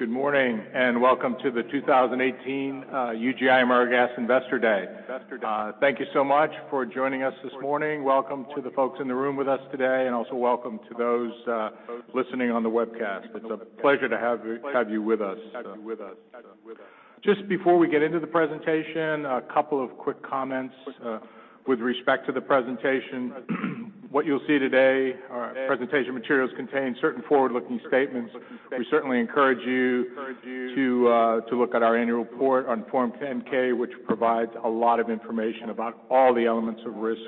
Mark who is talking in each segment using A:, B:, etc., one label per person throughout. A: Good morning, and welcome to the 2018 UGI/AmeriGas Investor Day. Thank you so much for joining us this morning. Welcome to the folks in the room with us today, and also welcome to those listening on the webcast. It's a pleasure to have you with us. Just before we get into the presentation, a couple of quick comments with respect to the presentation. What you'll see today, our presentation materials contain certain forward-looking statements. We certainly encourage you to look at our annual report on Form 10-K, which provides a lot of information about all the elements of risk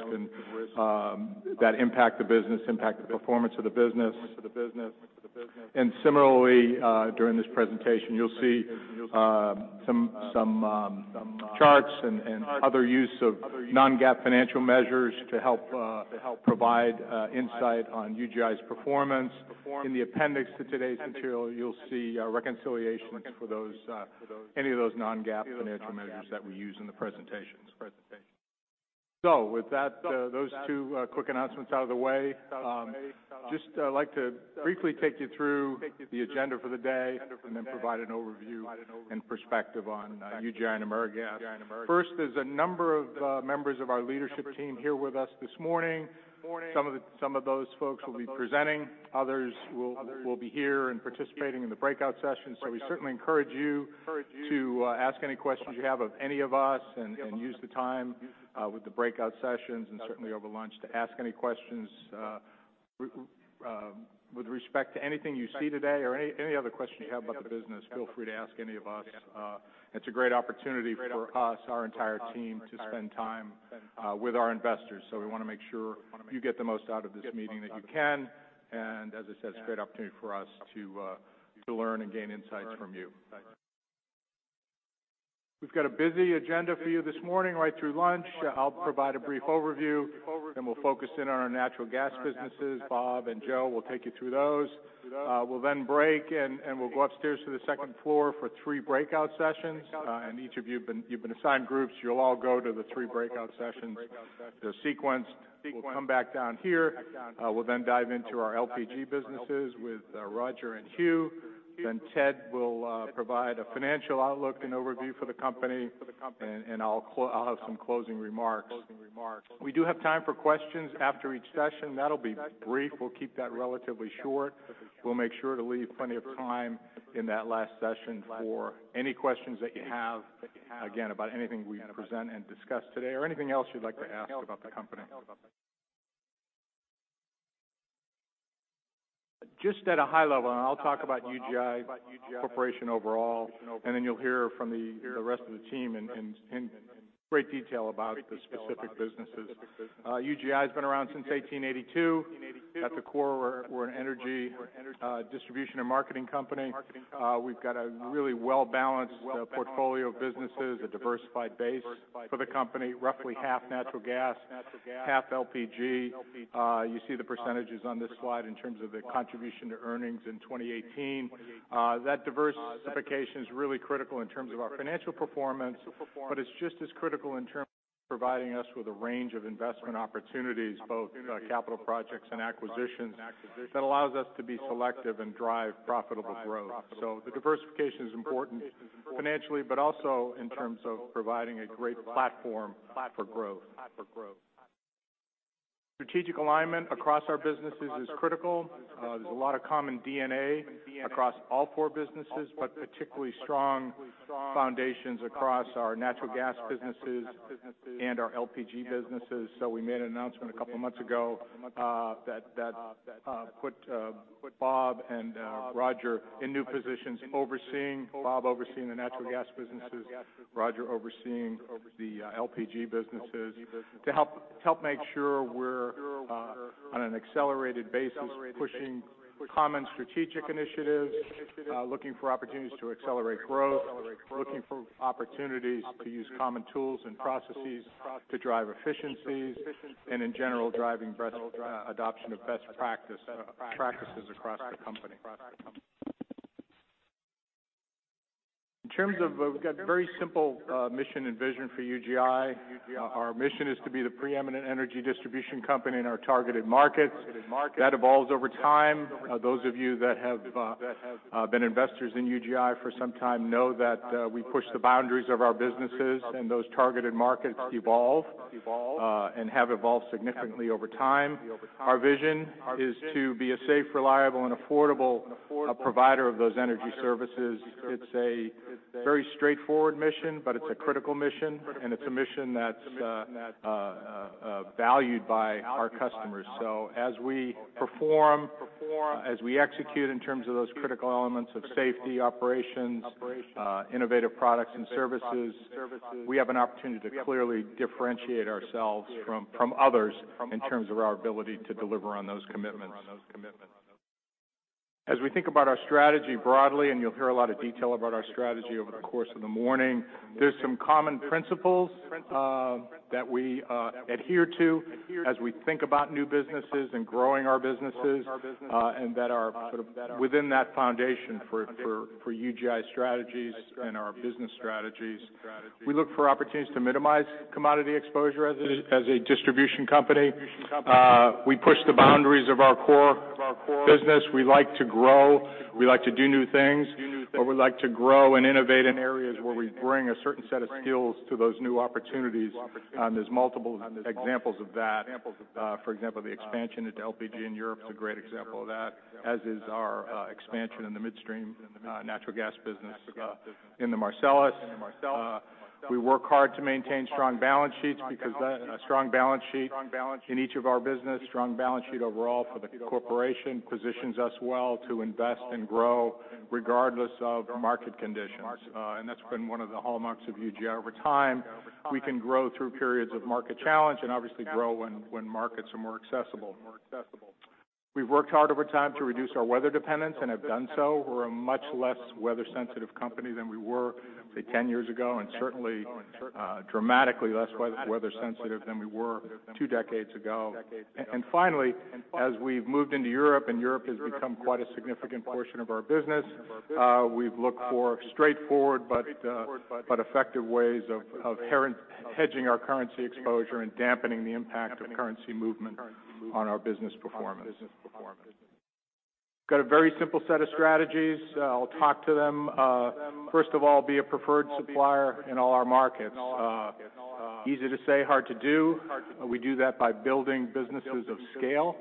A: that impact the business, impact the performance of the business. And similarly, during this presentation, you'll see some charts and other use of non-GAAP financial measures to help provide insight on UGI's performance. In the appendix to today's material, you'll see reconciliations for any of those non-GAAP financial measures that we use in the presentations. With those two quick announcements out of the way, just like to briefly take you through the agenda for the day, and then provide an overview and perspective on UGI and AmeriGas. First, there's a number of members of our leadership team here with us this morning. Some of those folks will be presenting, others will be here and participating in the breakout sessions. We certainly encourage you to ask any questions you have of any of us, and use the time with the breakout sessions, and certainly over lunch, to ask any questions. With respect to anything you see today or any other questions you have about the business, feel free to ask any of us. It's a great opportunity for us, our entire team, to spend time with our investors. We want to make sure you get the most out of this meeting that you can, and as I said, it's a great opportunity for us to learn and gain insights from you. We've got a busy agenda for you this morning, right through lunch. I'll provide a brief overview, then we'll focus in on our natural gas businesses. Bob and Joe will take you through those. We'll then break, and we'll go upstairs to the second floor for three breakout sessions. And each of you've been assigned groups. You'll all go to the three breakout sessions. They're sequenced. We'll come back down here. We'll then dive into our LPG businesses with Roger and Hugh. Ted will provide a financial outlook and overview for the company, and I'll have some closing remarks. We do have time for questions after each session. That'll be brief. We'll keep that relatively short. We'll make sure to leave plenty of time in that last session for any questions that you have, again, about anything we present and discuss today or anything else you'd like to ask about the company. Just at a high level, and I'll talk about UGI Corporation overall, and you'll hear from the rest of the team in great detail about the specific businesses. UGI has been around since 1882. At the core, we're an energy distribution and marketing company. We've got a really well-balanced portfolio of businesses, a diversified base for the company, roughly half natural gas, half LPG. You see the percentages on this slide in terms of the contribution to earnings in 2018. That diversification is really critical in terms of our financial performance, but it's just as critical in terms of providing us with a range of investment opportunities, both capital projects and acquisitions, that allows us to be selective and drive profitable growth. The diversification is important financially, but also in terms of providing a great platform for growth. Strategic alignment across our businesses is critical. There's a lot of common DNA across all four businesses, but particularly strong foundations across our natural gas businesses and our LPG businesses. We made an announcement a couple of months ago that put Bob and Roger in new positions overseeing. Bob overseeing the natural gas businesses, Roger overseeing the LPG businesses, to help make sure we're, on an accelerated basis, pushing common strategic initiatives, looking for opportunities to accelerate growth, looking for opportunities to use common tools and processes to drive efficiencies, and in general, driving adoption of best practices across the company. We've got very simple mission and vision for UGI. Our mission is to be the pre-eminent energy distribution company in our targeted markets. That evolves over time. Those of you that have been investors in UGI for some time know that we push the boundaries of our businesses, and those targeted markets evolve and have evolved significantly over time. Our vision is to be a safe, reliable, and affordable provider of those energy services. It's a very straightforward mission, but it's a critical mission, and it's a mission that's valued by our customers. As we perform, as we execute in terms of those critical elements of safety operations, innovative products and services, we have an opportunity to clearly differentiate ourselves from others in terms of our ability to deliver on those commitments. As we think about our strategy broadly, and you'll hear a lot of detail about our strategy over the course of the morning, there's some common principles that we adhere to as we think about new businesses and growing our businesses, and that are sort of within that foundation for UGI strategies and our business strategies. We look for opportunities to minimize commodity exposure as a distribution company. We push the boundaries of our core business, we like to grow, we like to do new things, but we like to grow and innovate in areas where we bring a certain set of skills to those new opportunities. There's multiple examples of that. For example, the expansion into LPG in Europe is a great example of that, as is our expansion in the midstream natural gas business in the Marcellus. We work hard to maintain strong balance sheets because a strong balance sheet in each of our business, strong balance sheet overall for the corporation, positions us well to invest and grow regardless of market conditions. That's been one of the hallmarks of UGI over time. We can grow through periods of market challenge, and obviously grow when markets are more accessible. We've worked hard over time to reduce our weather dependence and have done so. We're a much less weather-sensitive company than we were, say, 10 years ago, and certainly dramatically less weather-sensitive than we were two decades ago. Finally, as we've moved into Europe, and Europe has become quite a significant portion of our business, we've looked for straightforward but effective ways of hedging our currency exposure and dampening the impact of currency movement on our business performance. Got a very simple set of strategies. I'll talk to them. First of all, be a preferred supplier in all our markets. Easy to say, hard to do. We do that by building businesses of scale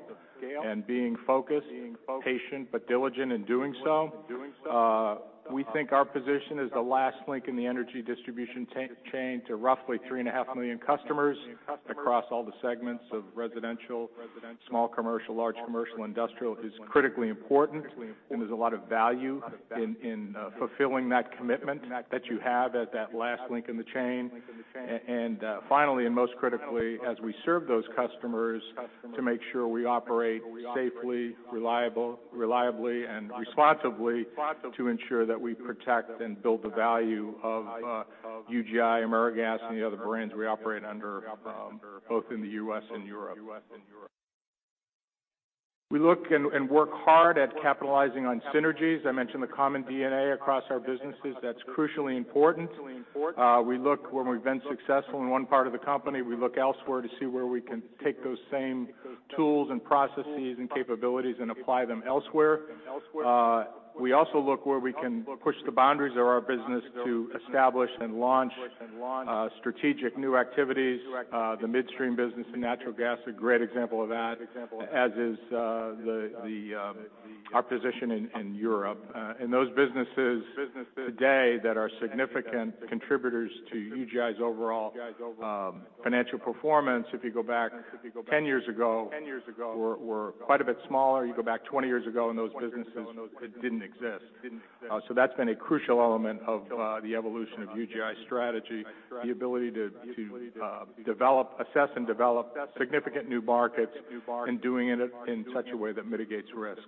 A: and being focused, patient, but diligent in doing so. We think our position as the last link in the energy distribution chain to roughly 3.5 million customers across all the segments of residential, small commercial, large commercial, industrial, is critically important, and there's a lot of value in fulfilling that commitment that you have at that last link in the chain. Finally, and most critically, as we serve those customers, to make sure we operate safely, reliably, and responsibly to ensure that we protect and build the value of UGI, AmeriGas, and the other brands we operate under, both in the U.S. and Europe. We look and work hard at capitalizing on synergies. I mentioned the common DNA across our businesses. That's crucially important. When we've been successful in one part of the company, we look elsewhere to see where we can take those same tools and processes and capabilities and apply them elsewhere. We also look where we can push the boundaries of our business to establish and launch strategic new activities. The midstream business in natural gas, a great example of that, as is our position in Europe. Those businesses today that are significant contributors to UGI's overall financial performance, if you go back 10 years ago, were quite a bit smaller. You go back 20 years ago, and those businesses didn't exist. That's been a crucial element of the evolution of UGI strategy, the ability to assess and develop significant new markets, and doing it in such a way that mitigates risk.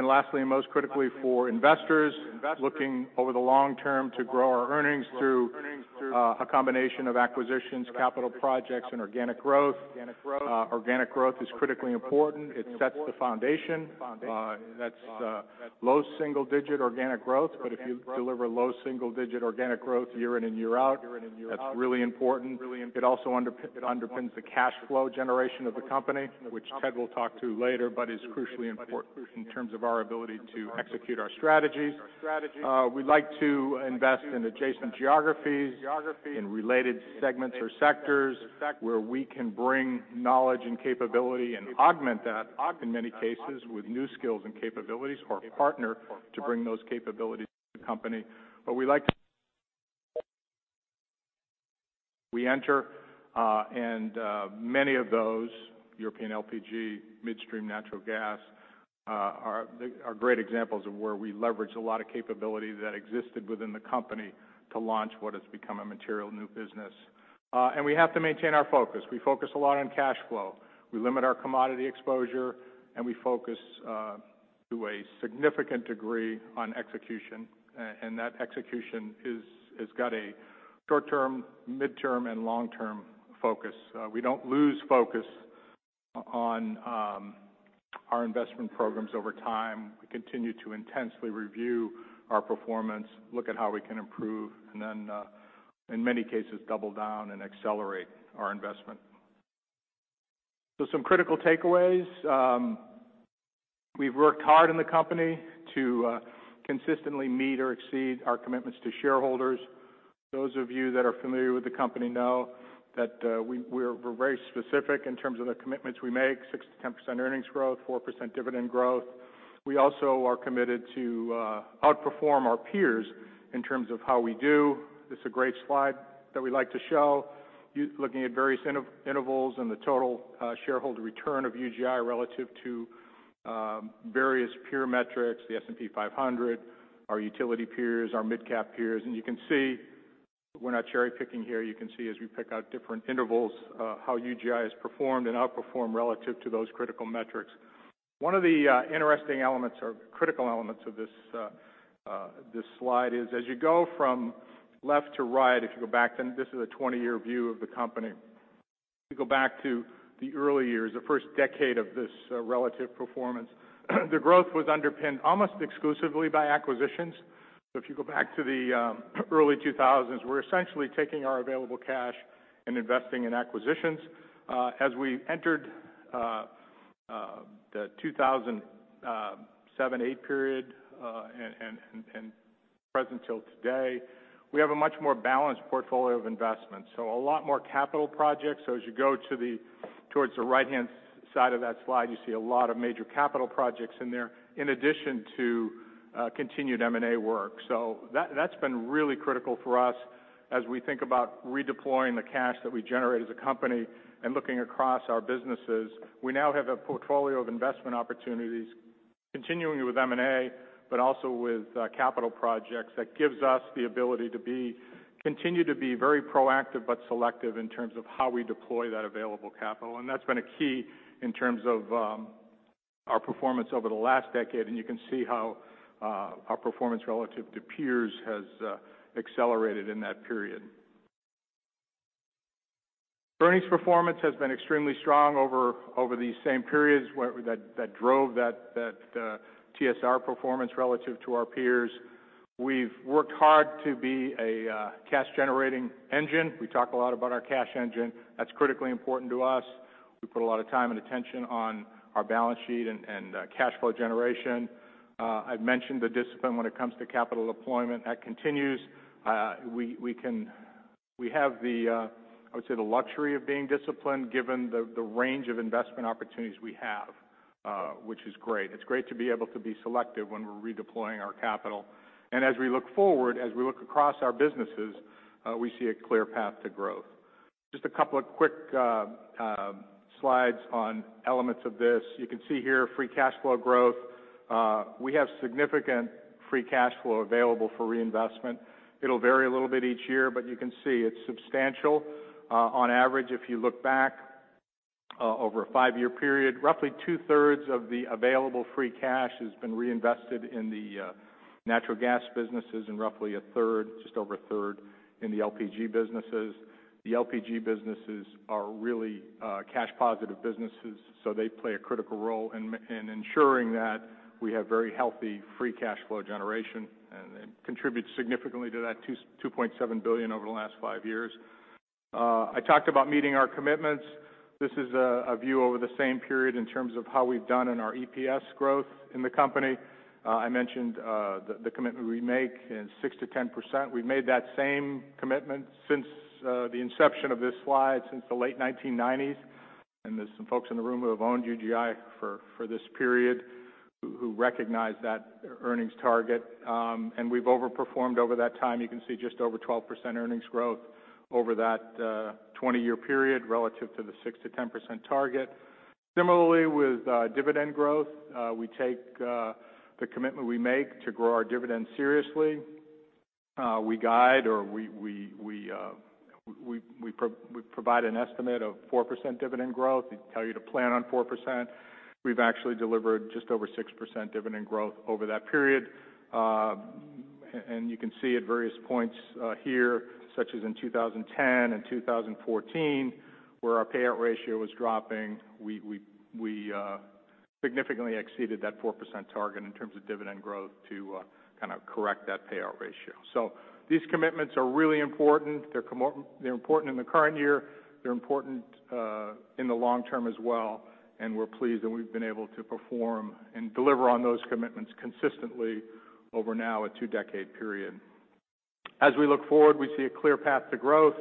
A: Lastly, and most critically for investors, looking over the long term to grow our earnings through a combination of acquisitions, capital projects, and organic growth. Organic growth is critically important. It sets the foundation. That's low single-digit organic growth, but if you deliver low single-digit organic growth year in and year out, that's really important. It also underpins the cash flow generation of the company, which Ted will talk to later, but is crucially important in terms of our ability to execute our strategies. We like to invest in adjacent geographies, in related segments or sectors where we can bring knowledge and capability and augment that in many cases with new skills and capabilities or partner to bring those capabilities to the company. We like to. We enter, and many of those European LPG midstream natural gas are great examples of where we leverage a lot of capability that existed within the company to launch what has become a material new business. We have to maintain our focus. We focus a lot on cash flow. We limit our commodity exposure, and we focus to a significant degree on execution, and that execution has got a short-term, mid-term, and long-term focus. We don't lose focus on our investment programs over time. We continue to intensely review our performance, look at how we can improve, then, in many cases, double down and accelerate our investment. Some critical takeaways. We've worked hard in the company to consistently meet or exceed our commitments to shareholders. Those of you that are familiar with the company know that we're very specific in terms of the commitments we make, 6%-10% earnings growth, 4% dividend growth. We also are committed to outperform our peers in terms of how we do. This is a great slide that we like to show. Looking at various intervals and the total shareholder return of UGI relative to various peer metrics, the S&P 500, our utility peers, our midcap peers. You can see we're not cherry-picking here. You can see as we pick out different intervals how UGI has performed and outperformed relative to those critical metrics. One of the interesting elements or critical elements of this slide is as you go from left to right, if you go back, then this is a 20-year view of the company. You go back to the early years, the first decade of this relative performance. The growth was underpinned almost exclusively by acquisitions. If you go back to the early 2000s, we're essentially taking our available cash and investing in acquisitions. As we entered the 2007-2008 period and present till today, we have a much more balanced portfolio of investments. A lot more capital projects. As you go towards the right-hand side of that slide, you see a lot of major capital projects in there, in addition to continued M&A work. That's been really critical for us as we think about redeploying the cash that we generate as a company and looking across our businesses. We now have a portfolio of investment opportunities, continuing with M&A, but also with capital projects that gives us the ability to continue to be very proactive but selective in terms of how we deploy that available capital. That's been a key in terms of our performance over the last decade, and you can see how our performance relative to peers has accelerated in that period. Earnings performance has been extremely strong over these same periods that drove that TSR performance relative to our peers. We've worked hard to be a cash-generating engine. We talk a lot about our cash engine. That's critically important to us. We put a lot of time and attention on our balance sheet and cash flow generation. I've mentioned the discipline when it comes to capital deployment. That continues. We have the, I would say, the luxury of being disciplined given the range of investment opportunities we have, which is great. It's great to be able to be selective when we're redeploying our capital. As we look forward, as we look across our businesses, we see a clear path to growth. Just a couple of quick slides on elements of this. You can see here free cash flow growth. We have significant free cash flow available for reinvestment. It'll vary a little bit each year, but you can see it's substantial. On average, if you look back over a five-year period, roughly two-thirds of the available free cash has been reinvested in the natural gas businesses and roughly a third, just over a third, in the LPG businesses. The LPG businesses are really cash-positive businesses, they play a critical role in ensuring that we have very healthy free cash flow generation, and it contributes significantly to that $2.7 billion over the last five years. I talked about meeting our commitments. This is a view over the same period in terms of how we've done in our EPS growth in the company. I mentioned the commitment we make in 6%-10%. We've made that same commitment since the inception of this slide, since the late 1990s. There are some folks in the room who have owned UGI for this period who recognize that earnings target. We've overperformed over that time. You can see just over 12% earnings growth over that 20-year period relative to the 6%-10% target. Similarly, with dividend growth, we take the commitment we make to grow our dividend seriously. We guide or we provide an estimate of 4% dividend growth. We tell you to plan on 4%. We've actually delivered just over 6% dividend growth over that period. You can see at various points here, such as in 2010 and 2014, where our payout ratio was dropping. We significantly exceeded that 4% target in terms of dividend growth to kind of correct that payout ratio. These commitments are really important. They're important in the current year. They're important in the long term as well, and we're pleased that we've been able to perform and deliver on those commitments consistently over now a two-decade period. As we look forward, we see a clear path to growth.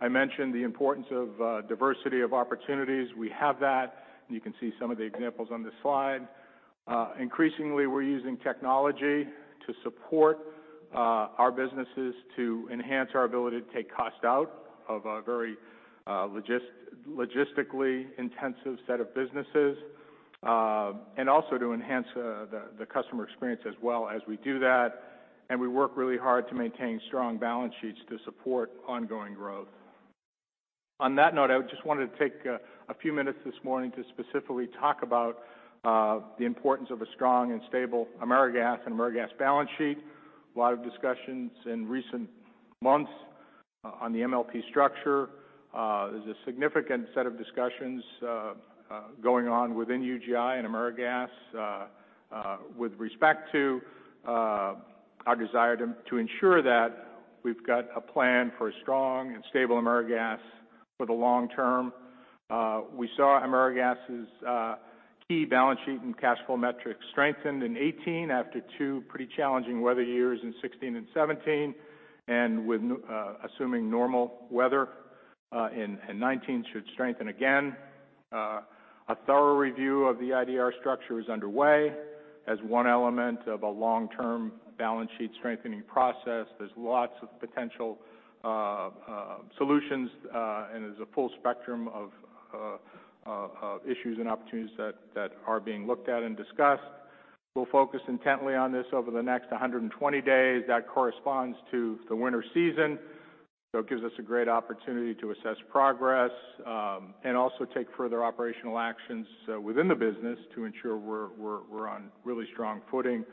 A: I mentioned the importance of diversity of opportunities. We have that, and you can see some of the examples on this slide. Increasingly, we're using technology to support our businesses to enhance our ability to take cost out of a very logistically intensive set of businesses, and also to enhance the customer experience as well as we do that. We work really hard to maintain strong balance sheets to support ongoing growth. On that note, I just wanted to take a few minutes this morning to specifically talk about the importance of a strong and stable AmeriGas and AmeriGas balance sheet. A lot of discussions in recent months on the MLP structure. There's a significant set of discussions going on within UGI and AmeriGas with respect to our desire to ensure that we've got a plan for a strong and stable AmeriGas for the long term. We saw AmeriGas's key balance sheet and cash flow metrics strengthened in 2018 after two pretty challenging weather years in 2016 and 2017, and assuming normal weather in 2019 should strengthen again. A thorough review of the IDR structure is underway as one element of a long-term balance sheet strengthening process. There's lots of potential solutions, there's a full spectrum of issues and opportunities that are being looked at and discussed. We'll focus intently on this over the next 120 days. That corresponds to the winter season. It gives us a great opportunity to assess progress and also take further operational actions within the business to ensure we're on really strong footing.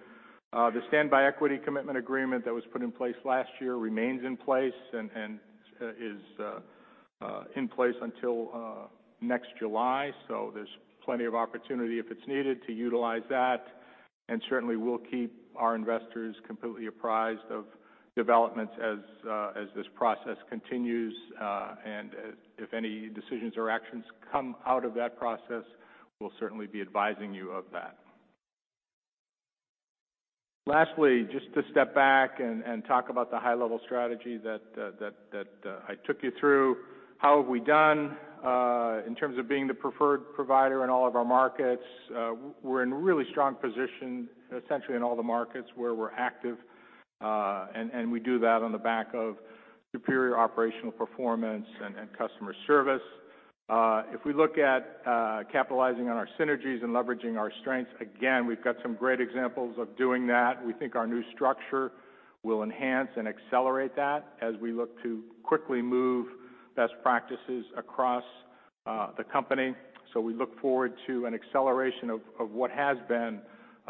A: The standby equity commitment agreement that was put in place last year remains in place until next July. There's plenty of opportunity if it's needed to utilize that. Certainly, we'll keep our investors completely apprised of developments as this process continues. If any decisions or actions come out of that process, we'll certainly be advising you of that. Lastly, just to step back and talk about the high-level strategy that I took you through. How have we done in terms of being the preferred provider in all of our markets? We're in a really strong position, essentially in all the markets where we're active. We do that on the back of superior operational performance and customer service. If we look at capitalizing on our synergies and leveraging our strengths, again, we've got some great examples of doing that. We think our new structure will enhance and accelerate that as we look to quickly move best practices across the company. We look forward to an acceleration of what has been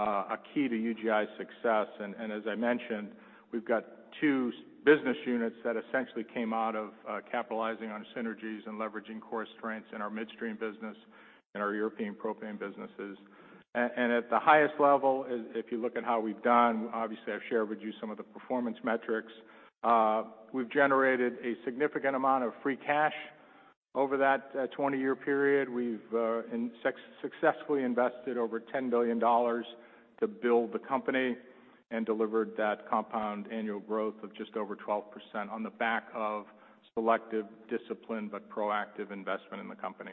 A: a key to UGI's success. As I mentioned, we've got two business units that essentially came out of capitalizing on synergies and leveraging core strengths in our midstream business and our European propane businesses. At the highest level, if you look at how we've done, obviously, I've shared with you some of the performance metrics. We've generated a significant amount of free cash over that 20-year period. We've successfully invested over $10 billion to build the company and delivered that compound annual growth of just over 12% on the back of selective discipline, but proactive investment in the company.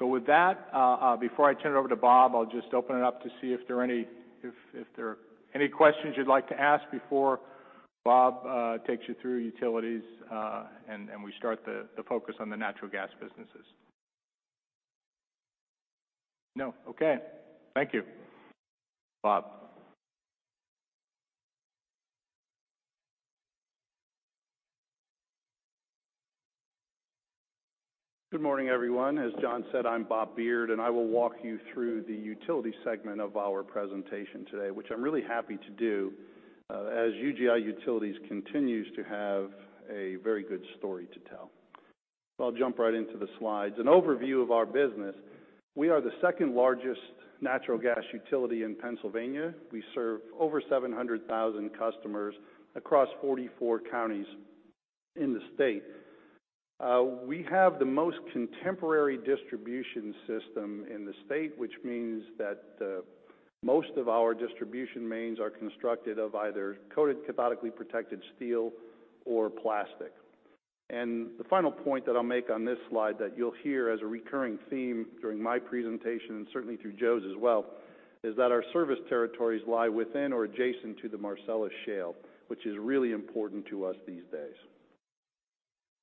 A: With that, before I turn it over to Bob, I'll just open it up to see if there are any questions you'd like to ask before Bob takes you through utilities, and we start the focus on the natural gas businesses. No. Okay. Thank you. Bob.
B: Good morning, everyone. As John said, I'm Bob Beard, and I will walk you through the utility segment of our presentation today, which I'm really happy to do as UGI Utilities continues to have a very good story to tell. I'll jump right into the slides. An overview of our business. We are the second-largest natural gas utility in Pennsylvania. We serve over 700,000 customers across 44 counties in the state. We have the most contemporary distribution system in the state, which means that most of our distribution mains are constructed of either coated cathodically protected steel or plastic. The final point that I'll make on this slide that you'll hear as a recurring theme during my presentation, and certainly through Joe's as well, is that our service territories lie within or adjacent to the Marcellus Shale, which is really important to us these days.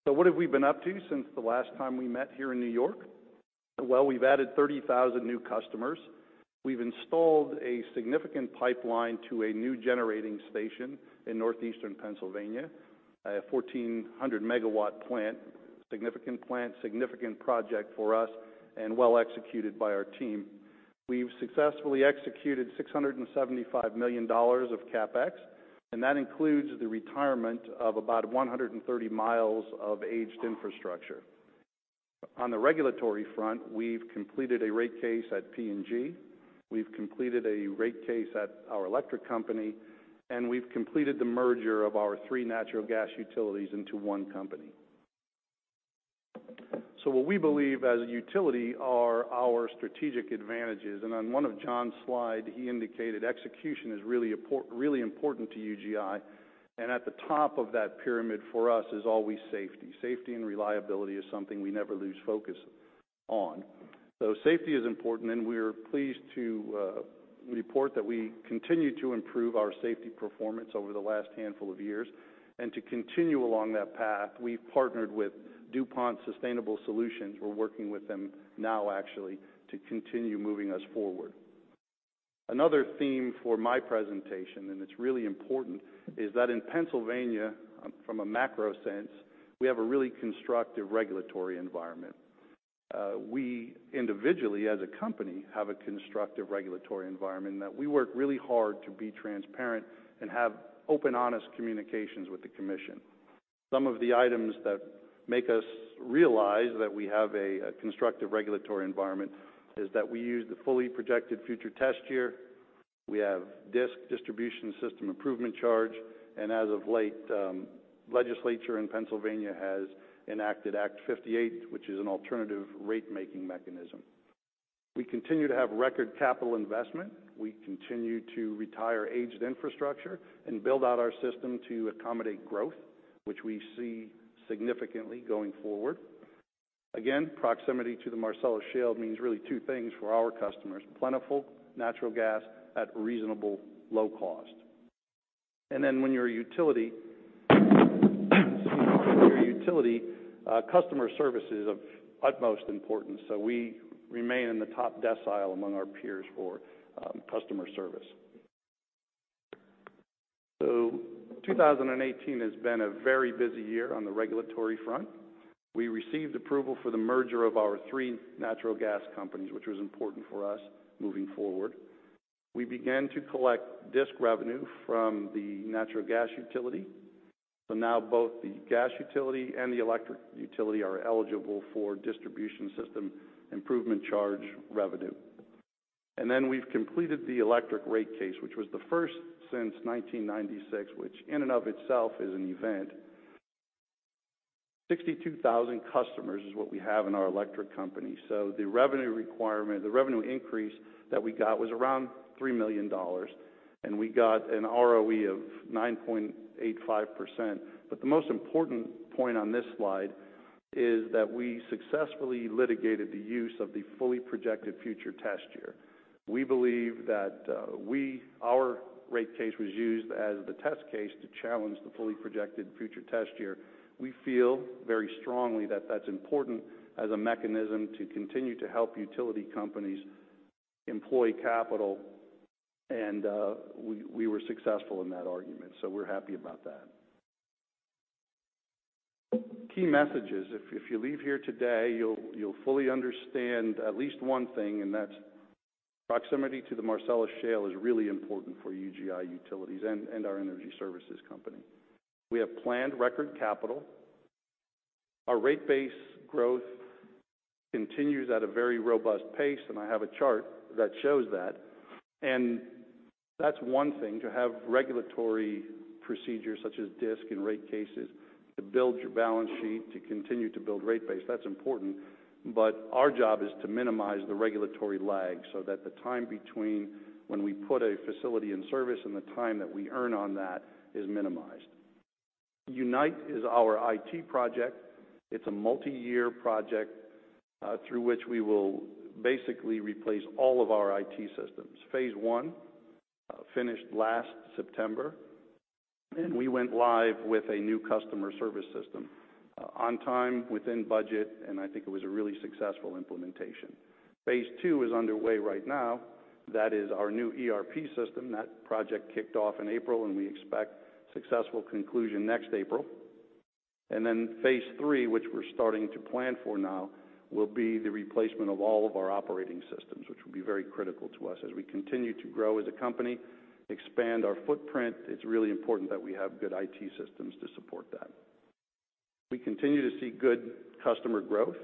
B: What have we been up to since the last time we met here in New York? Well, we've added 30,000 new customers. We've installed a significant pipeline to a new generating station in northeastern Pennsylvania, a 1,400-megawatt plant, significant plant, significant project for us, and well-executed by our team. We've successfully executed $675 million of CapEx, and that includes the retirement of about 130 miles of aged infrastructure. On the regulatory front, we've completed a rate case at PNG. We've completed a rate case at our electric company, and we've completed the merger of our three natural gas utilities into one company. What we believe as a utility are our strategic advantages. On one of John's slide, he indicated execution is really important to UGI. At the top of that pyramid for us is always safety. Safety and reliability is something we never lose focus on. Safety is important, we are pleased to report that we continue to improve our safety performance over the last handful of years. To continue along that path, we've partnered with DuPont Sustainable Solutions. We're working with them now actually to continue moving us forward. Another theme for my presentation, it's really important, is that in Pennsylvania, from a macro sense, we have a really constructive regulatory environment. We individually, as a company, have a constructive regulatory environment in that we work really hard to be transparent and have open, honest communications with the commission. Some of the items that make us realize that we have a constructive regulatory environment is that we use the fully protected future test year. We have DSIC, distribution system improvement charge, and as of late, legislature in Pennsylvania has enacted Act 58, which is an alternative rate-making mechanism. We continue to have record capital investment. We continue to retire aged infrastructure and build out our system to accommodate growth, which we see significantly going forward. Again, proximity to the Marcellus Shale means really two things for our customers, plentiful natural gas at reasonable low cost. When you're a utility, customer service is of utmost importance. We remain in the top decile among our peers for customer service. 2018 has been a very busy year on the regulatory front. We received approval for the merger of our three natural gas companies, which was important for us moving forward. We began to collect DSIC revenue from the natural gas utility. Now both the gas utility and the electric utility are eligible for distribution system improvement charge revenue. We've completed the electric rate case, which was the first since 1996, which in and of itself is an event. 62,000 customers is what we have in our electric company. The revenue increase that we got was around $3 million, we got an ROE of 9.85%. The most important point on this slide is that we successfully litigated the use of the fully projected future test year. We believe that our rate case was used as the test case to challenge the fully projected future test year. We feel very strongly that that's important as a mechanism to continue to help utility companies employ capital, we were successful in that argument, we're happy about that. Key messages. If you leave here today, you'll fully understand at least one thing, that's proximity to the Marcellus Shale is really important for UGI Utilities and our energy services company. We have planned record capital. Our rate base growth continues at a very robust pace, I have a chart that shows that. That's one thing, to have regulatory procedures such as DSIC and rate cases to build your balance sheet, to continue to build rate base. That's important, our job is to minimize the regulatory lag so that the time between when we put a facility in service and the time that we earn on that is minimized. UNITE is our IT project. It's a multi-year project through which we will basically replace all of our IT systems. Phase one finished last September. We went live with a new customer service system on time, within budget, and I think it was a really successful implementation. Phase two is underway right now. That is our new ERP system. That project kicked off in April, and we expect successful conclusion next April. Phase three, which we're starting to plan for now, will be the replacement of all of our operating systems, which will be very critical to us as we continue to grow as a company, expand our footprint. It's really important that we have good IT systems to support that. We continue to see good customer growth,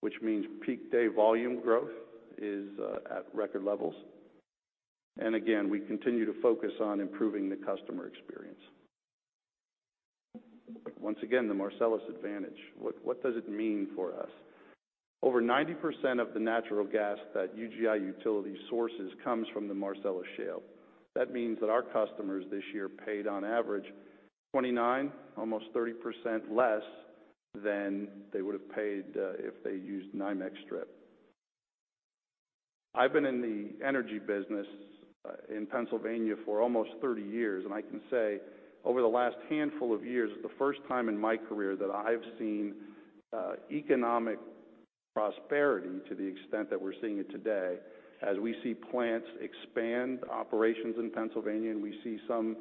B: which means peak day volume growth is at record levels. Again, we continue to focus on improving the customer experience. Once again, the Marcellus advantage. What does it mean for us? Over 90% of the natural gas that UGI Utilities sources comes from the Marcellus Shale. That means that our customers this year paid on average 29%, almost 30% less than they would have paid if they used NYMEX strip. I've been in the energy business in Pennsylvania for almost 30 years, and I can say over the last handful of years, the first time in my career that I've seen economic prosperity to the extent that we're seeing it today, as we see plants expand operations in Pennsylvania, and we see some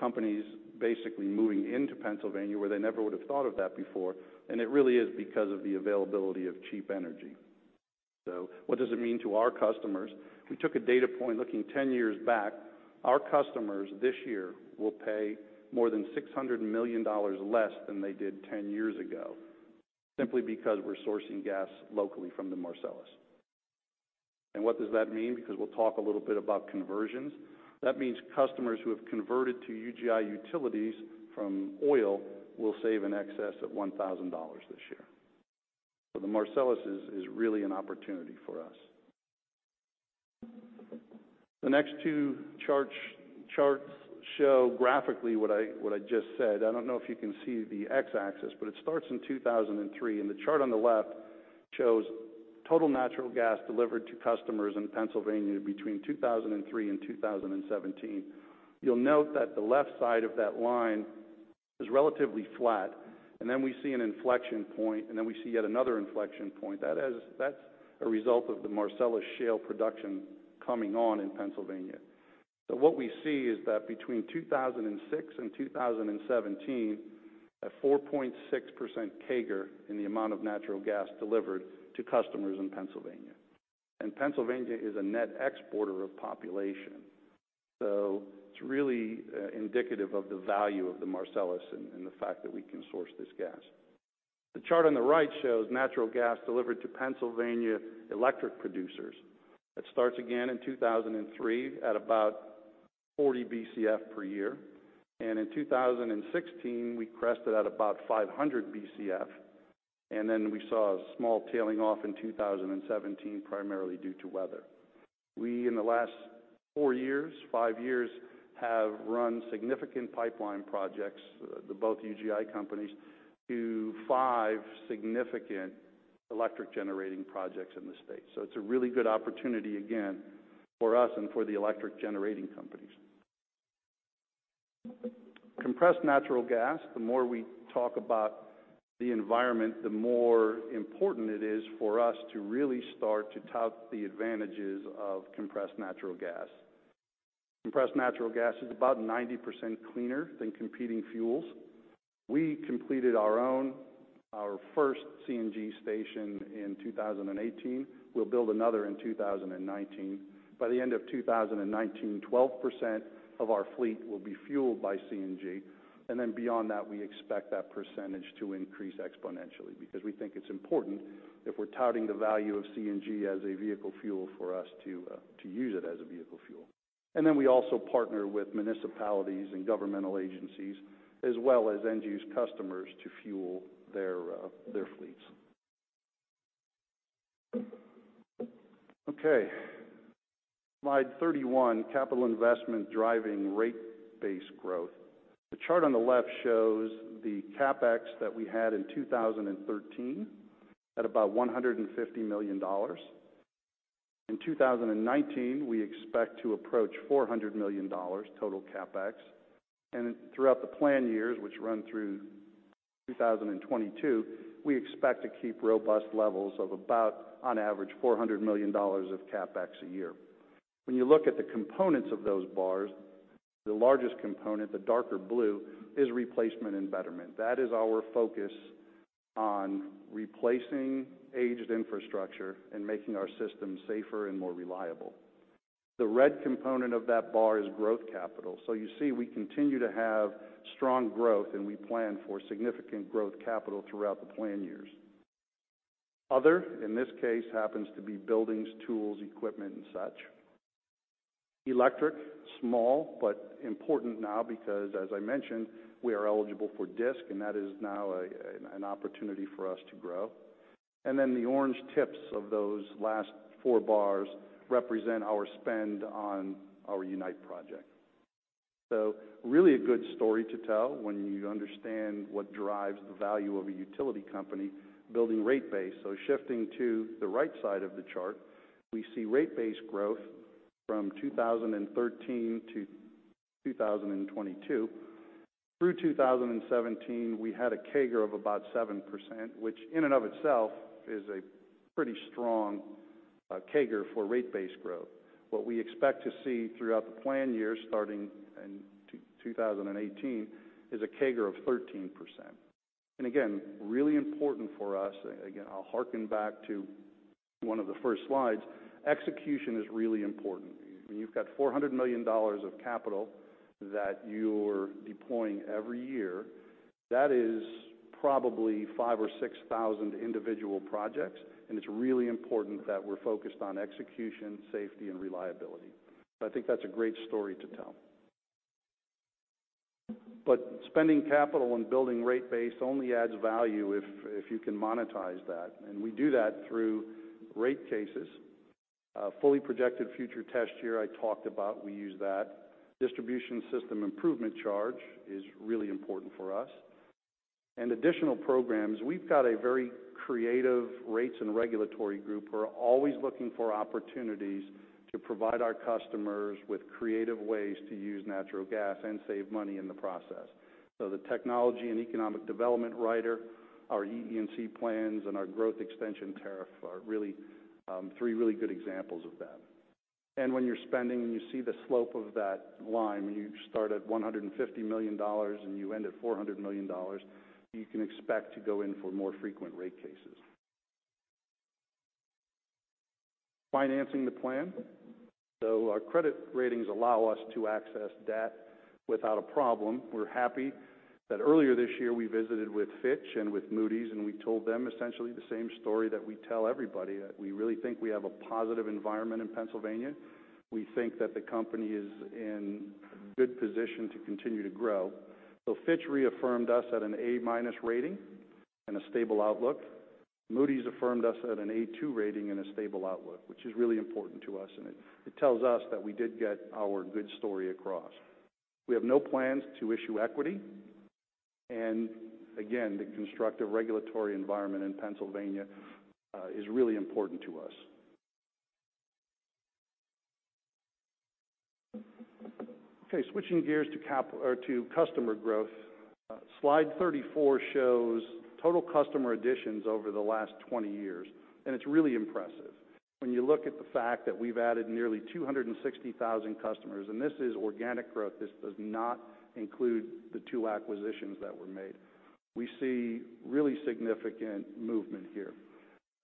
B: companies basically moving into Pennsylvania where they never would have thought of that before. It really is because of the availability of cheap energy. What does it mean to our customers? We took a data point looking 10 years back. Our customers this year will pay more than $600 million less than they did 10 years ago, simply because we're sourcing gas locally from the Marcellus. What does that mean? Because we'll talk a little bit about conversions. That means customers who have converted to UGI Utilities from oil will save in excess of $1,000 this year. The Marcellus is really an opportunity for us. The next two charts show graphically what I just said. I don't know if you can see the X-axis, but it starts in 2003, and the chart on the left shows total natural gas delivered to customers in Pennsylvania between 2003 and 2017. You'll note that the left side of that line is relatively flat, then we see an inflection point, then we see yet another inflection point. That's a result of the Marcellus Shale production coming on in Pennsylvania. What we see is that between 2006 and 2017, a 4.6% CAGR in the amount of natural gas delivered to customers in Pennsylvania. Pennsylvania is a net exporter of population. It's really indicative of the value of the Marcellus and the fact that we can source this gas. The chart on the right shows natural gas delivered to Pennsylvania electric producers. It starts again in 2003 at about 40 BCF per year. In 2016, we crested at about 500 BCF, then we saw a small tailing off in 2017, primarily due to weather. We, in the last four years, five years, have run significant pipeline projects, both UGI companies, to five significant electric generating projects in the state. It's a really good opportunity, again, for us and for the electric generating companies. Compressed natural gas. The more we talk about the environment, the more important it is for us to really start to tout the advantages of compressed natural gas. Compressed natural gas is about 90% cleaner than competing fuels. We completed our own, our first CNG station in 2018. We will build another in 2019. By the end of 2019, 12% of our fleet will be fueled by CNG, and then beyond that, we expect that percentage to increase exponentially because we think it is important if we are touting the value of CNG as a vehicle fuel for us to use it as a vehicle fuel. We also partner with municipalities and governmental agencies as well as NG's customers to fuel their fleets. Okay. Slide 31, capital investment driving rate base growth. The chart on the left shows the CapEx that we had in 2013 at about $150 million. In 2019, we expect to approach $400 million total CapEx. Throughout the plan years, which run through 2022, we expect to keep robust levels of about on average $400 million of CapEx a year. When you look at the components of those bars, the largest component, the darker blue, is replacement and betterment. That is our focus on replacing aged infrastructure and making our system safer and more reliable. The red component of that bar is growth capital. You see we continue to have strong growth and we plan for significant growth capital throughout the plan years. Other, in this case, happens to be buildings, tools, equipment and such. Electric, small but important now because as I mentioned, we are eligible for DSIC and that is now an opportunity for us to grow. The orange tips of those last four bars represent our spend on our UNITE project. Really a good story to tell when you understand what drives the value of a utility company building rate base. Shifting to the right side of the chart, we see rate base growth from 2013 to 2022. Through 2017, we had a CAGR of about 7%, which in and of itself is a pretty strong CAGR for rate base growth. What we expect to see throughout the plan years starting in 2018 is a CAGR of 13%. Again, really important for us, again, I will harken back to one of the first slides, execution is really important. When you have $400 million of capital that you are deploying every year, that is probably 5,000 or 6,000 individual projects, and it is really important that we are focused on execution, safety and reliability. I think that is a great story to tell. Spending capital and building rate base only adds value if you can monetize that, and we do that through rate cases. Fully projected future test year I talked about, we use that. Distribution system improvement charge is really important for us. Additional programs, we have got a very creative rates and regulatory group who are always looking for opportunities to provide our customers with creative ways to use natural gas and save money in the process. The technology and economic development rider, our EE&C plans, and our growth extension tariff are three really good examples of that. When you are spending and you see the slope of that line, when you start at $150 million and you end at $400 million, you can expect to go in for more frequent rate cases. Financing the plan. Our credit ratings allow us to access debt without a problem. We're happy that earlier this year we visited with Fitch and with Moody's, and we told them essentially the same story that we tell everybody, that we really think we have a positive environment in Pennsylvania. We think that the company is in good position to continue to grow. Fitch reaffirmed us at an A-minus rating and a stable outlook. Moody's affirmed us at an A.2 rating and a stable outlook, which is really important to us, and it tells us that we did get our good story across. We have no plans to issue equity. Again, the constructive regulatory environment in Pennsylvania is really important to us. Switching gears to customer growth. Slide 34 shows total customer additions over the last 20 years, and it's really impressive. When you look at the fact that we've added nearly 260,000 customers, and this is organic growth, this does not include the two acquisitions that were made. We see really significant movement here.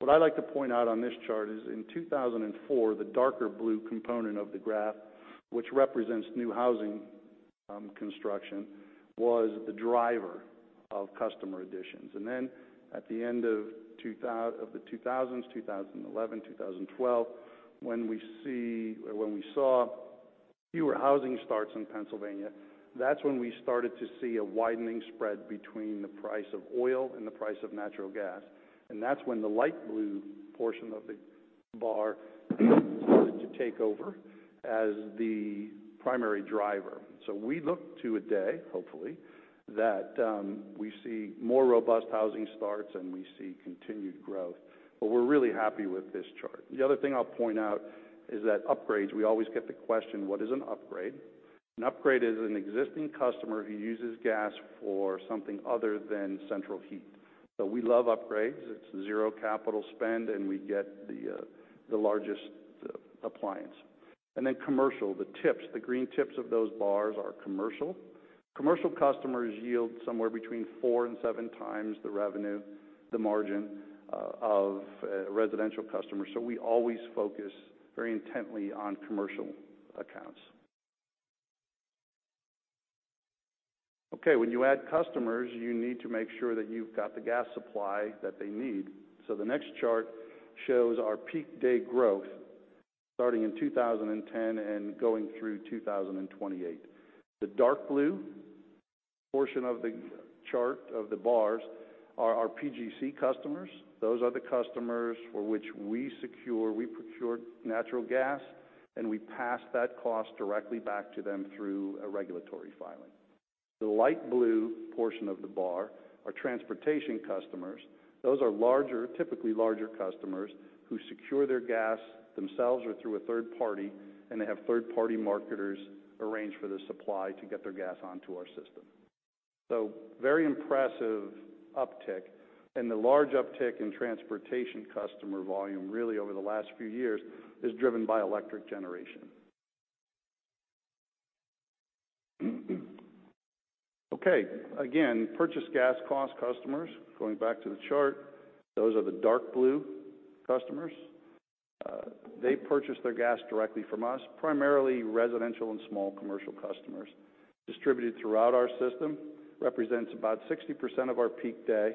B: What I like to point out on this chart is in 2004, the darker blue component of the graph, which represents new housing construction, was the driver of customer additions. Then at the end of the 2000s, 2011, 2012, when we saw fewer housing starts in Pennsylvania, that's when we started to see a widening spread between the price of oil and the price of natural gas, and that's when the light blue portion of the bar started to take over as the primary driver. We look to a day, hopefully, that we see more robust housing starts and we see continued growth. We're really happy with this chart. The other thing I'll point out is that upgrades, we always get the question, what is an upgrade? An upgrade is an existing customer who uses gas for something other than central heat. We love upgrades. It's zero capital spend, and we get the largest appliance. Then commercial, the tips, the green tips of those bars are commercial. Commercial customers yield somewhere between four and seven times the revenue, the margin of residential customers. We always focus very intently on commercial accounts. When you add customers, you need to make sure that you've got the gas supply that they need. The next chart shows our peak day growth starting in 2010 and going through 2028. The dark blue portion of the chart of the bars are our PGC customers. Those are the customers for which we secure, we procure natural gas, and we pass that cost directly back to them through a regulatory filing. The light blue portion of the bar are transportation customers. Those are larger, typically larger customers who secure their gas themselves or through a third party, and they have third-party marketers arrange for the supply to get their gas onto our system. Very impressive uptick. The large uptick in transportation customer volume really over the last few years is driven by electric generation. Again, purchased gas cost customers, going back to the chart, those are the dark blue customers. They purchase their gas directly from us, primarily residential and small commercial customers distributed throughout our system. Represents about 60% of our peak day,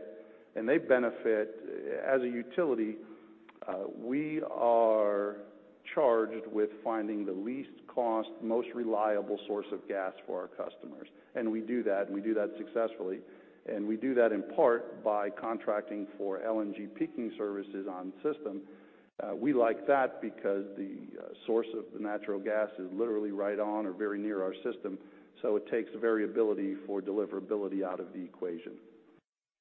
B: and they benefit as a utility. We are charged with finding the least cost, most reliable source of gas for our customers, and we do that successfully. We do that in part by contracting for LNG peaking services on system. We like that because the source of the natural gas is literally right on or very near our system, so it takes variability for deliverability out of the equation.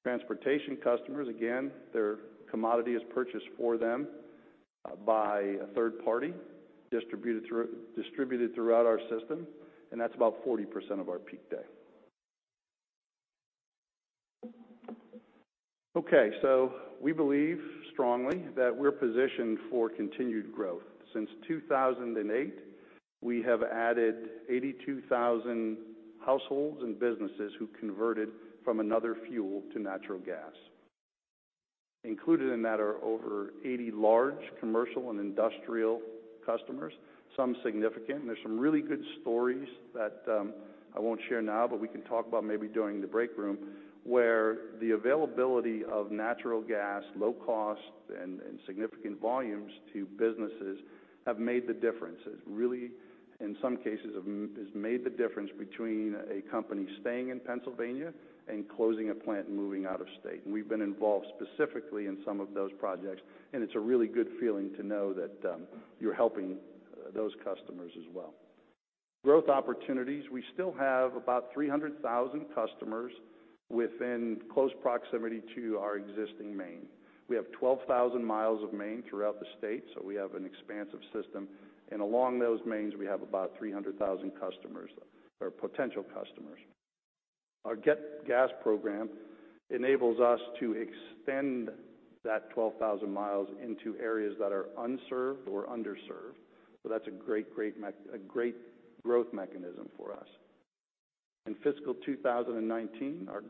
B: Transportation customers, again, their commodity is purchased for them by a third party, distributed throughout our system, and that's about 40% of our peak day. Okay. We believe strongly that we're positioned for continued growth. Since 2008, we have added 82,000 households and businesses who converted from another fuel to natural gas. Included in that are over 80 large commercial and industrial customers, some significant. There's some really good stories that I won't share now, but we can talk about maybe during the break room, where the availability of natural gas, low cost, and significant volumes to businesses have made the difference. Really, in some cases, has made the difference between a company staying in Pennsylvania and closing a plant and moving out of state. We've been involved specifically in some of those projects, and it's a really good feeling to know that you're helping those customers as well. Growth opportunities. We still have about 300,000 customers within close proximity to our existing main. We have 12,000 miles of main throughout the state, so we have an expansive system. Along those mains, we have about 300,000 customers or potential customers. Our GET Gas program enables us to extend that 12,000 miles into areas that are unserved or underserved. That's a great growth mechanism for us. In fiscal 2019, our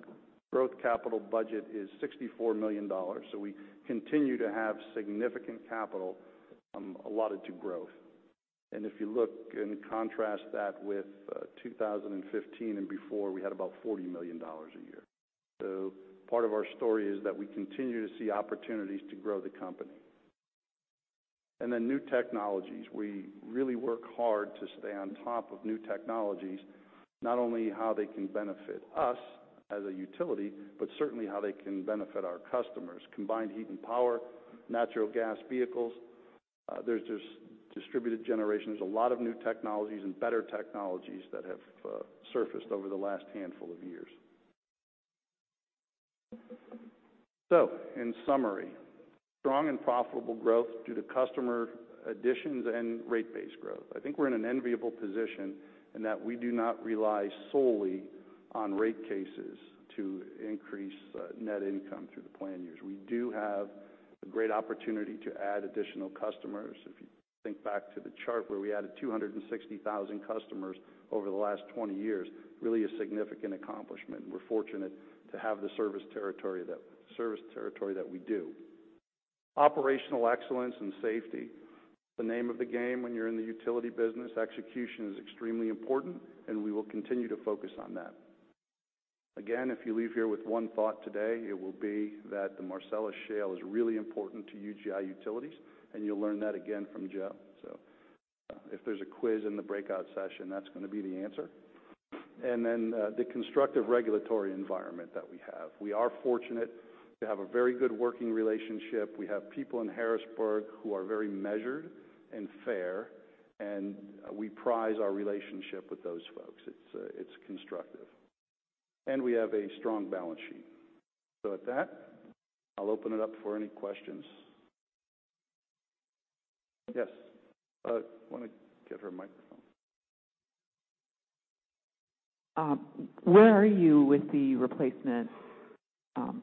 B: growth capital budget is $64 million. We continue to have significant capital allotted to growth. If you look and contrast that with 2015 and before, we had about $40 million a year. Part of our story is that we continue to see opportunities to grow the company. New technologies. We really work hard to stay on top of new technologies, not only how they can benefit us as a utility, but certainly how they can benefit our customers. Combined heat and power, natural gas vehicles. There's distributed generations, a lot of new technologies and better technologies that have surfaced over the last handful of years. In summary, strong and profitable growth due to customer additions and rate-based growth. I think we're in an enviable position in that we do not rely solely on rate cases to increase net income through the plan years. We do have a great opportunity to add additional customers. If you think back to the chart where we added 260,000 customers over the last 20 years, really a significant accomplishment. We're fortunate to have the service territory that we do. Operational excellence and safety. The name of the game when you're in the utility business, execution is extremely important, and we will continue to focus on that. Again, if you leave here with one thought today, it will be that the Marcellus Shale is really important to UGI Utilities, and you'll learn that again from Joe. If there's a quiz in the breakout session, that's going to be the answer. The constructive regulatory environment that we have. We are fortunate to have a very good working relationship. We have people in Harrisburg who are very measured and fair, we prize our relationship with those folks. It's constructive. We have a strong balance sheet. At that, I'll open it up for any questions. Yes. Why don't we get her a microphone?
C: Where are you with the replacement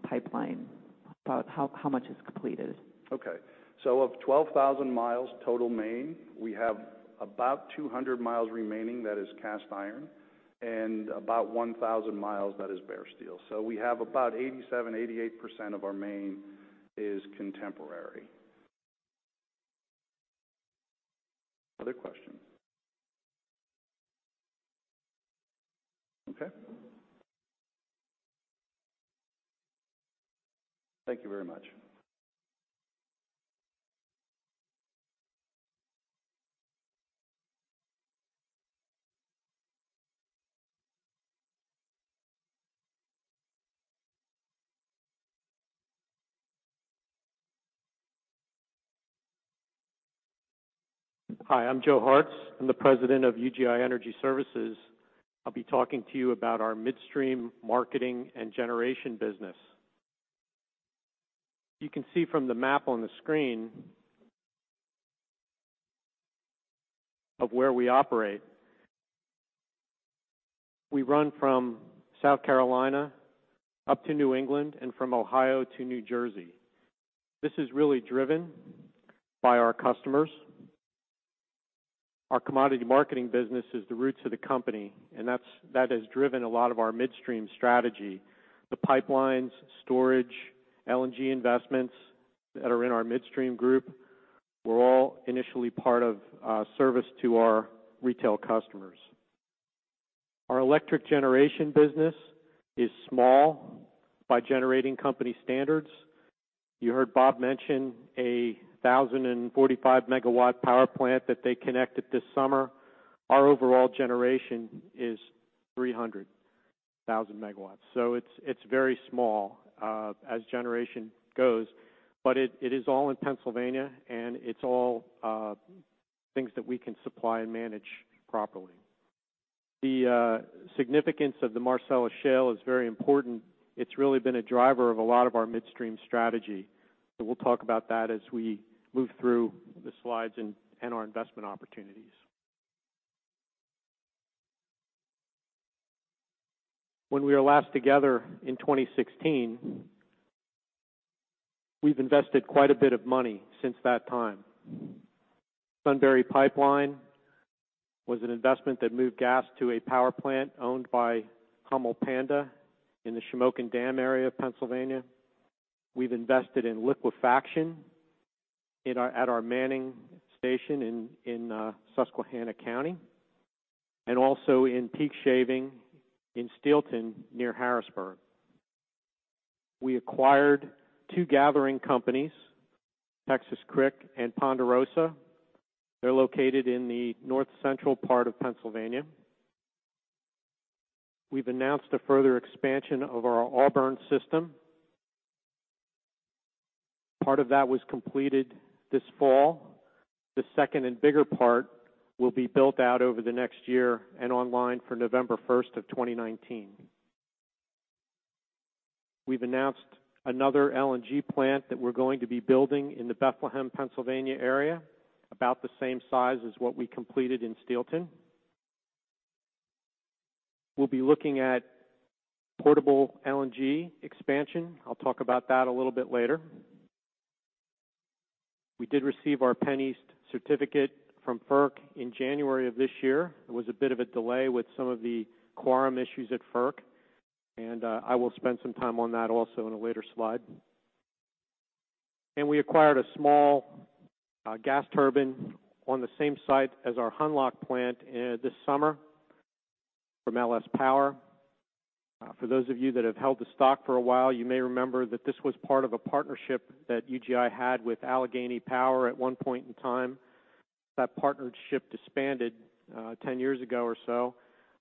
C: pipeline? About how much is completed?
B: Okay. Of 12,000 miles total main, we have about 200 miles remaining that is cast iron and about 1,000 miles that is bare steel. We have about 87%-88% of our main is contemporary. Other questions? Okay. Thank you very much.
D: Hi, I'm Joe Hartz. I'm the President of UGI Energy Services. I'll be talking to you about our midstream marketing and generation business. You can see from the map on the screen of where we operate. We run from South Carolina up to New England and from Ohio to New Jersey. This is really driven by our customers. Our commodity marketing business is the roots of the company, and that has driven a lot of our midstream strategy. The pipelines, storage, LNG investments that are in our midstream group were all initially part of a service to our retail customers. Our electric generation business is small by generating company standards. You heard Bob mention a 1,045-megawatt power plant that they connected this summer. Our overall generation is 300,000 megawatts. It's very small as generation goes, but it is all in Pennsylvania, and it's all things that we can supply and manage properly. The significance of the Marcellus Shale is very important. It's really been a driver of a lot of our midstream strategy. We'll talk about that as we move through the slides and our investment opportunities. When we were last together in 2016, we've invested quite a bit of money since that time. Sunbury Pipeline was an investment that moved gas to a power plant owned by Hummel-Panda in the Shamokin Dam area of Pennsylvania. We've invested in liquefaction at our Manning station in Susquehanna County and also in peak shaving in Steelton near Harrisburg. We acquired two gathering companies, Texas Creek and Ponderosa. They're located in the north central part of Pennsylvania. We've announced a further expansion of our Auburn system. Part of that was completed this fall. The second and bigger part will be built out over the next year and online for November 1, 2019. We've announced another LNG plant that we're going to be building in the Bethlehem, Pennsylvania area, about the same size as what we completed in Steelton. We'll be looking at portable LNG expansion. I'll talk about that a little bit later. We did receive our PennEast certificate from FERC in January of this year. There was a bit of a delay with some of the quorum issues at FERC, and I will spend some time on that also in a later slide. We acquired a small gas turbine on the same site as our Hunlock plant this summer from LS Power. For those of you that have held the stock for a while, you may remember that this was part of a partnership that UGI had with Allegheny Power at one point in time. That partnership disbanded 10 years ago or so.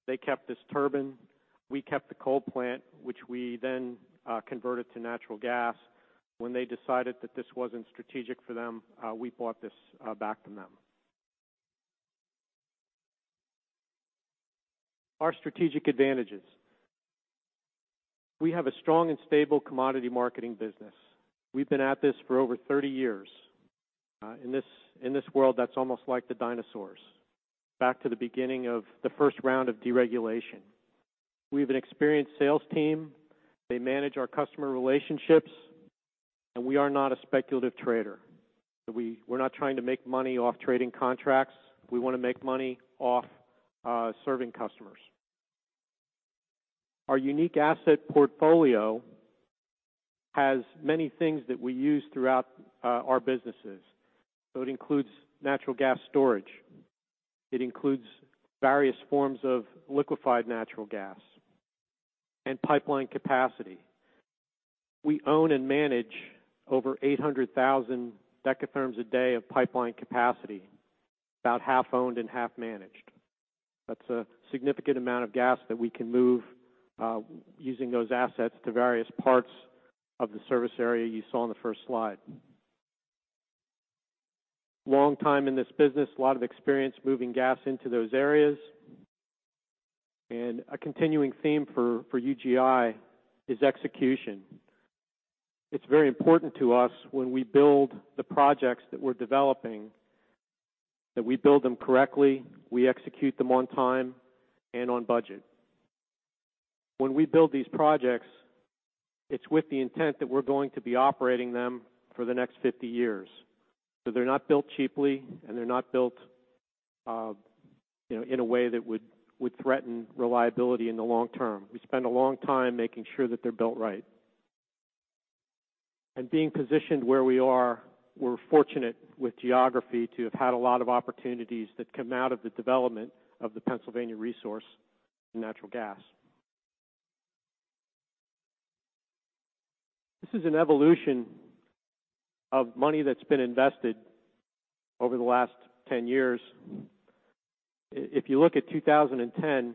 D: They kept this turbine. We kept the coal plant, which we then converted to natural gas. When they decided that this wasn't strategic for them, we bought this back from them. Our strategic advantages. We have a strong and stable commodity marketing business. We've been at this for over 30 years. In this world, that's almost like the dinosaurs, back to the beginning of the first round of deregulation. We have an experienced sales team. They manage our customer relationships, and we are not a speculative trader. We're not trying to make money off trading contracts. We want to make money off serving customers. Our unique asset portfolio has many things that we use throughout our businesses. It includes natural gas storage. It includes various forms of liquefied natural gas and pipeline capacity. We own and manage over 800,000 decatherms a day of pipeline capacity, about half owned and half managed. That's a significant amount of gas that we can move using those assets to various parts of the service area you saw on the first slide. Long time in this business, a lot of experience moving gas into those areas. A continuing theme for UGI is execution. It's very important to us when we build the projects that we're developing, that we build them correctly, we execute them on time and on budget. When we build these projects, it's with the intent that we're going to be operating them for the next 50 years. They're not built cheaply and they're not built in a way that would threaten reliability in the long term. We spend a long time making sure that they're built right. Being positioned where we are, we're fortunate with geography to have had a lot of opportunities that come out of the development of the Pennsylvania resource in natural gas. This is an evolution of money that's been invested over the last 10 years. If you look at 2010,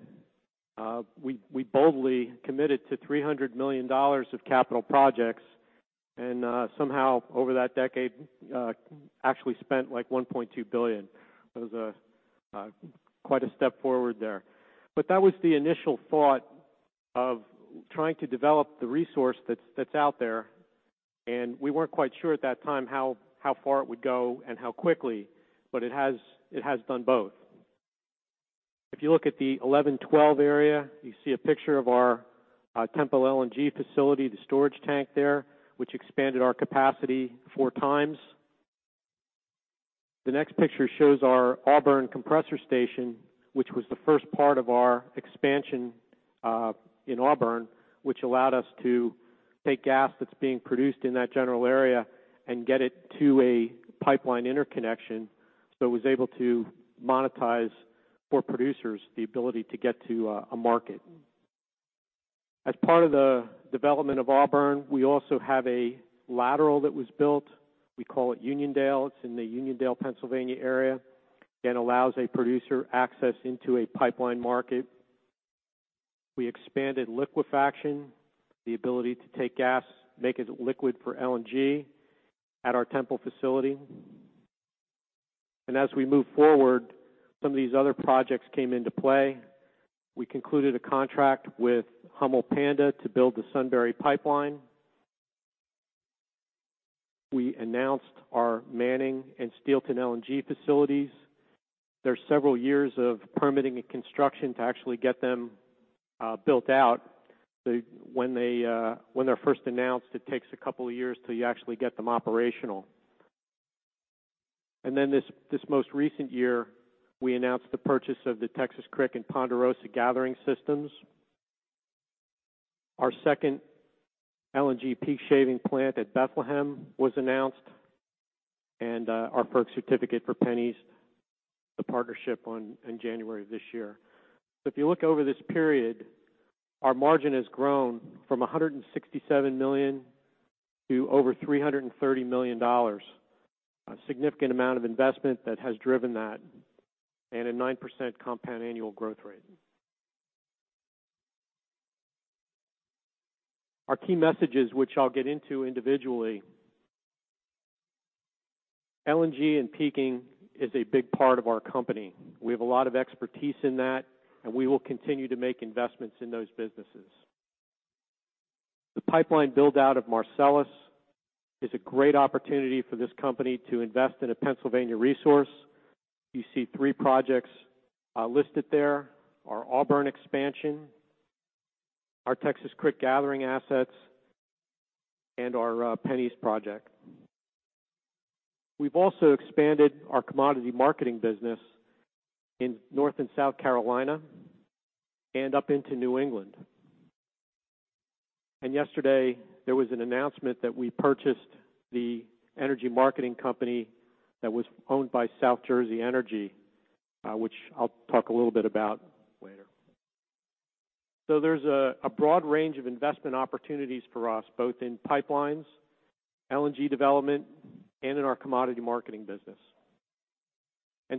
D: we boldly committed to $300 million of capital projects and, somehow over that decade, actually spent like $1.2 billion. That was quite a step forward there. That was the initial thought of trying to develop the resource that's out there, and we weren't quite sure at that time how far it would go and how quickly, but it has done both. If you look at the 2011, 2012 area, you see a picture of our Temple LNG facility, the storage tank there, which expanded our capacity four times. The next picture shows our Auburn compressor station, which was the first part of our expansion in Auburn, which allowed us to take gas that's being produced in that general area and get it to a pipeline interconnection. It was able to monetize for producers the ability to get to a market. As part of the development of Auburn, we also have a lateral that was built. We call it Uniondale. It's in the Uniondale, Pennsylvania area. Again, allows a producer access into a pipeline market. We expanded liquefaction, the ability to take gas, make it liquid for LNG at our Temple facility. As we move forward, some of these other projects came into play. We concluded a contract with Hummel Panda to build the Sunbury Pipeline. We announced our Manning and Steelton LNG facilities. There's several years of permitting and construction to actually get them built out. When they're first announced, it takes a couple of years till you actually get them operational. This most recent year, we announced the purchase of the Texas Creek and Ponderosa gathering systems. Our second LNG peak shaving plant at Bethlehem was announced, and our FERC certificate for PennEast, the partnership in January of this year. If you look over this period, our margin has grown from $167 million to over $330 million. A significant amount of investment that has driven that, and a 9% compound annual growth rate. Our key messages, which I'll get into individually. LNG and peaking is a big part of our company. We have a lot of expertise in that, we will continue to make investments in those businesses. The pipeline build-out of Marcellus is a great opportunity for this company to invest in a Pennsylvania resource. You see three projects listed there, our Auburn expansion, our Texas Creek gathering assets, and our PennEast project. We've also expanded our commodity marketing business in North and South Carolina and up into New England. Yesterday, there was an announcement that we purchased the energy marketing company that was owned by South Jersey Energy, which I'll talk a little bit about later. There's a broad range of investment opportunities for us, both in pipelines, LNG development, and in our commodity marketing business.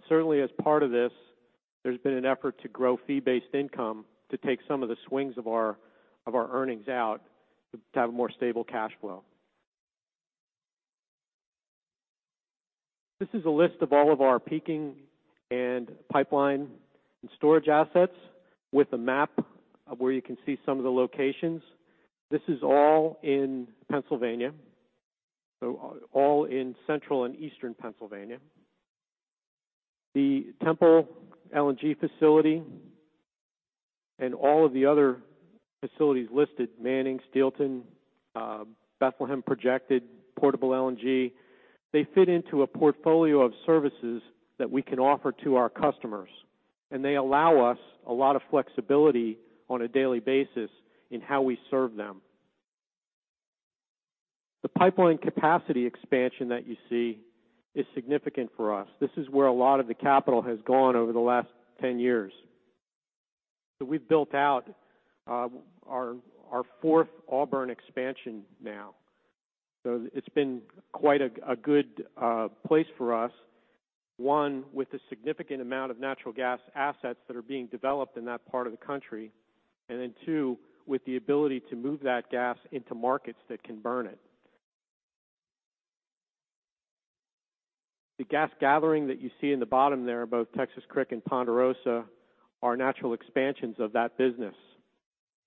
D: Certainly as part of this, there's been an effort to grow fee-based income to take some of the swings of our earnings out to have a more stable cash flow. This is a list of all of our peaking and pipeline and storage assets with a map of where you can see some of the locations. This is all in Pennsylvania, all in Central and Eastern Pennsylvania. The Temple LNG facility and all of the other facilities listed, Manning, Steelton, Bethlehem projected, Portable LNG, they fit into a portfolio of services that we can offer to our customers, and they allow us a lot of flexibility on a daily basis in how we serve them. The pipeline capacity expansion that you see is significant for us. This is where a lot of the capital has gone over the last 10 years. We've built out our fourth Auburn expansion now. It's been quite a good place for us. One, with the significant amount of natural gas assets that are being developed in that part of the country, and then two, with the ability to move that gas into markets that can burn it. The gas gathering that you see in the bottom there, both Texas Creek and Ponderosa, are natural expansions of that business.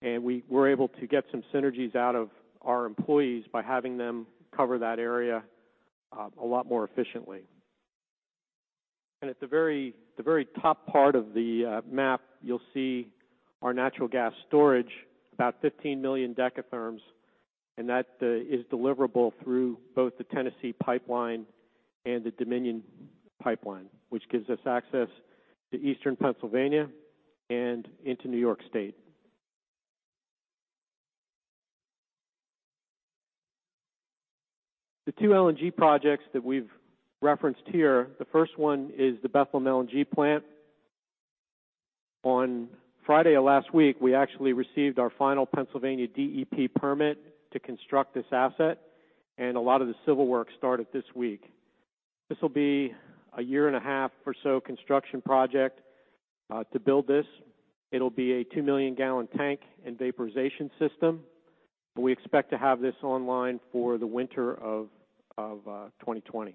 D: We were able to get some synergies out of our employees by having them cover that area a lot more efficiently. At the very top part of the map, you'll see our natural gas storage, about 15 million decatherms, and that is deliverable through both the Tennessee pipeline and the Dominion pipeline, which gives us access to eastern Pennsylvania and into New York State. The two LNG projects that we've referenced here, the first one is the Bethlehem LNG plant. On Friday of last week, we actually received our final Pennsylvania DEP permit to construct this asset, and a lot of the civil work started this week. This will be a year and a half or so construction project to build this. It'll be a two-million-gallon tank and vaporization system. We expect to have this online for the winter of 2020.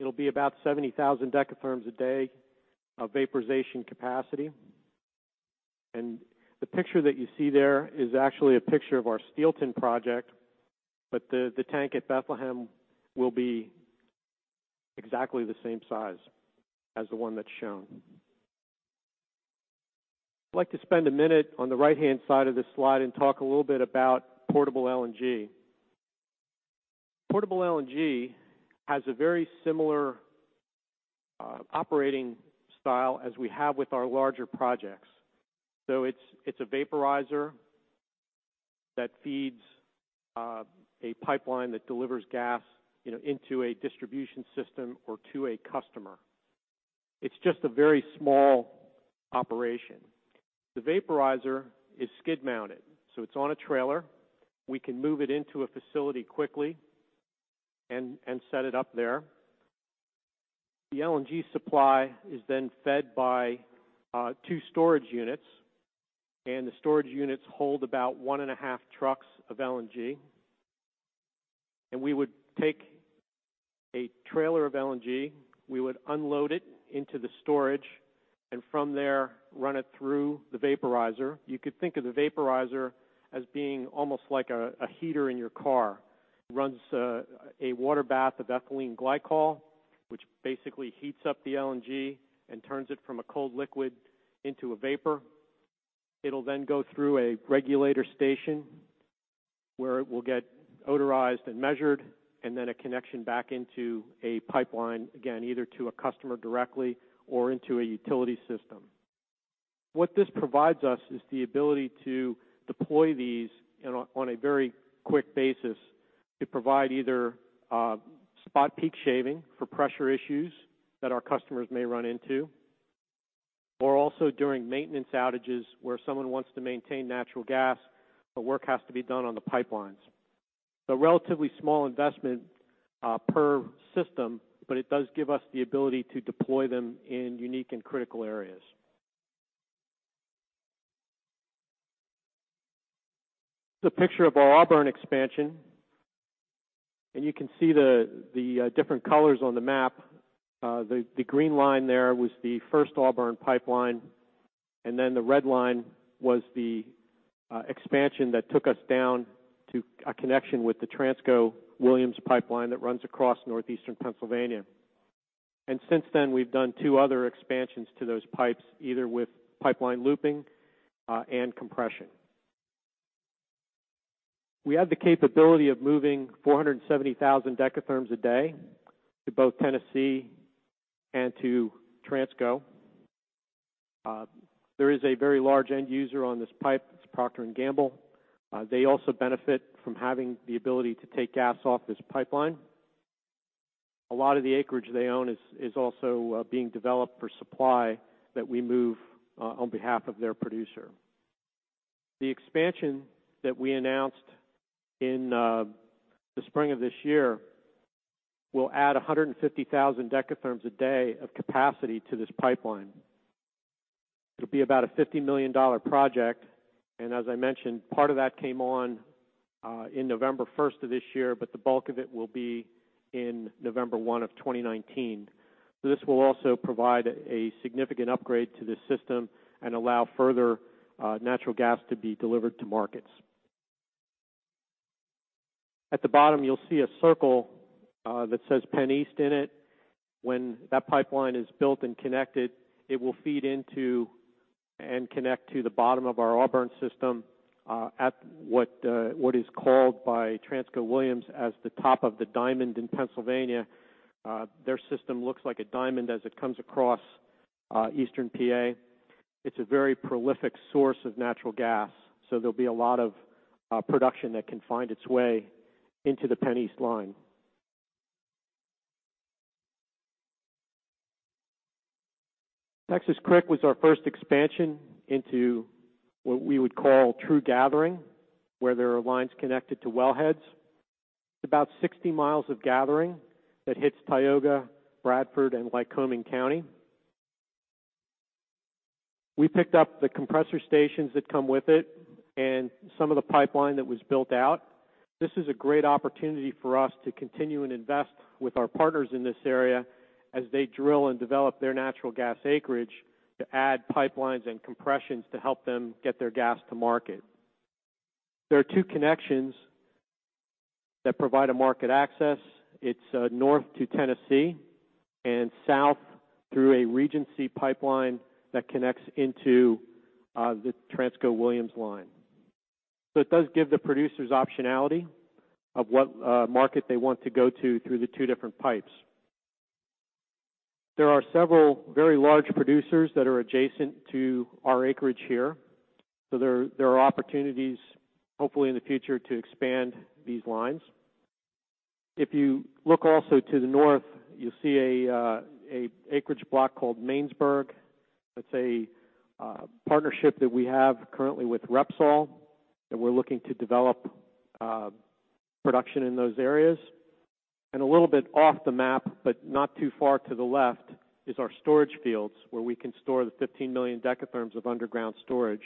D: It'll be about 70,000 decatherms a day of vaporization capacity. The picture that you see there is actually a picture of our Steelton project, but the tank at Bethlehem will be exactly the same size as the one that's shown. I'd like to spend a minute on the right-hand side of this slide and talk a little bit about Portable LNG. Portable LNG has a very similar operating style as we have with our larger projects. It's a vaporizer that feeds a pipeline that delivers gas into a distribution system or to a customer. It's just a very small operation. The vaporizer is skid-mounted, so it's on a trailer. We can move it into a facility quickly and set it up there. The LNG supply is then fed by two storage units, and the storage units hold about one and a half trucks of LNG. We would take a trailer of LNG, we would unload it into the storage, and from there, run it through the vaporizer. You could think of the vaporizer as being almost like a heater in your car. It runs a water bath of ethylene glycol, which basically heats up the LNG and turns it from a cold liquid into a vapor. It'll then go through a regulator station where it will get odorized and measured, and then a connection back into a pipeline, again, either to a customer directly or into a utility system. What this provides us is the ability to deploy these on a very quick basis to provide either spot peak shaving for pressure issues that our customers may run into, or also during maintenance outages where someone wants to maintain natural gas, but work has to be done on the pipelines. Relatively small investment per system, but it does give us the ability to deploy them in unique and critical areas. This is a picture of our Auburn expansion. You can see the different colors on the map. The green line there was the first Auburn pipeline, and then the red line was the expansion that took us down to a connection with the Transco Williams pipeline that runs across northeastern Pennsylvania. Since then, we've done two other expansions to those pipes, either with pipeline looping and compression. We have the capability of moving 470,000 decatherms a day to both Tennessee and to Transco. There is a very large end user on this pipe. It's Procter & Gamble. They also benefit from having the ability to take gas off this pipeline. A lot of the acreage they own is also being developed for supply that we move on behalf of their producer. The expansion that we announced in the spring of this year will add 150,000 decatherms a day of capacity to this pipeline. It'll be about a $50 million project, and as I mentioned, part of that came on in November 1 of this year, but the bulk of it will be in November 1 of 2019. This will also provide a significant upgrade to the system and allow further natural gas to be delivered to markets. At the bottom, you'll see a circle that says PennEast in it. When that pipeline is built and connected, it will feed into and connect to the bottom of our Auburn system at what is called by Transco Williams as the top of the diamond in Pennsylvania. Their system looks like a diamond as it comes across eastern PA. It's a very prolific source of natural gas, there'll be a lot of production that can find its way into the PennEast line. Texas Creek was our first expansion into what we would call true gathering, where there are lines connected to wellheads. It's about 60 miles of gathering that hits Tioga, Bradford, and Lycoming County. We picked up the compressor stations that come with it and some of the pipeline that was built out. This is a great opportunity for us to continue and invest with our partners in this area as they drill and develop their natural gas acreage to add pipelines and compressions to help them get their gas to market. There are two connections that provide a market access. It's north to Tennessee and south through a Regency pipeline that connects into the Transco Williams line. It does give the producers optionality of what market they want to go to through the two different pipes. There are several very large producers that are adjacent to our acreage here. There are opportunities, hopefully in the future, to expand these lines. If you look also to the north, you'll see an acreage block called Mainsburg. That's a partnership that we have currently with Repsol, and we're looking to develop production in those areas. A little bit off the map, but not too far to the left is our storage fields, where we can store the 15 million decatherms of underground storage.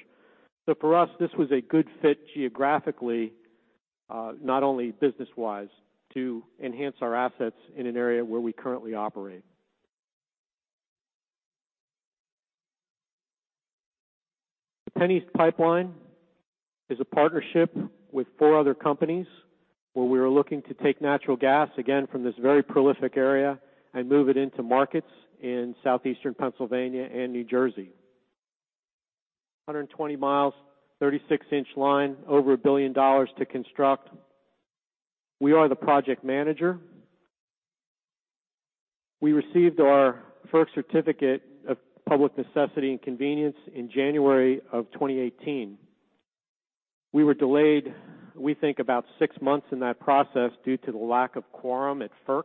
D: For us, this was a good fit geographically, not only business-wise, to enhance our assets in an area where we currently operate. The PennEast Pipeline is a partnership with four other companies where we are looking to take natural gas, again, from this very prolific area and move it into markets in southeastern Pennsylvania and New Jersey. 120 miles, 36-inch line, over $1 billion to construct. We are the project manager. We received our first certificate of public necessity and convenience in January of 2018. We were delayed, we think, about six months in that process due to the lack of quorum at FERC.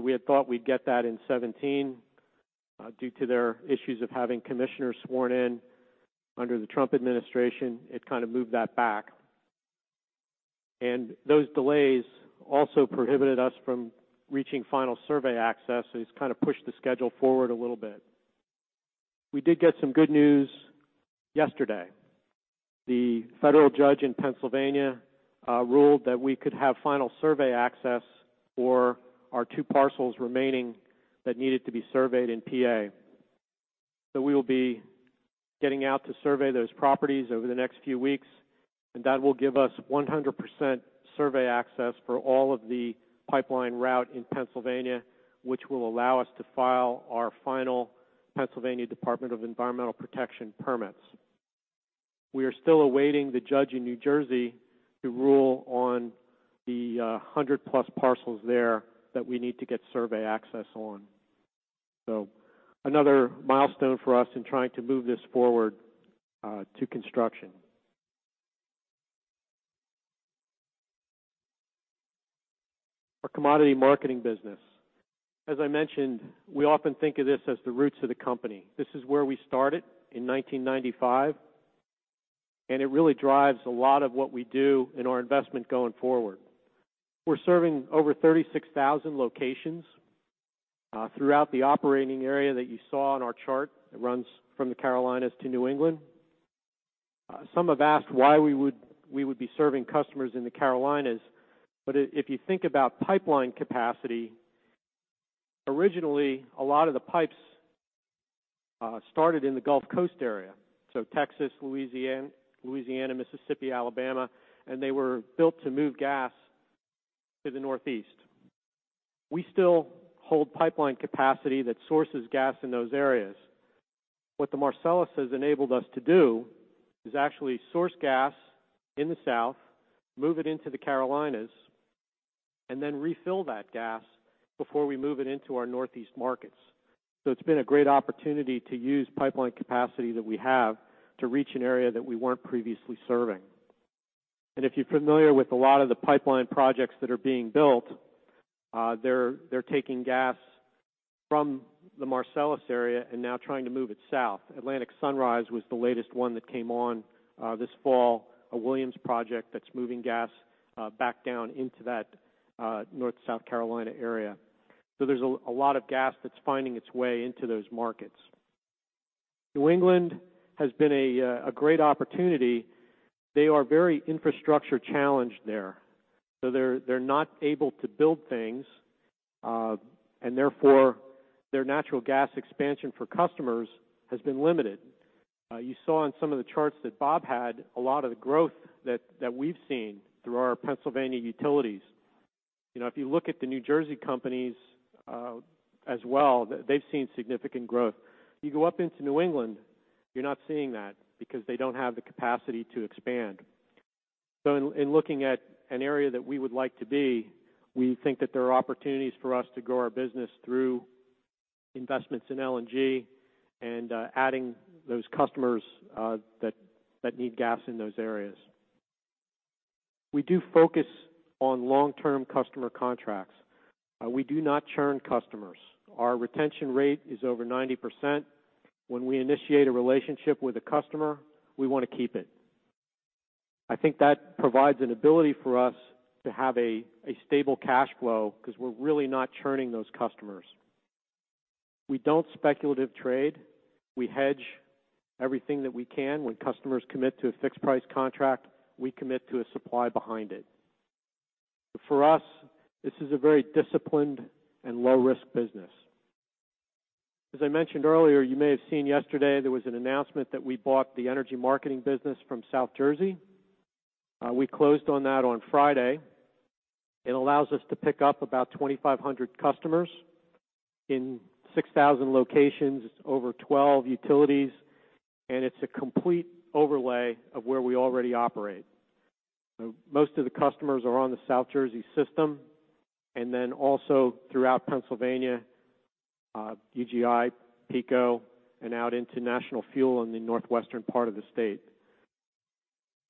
D: We had thought we'd get that in 2017. Due to their issues of having commissioners sworn in under the Trump administration, it kind of moved that back. Those delays also prohibited us from reaching final survey access, it's kind of pushed the schedule forward a little bit. We did get some good news yesterday. The federal judge in Pennsylvania ruled that we could have final survey access for our two parcels remaining that needed to be surveyed in P.A. We will be getting out to survey those properties over the next few weeks, that will give us 100% survey access for all of the pipeline route in Pennsylvania, which will allow us to file our final Pennsylvania Department of Environmental Protection permits. We are still awaiting the judge in New Jersey to rule on the 100-plus parcels there that we need to get survey access on. Another milestone for us in trying to move this forward to construction. Our commodity marketing business. As I mentioned, we often think of this as the roots of the company. This is where we started in 1995, it really drives a lot of what we do in our investment going forward. We're serving over 36,000 locations throughout the operating area that you saw on our chart. It runs from the Carolinas to New England. Some have asked why we would be serving customers in the Carolinas. If you think about pipeline capacity, originally, a lot of the pipes started in the Gulf Coast area, Texas, Louisiana, Mississippi, Alabama, they were built to move gas to the Northeast. We still hold pipeline capacity that sources gas in those areas. What the Marcellus has enabled us to do is actually source gas in the South, move it into the Carolinas, and then refill that gas before we move it into our Northeast markets. It's been a great opportunity to use pipeline capacity that we have to reach an area that we weren't previously serving. If you're familiar with a lot of the pipeline projects that are being built, they're taking gas from the Marcellus area and now trying to move it south. Atlantic Sunrise was the latest one that came on this fall, a Williams project that's moving gas back down into that North/South Carolina area. There's a lot of gas that's finding its way into those markets. New England has been a great opportunity. They are very infrastructure-challenged there. They're not able to build things, and therefore their natural gas expansion for customers has been limited. You saw on some of the charts that Bob had a lot of the growth that we've seen through our Pennsylvania utilities. If you look at the New Jersey companies as well, they've seen significant growth. You go up into New England, you're not seeing that because they don't have the capacity to expand. In looking at an area that we would like to be, we think that there are opportunities for us to grow our business through investments in LNG and adding those customers that need gas in those areas. We do focus on long-term customer contracts. We do not churn customers. Our retention rate is over 90%. When we initiate a relationship with a customer, we want to keep it. I think that provides an ability for us to have a stable cash flow because we're really not churning those customers. We don't speculative trade. We hedge everything that we can. When customers commit to a fixed price contract, we commit to a supply behind it. For us, this is a very disciplined and low-risk business. As I mentioned earlier, you may have seen yesterday there was an announcement that we bought the energy marketing business from South Jersey. We closed on that on Friday. It allows us to pick up about 2,500 customers in 6,000 locations. It's over 12 utilities, and it's a complete overlay of where we already operate. Most of the customers are on the South Jersey system, and then also throughout Pennsylvania, UGI, PECO, and out into National Fuel in the northwestern part of the state.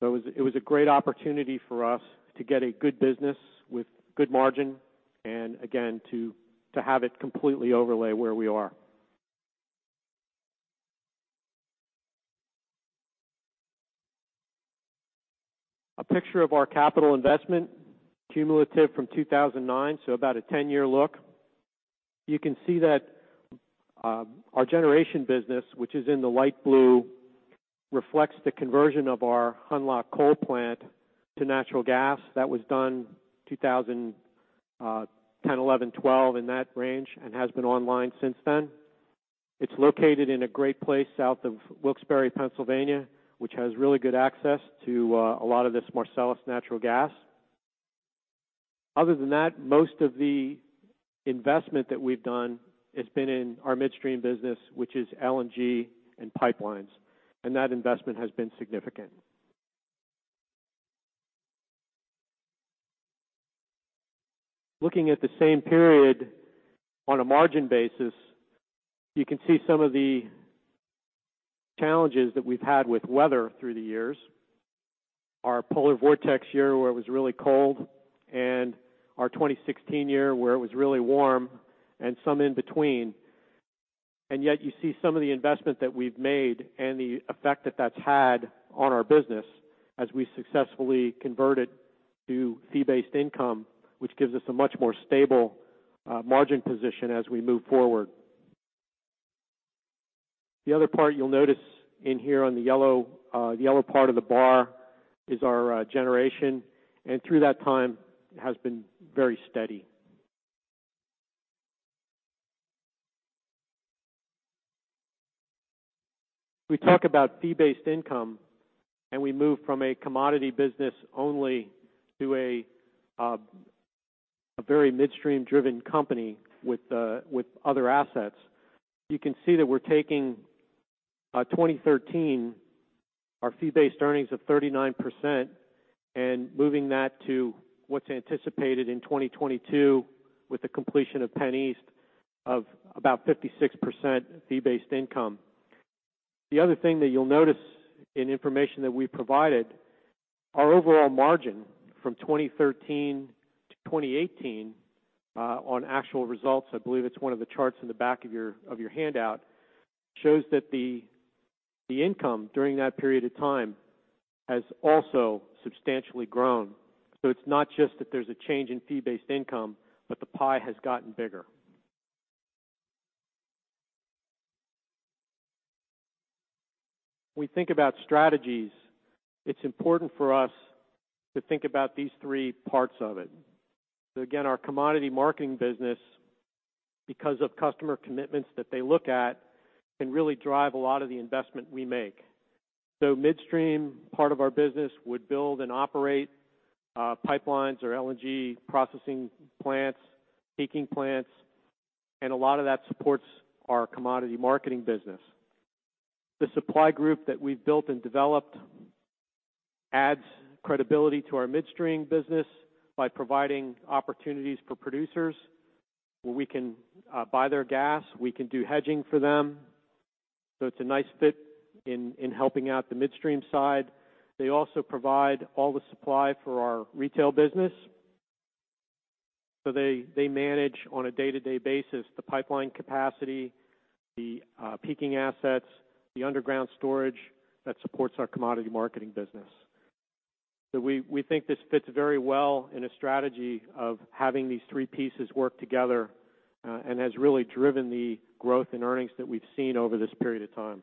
D: It was a great opportunity for us to get a good business with good margin, and again, to have it completely overlay where we are. A picture of our capital investment, cumulative from 2009, about a 10-year look. You can see that our generation business, which is in the light blue, reflects the conversion of our Hummel coal plant to natural gas. That was done 2010, 2011, 2012, in that range, and has been online since then. It's located in a great place south of Wilkes-Barre, Pennsylvania, which has really good access to a lot of this Marcellus natural gas. Other than that, most of the investment that we've done has been in our midstream business, which is LNG and pipelines, and that investment has been significant. Looking at the same period on a margin basis, you can see some of the challenges that we've had with weather through the years. Our polar vortex year, where it was really cold, and our 2016 year, where it was really warm, and some in between. Yet you see some of the investment that we've made and the effect that that's had on our business as we successfully convert it to fee-based income, which gives us a much more stable margin position as we move forward. The other part you'll notice in here on the yellow part of the bar is our generation, and through that time, it has been very steady. We move from a commodity business only to a very midstream-driven company with other assets. You can see that we're taking 2013, our fee-based earnings of 39%, and moving that to what's anticipated in 2022 with the completion of PennEast of about 56% fee-based income. The other thing that you'll notice in information that we provided, our overall margin from 2013 to 2018 on actual results, I believe it's one of the charts in the back of your handout, shows that the income during that period of time has also substantially grown. It's not just that there's a change in fee-based income, but the pie has gotten bigger. When we think about strategies, it's important for us to think about these three parts of it. Again, our commodity marketing business, because of customer commitments that they look at, can really drive a lot of the investment we make. Midstream part of our business would build and operate pipelines or LNG processing plants, peaking plants, and a lot of that supports our commodity marketing business. The supply group that we've built and developed adds credibility to our midstream business by providing opportunities for producers where we can buy their gas, we can do hedging for them. It's a nice fit in helping out the midstream side. They also provide all the supply for our retail business. They manage on a day-to-day basis the pipeline capacity, the peaking assets, the underground storage that supports our commodity marketing business. We think this fits very well in a strategy of having these three pieces work together and has really driven the growth in earnings that we've seen over this period of time.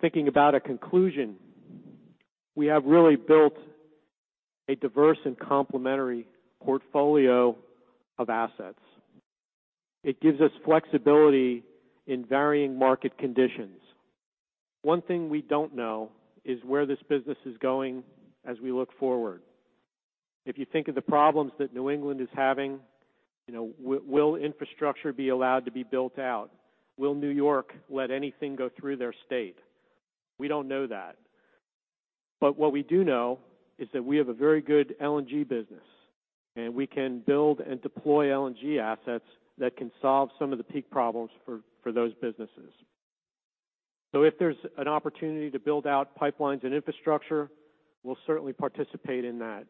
D: Thinking about a conclusion, we have really built a diverse and complementary portfolio of assets. It gives us flexibility in varying market conditions. One thing we don't know is where this business is going as we look forward. If you think of the problems that New England is having, will infrastructure be allowed to be built out? Will New York let anything go through their state? We don't know that. What we do know is that we have a very good LNG business, and we can build and deploy LNG assets that can solve some of the peak problems for those businesses. If there's an opportunity to build out pipelines and infrastructure, we'll certainly participate in that.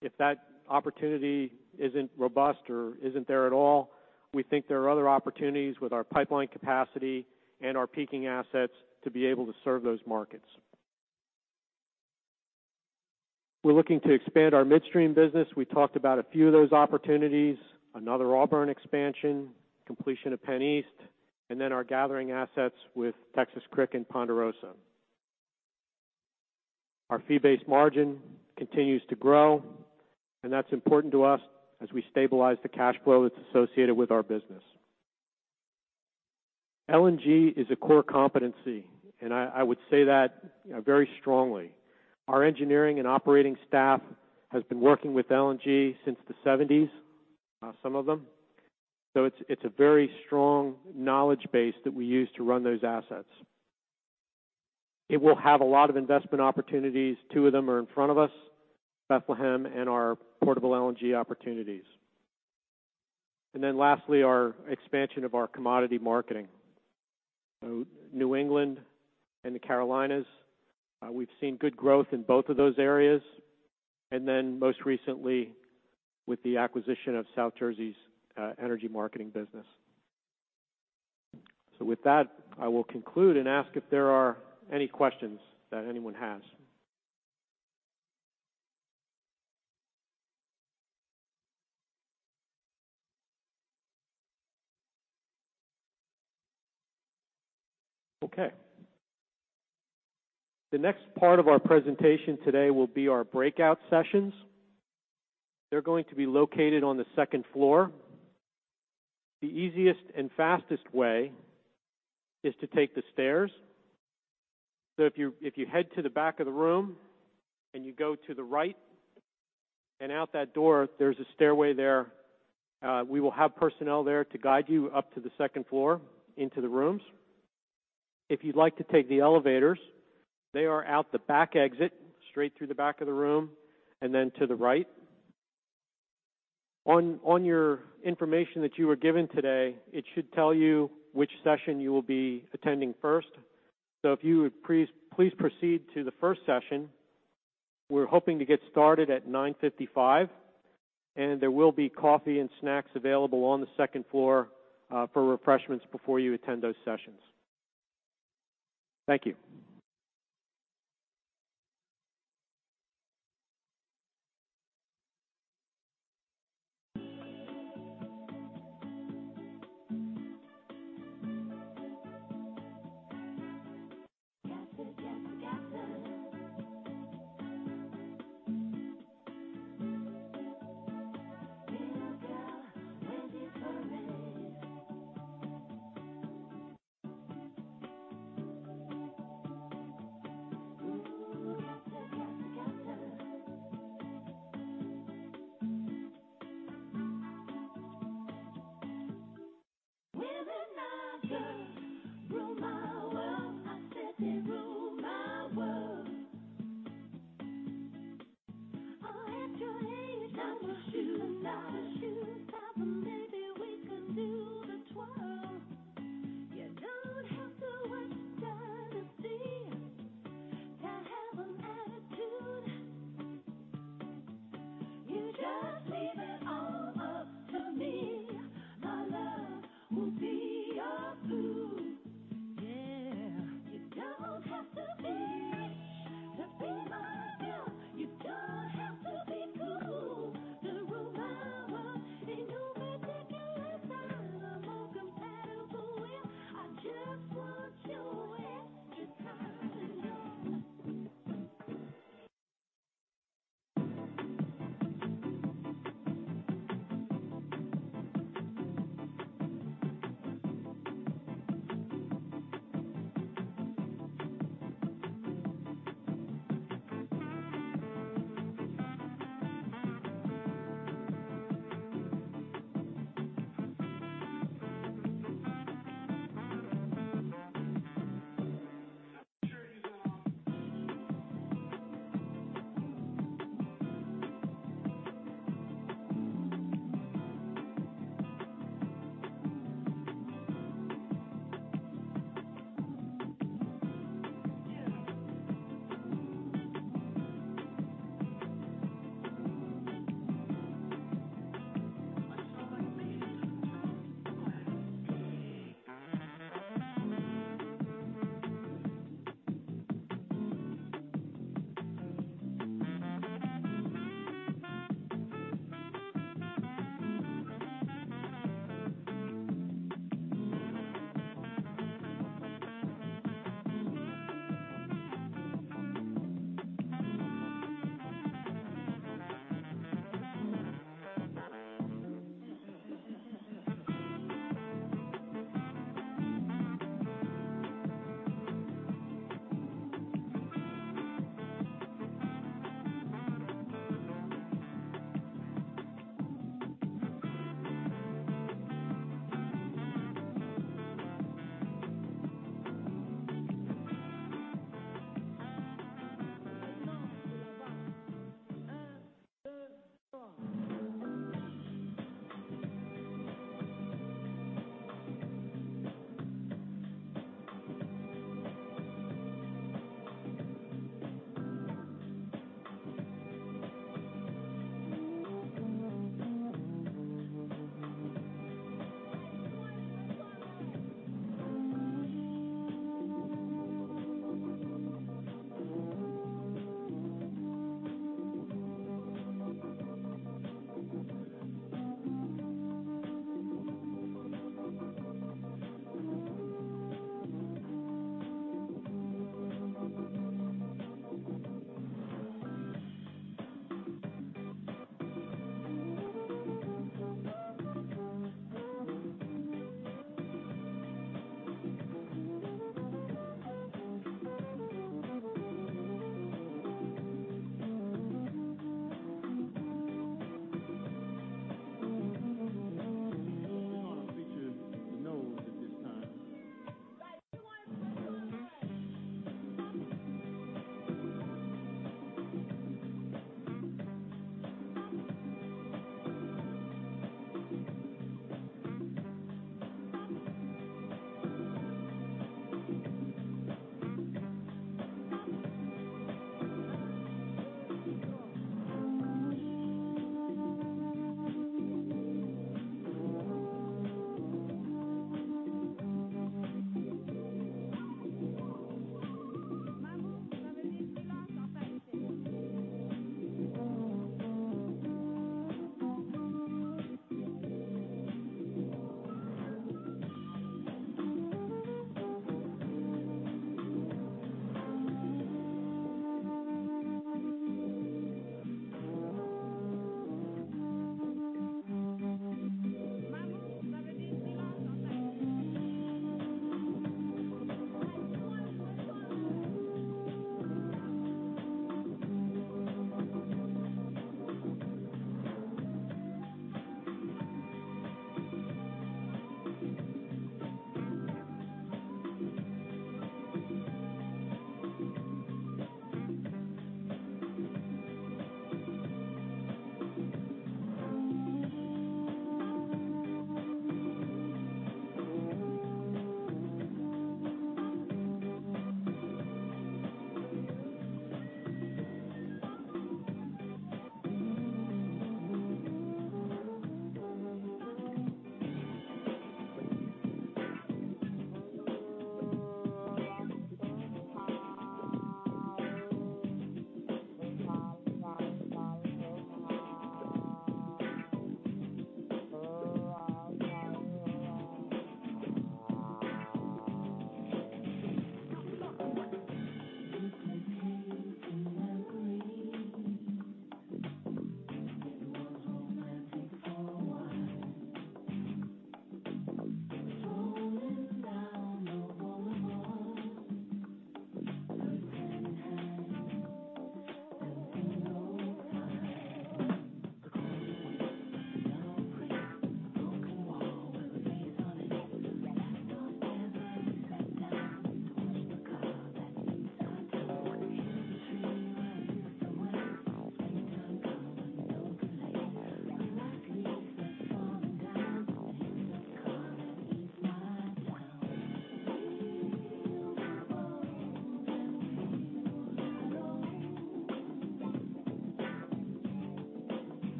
D: If that opportunity isn't robust or isn't there at all, we think there are other opportunities with our pipeline capacity and our peaking assets to be able to serve those markets. We're looking to expand our midstream business. We talked about a few of those opportunities, another Auburn expansion, completion of PennEast, and then our gathering assets with Texas Creek and Ponderosa. Our fee-based margin continues to grow, and that's important to us as we stabilize the cash flow that's associated with our business. LNG is a core competency, and I would say that very strongly. Our engineering and operating staff has been working with LNG since the '70s, some of them. It's a very strong knowledge base that we use to run those assets. It will have a lot of investment opportunities. Two of them are in front of us, Bethlehem and our portable LNG opportunities. Lastly, our expansion of our commodity marketing. New England and the Carolinas, we've seen good growth in both of those areas. Most recently, with the acquisition of South Jersey's energy marketing business. With that, I will conclude and ask if there are any questions that anyone has. Okay. The next part of our presentation today will be our breakout sessions. They're going to be located on the second floor. The easiest and fastest way is to take the stairs. If you head to the back of the room and you go to the right and out that door, there's a stairway there. We will have personnel there to guide you up to the second floor into the rooms. If you'd like to take the elevators, they are out the back exit, straight through the back of the room, and then to the right. On your information that you were given today, it should tell you which session you will be attending first. If you would please proceed to the first session. We're hoping to get started at 9:55. There will be coffee and snacks available on the second floor for refreshments before you attend those sessions. Thank you.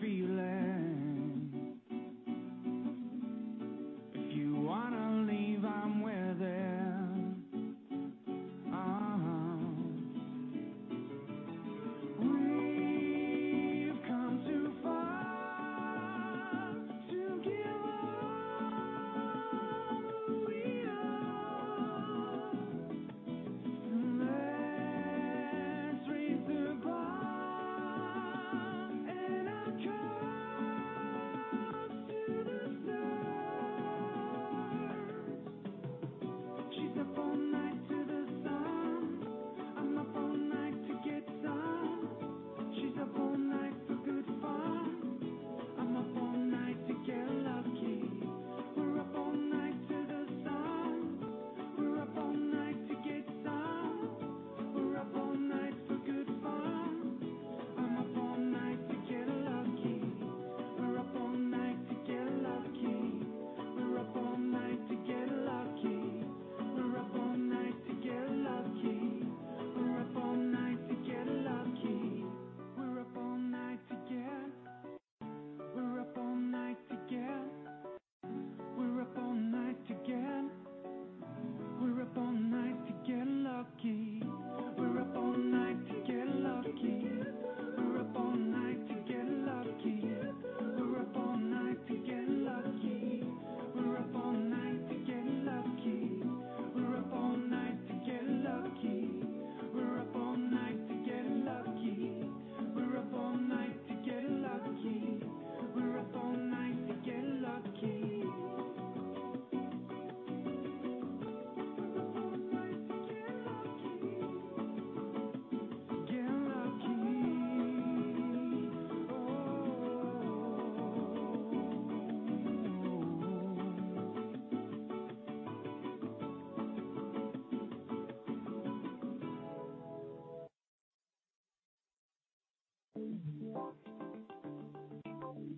E: I'll tell you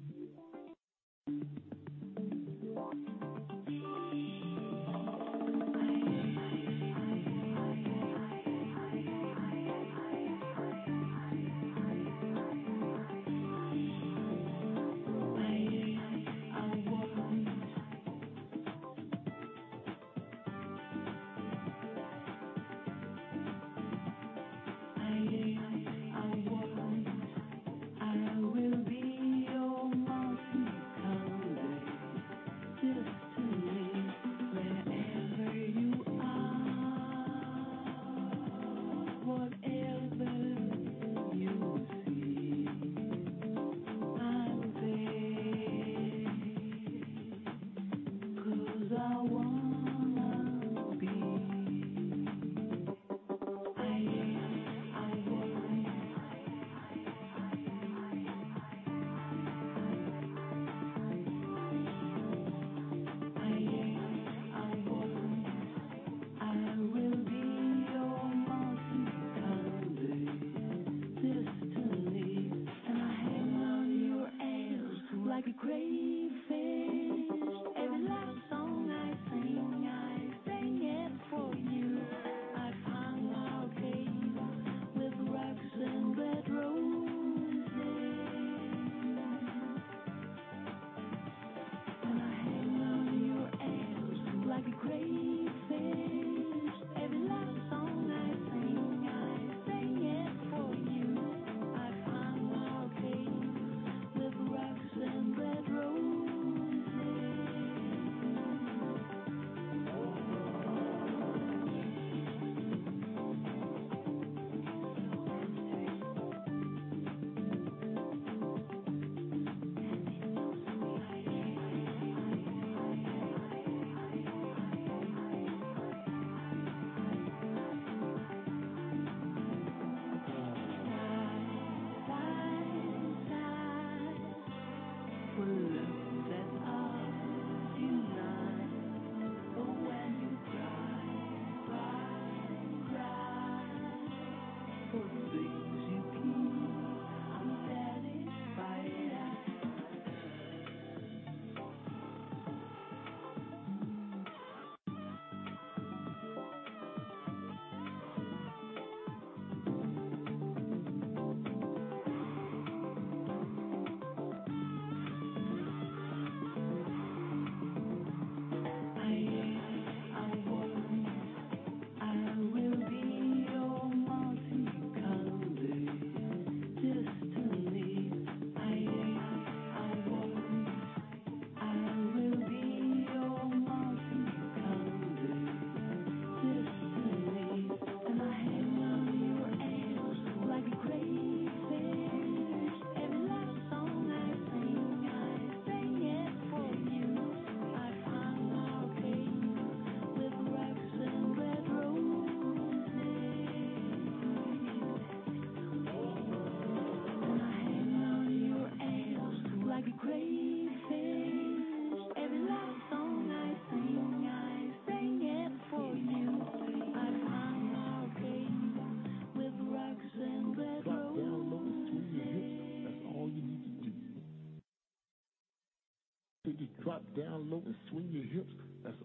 E: what money is. Money is the first trick and the last trick. Money is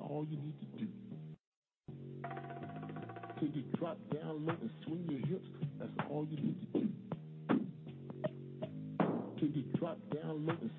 E: the fly on the fly. Money is the first step on a long road to nothing.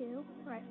E: Till you drop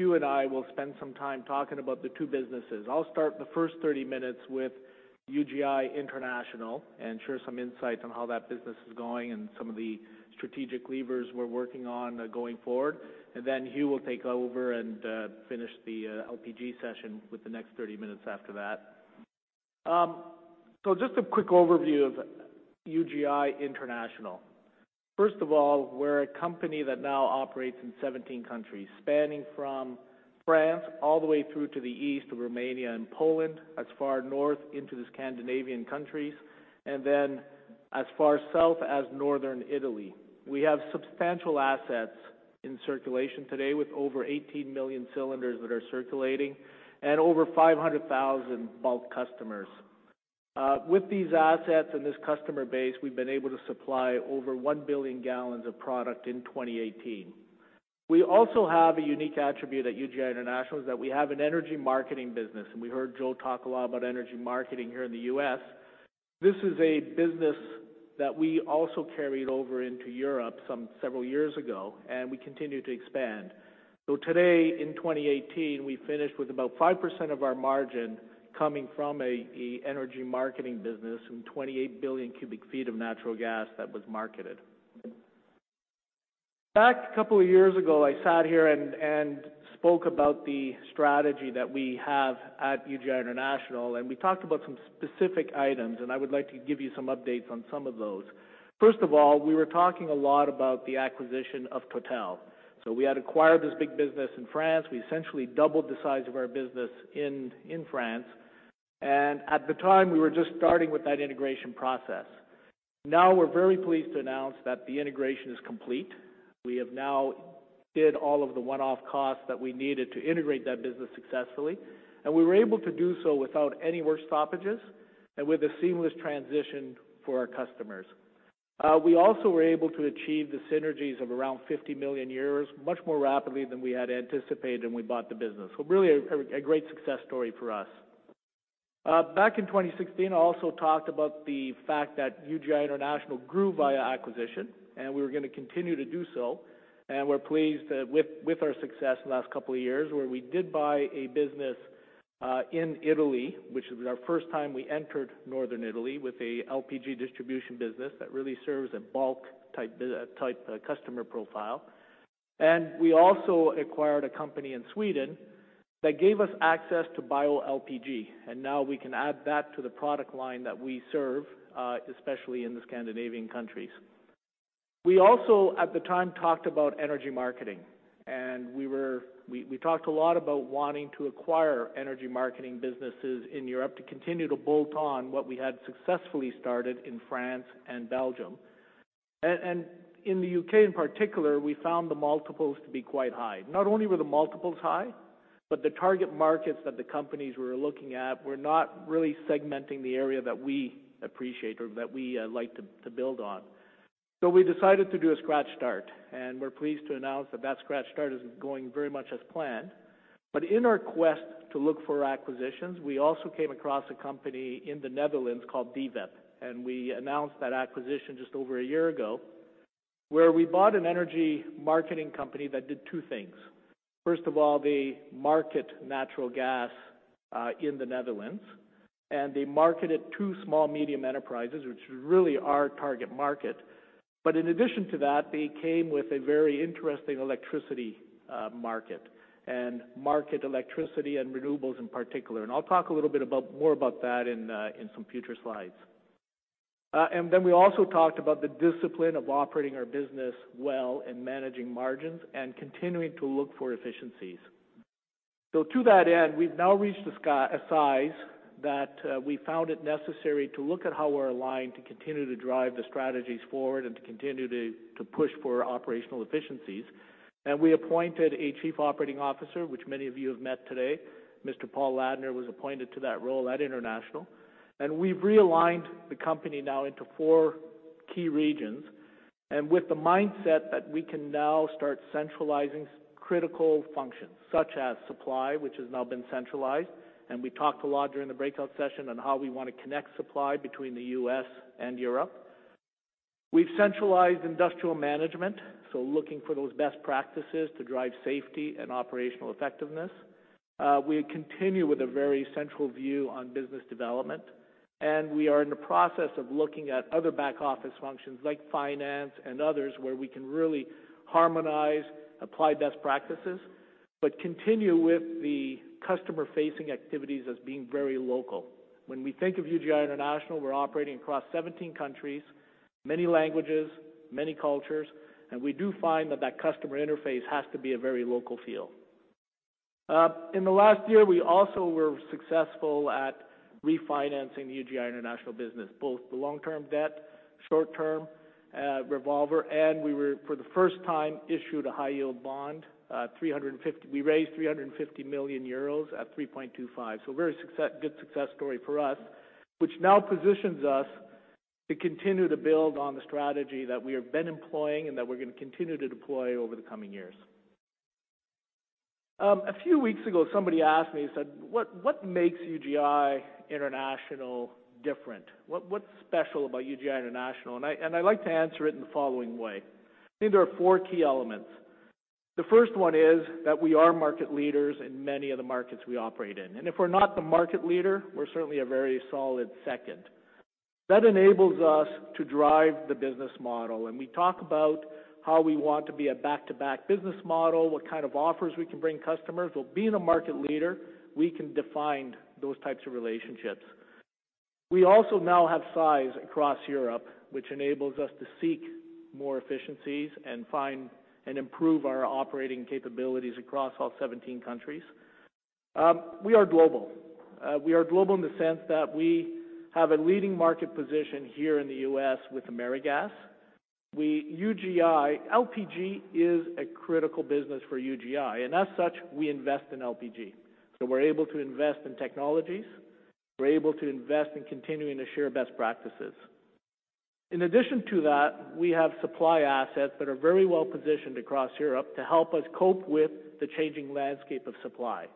F: Hugh and I will spend some time talking about the two businesses. I'll start the first 30 minutes with UGI International and share some insights on how that business is going and some of the strategic levers we're working on going forward. Then Hugh will take over and finish the LPG session with the next 30 minutes after that. Just a quick overview of UGI International. First of all, we're a company that now operates in 17 countries, spanning from France all the way through to the east of Romania and Poland, as far north into the Scandinavian countries, and then as far south as northern Italy. We have substantial assets in circulation today with over 18 million cylinders that are circulating and over 500,000 bulk customers. With these assets and this customer base, we've been able to supply over 1 billion gallons of product in 2018. We also have a unique attribute at UGI International is that we have an energy marketing business, and we heard Joe talk a lot about energy marketing here in the U.S. This is a business that we also carried over into Europe some several years ago, and we continue to expand. Today, in 2018, we finished with about 5% of our margin coming from an energy marketing business from 28 billion cubic feet of natural gas that was marketed. Back a couple of years ago, I sat here and spoke about the strategy that we have at UGI International, and we talked about some specific items, and I would like to give you some updates on some of those. First of all, we were talking a lot about the acquisition of Total. We had acquired this big business in France. We essentially doubled the size of our business in France. At the time, we were just starting with that integration process. Now, we're very pleased to announce that the integration is complete. We have now did all of the one-off costs that we needed to integrate that business successfully, and we were able to do so without any work stoppages and with a seamless transition for our customers. We also were able to achieve the synergies of around 50 million euros much more rapidly than we had anticipated when we bought the business. Really a great success story for us. Back in 2016, I also talked about the fact that UGI International grew via acquisition, and we were going to continue to do so. We're pleased that with our success in the last couple of years, where we did buy a business in Italy, which was our first time we entered northern Italy with an LPG distribution business that really serves a bulk-type customer profile. We also acquired a company in Sweden that gave us access to bioLPG, now we can add that to the product line that we serve, especially in the Scandinavian countries. We also, at the time, talked about energy marketing, we talked a lot about wanting to acquire energy marketing businesses in Europe to continue to bolt on what we had successfully started in France and Belgium. In the U.K. in particular, we found the multiples to be quite high. Not only were the multiples high, but the target markets that the companies were looking at were not really segmenting the area that we appreciate or that we like to build on. We decided to do a scratch start, and we're pleased to announce that that scratch start is going very much as planned. In our quest to look for acquisitions, we also came across a company in the Netherlands called DVEP, and we announced that acquisition just over a year ago, where we bought an energy marketing company that did two things. First of all, they market natural gas in the Netherlands, and they market it to small-medium enterprises, which is really our target market. In addition to that, they came with a very interesting electricity market. They market electricity and renewables in particular. I'll talk a little bit more about that in some future slides. We also talked about the discipline of operating our business well and managing margins and continuing to look for efficiencies. To that end, we've now reached a size that we found it necessary to look at how we're aligned to continue to drive the strategies forward and to continue to push for operational efficiencies. We appointed a Chief Operating Officer, which many of you have met today. Paul Ladner was appointed to that role at UGI International. We've realigned the company now into four key regions. With the mindset that we can now start centralizing critical functions such as supply, which has now been centralized. We talked a lot during the breakout session on how we want to connect supply between the U.S. and Europe. We've centralized industrial management, so looking for those best practices to drive safety and operational effectiveness. We continue with a very central view on business development. We are in the process of looking at other back-office functions like finance and others, where we can really harmonize, apply best practices, but continue with the customer-facing activities as being very local. When we think of UGI International, we're operating across 17 countries, many languages, many cultures. We do find that that customer interface has to be a very local feel. In the last year, we also were successful at refinancing the UGI International business, both the long-term debt, short-term revolver, and we were, for the first time, issued a high-yield bond. We raised 350 million euros at 3.25%. A very good success story for us, which now positions us to continue to build on the strategy that we have been employing and that we're going to continue to deploy over the coming years. A few weeks ago, somebody asked me, said, "What makes UGI International different? What's special about UGI International?" I'd like to answer it in the following way. I think there are four key elements. The first one is that we are market leaders in many of the markets we operate in. If we're not the market leader, we're certainly a very solid second. That enables us to drive the business model. We talk about how we want to be a back-to-back business model, what kind of offers we can bring customers. Well, being a market leader, we can define those types of relationships. We also now have size across Europe, which enables us to seek more efficiencies and improve our operating capabilities across all 17 countries. We are global. We are global in the sense that we have a leading market position here in the U.S. with AmeriGas. LPG is a critical business for UGI, and as such, we invest in LPG. We're able to invest in technologies, we're able to invest in continuing to share best practices. In addition to that, we have supply assets that are very well-positioned across Europe to help us cope with the changing landscape of supply.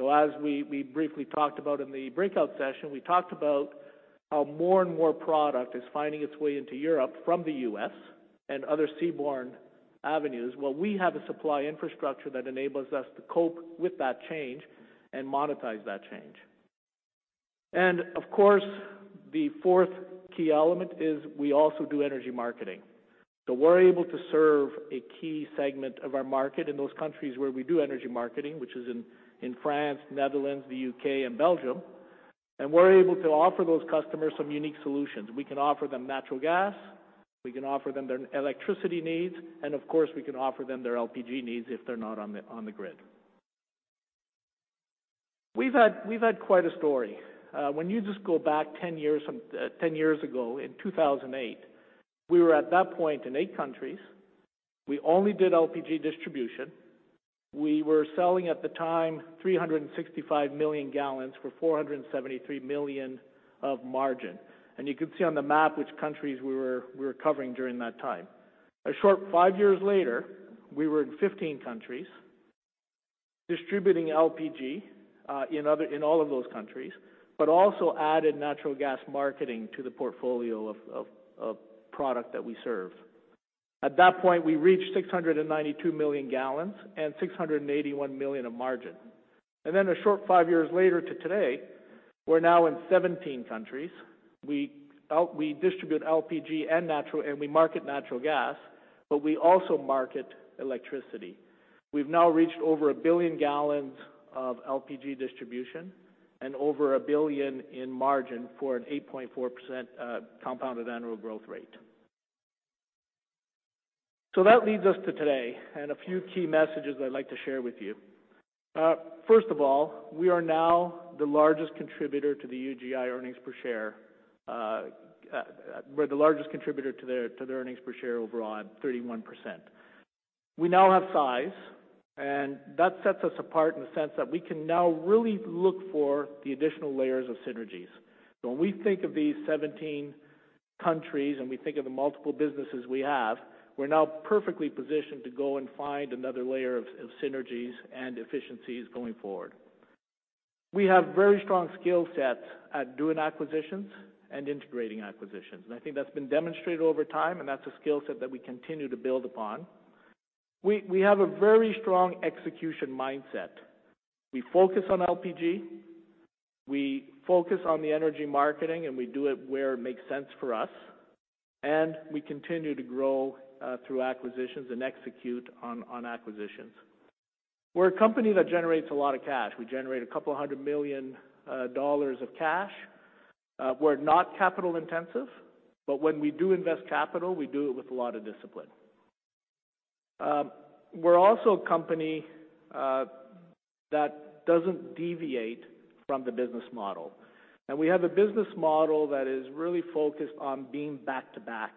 F: As we briefly talked about in the breakout session, we talked about how more and more product is finding its way into Europe from the U.S. and other seaborne avenues. Well, we have a supply infrastructure that enables us to cope with that change and monetize that change. Of course, the fourth key element is we also do energy marketing. We're able to serve a key segment of our market in those countries where we do energy marketing, which is in France, Netherlands, the U.K., and Belgium. We're able to offer those customers some unique solutions. We can offer them natural gas, we can offer them their electricity needs, and of course, we can offer them their LPG needs if they're not on the grid. We've had quite a story. When you just go back 10 years ago in 2008, we were at that point in eight countries. We only did LPG distribution. We were selling at the time 365 million gallons for $473 million of margin. You could see on the map which countries we were covering during that time. A short five years later, we were in 15 countries distributing LPG in all of those countries, but also added natural gas marketing to the portfolio of product that we serve. At that point, we reached 692 million gallons and $681 million of margin. And then a short five years later to today, we're now in 17 countries. We distribute LPG and we market natural gas, but we also market electricity. We've now reached over 1 billion gallons of LPG distribution and over $1 billion in margin for an 8.4% compounded annual growth rate. That leads us to today and a few key messages I'd like to share with you. First of all, we are now the largest contributor to the UGI earnings per share. We're the largest contributor to their earnings per share overall at 31%. We now have size, and that sets us apart in the sense that we can now really look for the additional layers of synergies. When we think of these 17 countries and we think of the multiple businesses we have, we're now perfectly positioned to go and find another layer of synergies and efficiencies going forward. We have very strong skill sets at doing acquisitions and integrating acquisitions, and I think that's been demonstrated over time, and that's a skill set that we continue to build upon. We have a very strong execution mindset. We focus on LPG, we focus on the energy marketing, and we do it where it makes sense for us, and we continue to grow through acquisitions and execute on acquisitions. We're a company that generates a lot of cash. We generate $200 million of cash. We're not capital-intensive, but when we do invest capital, we do it with a lot of discipline. We're also a company that doesn't deviate from the business model. We have a business model that is really focused on being back-to-back,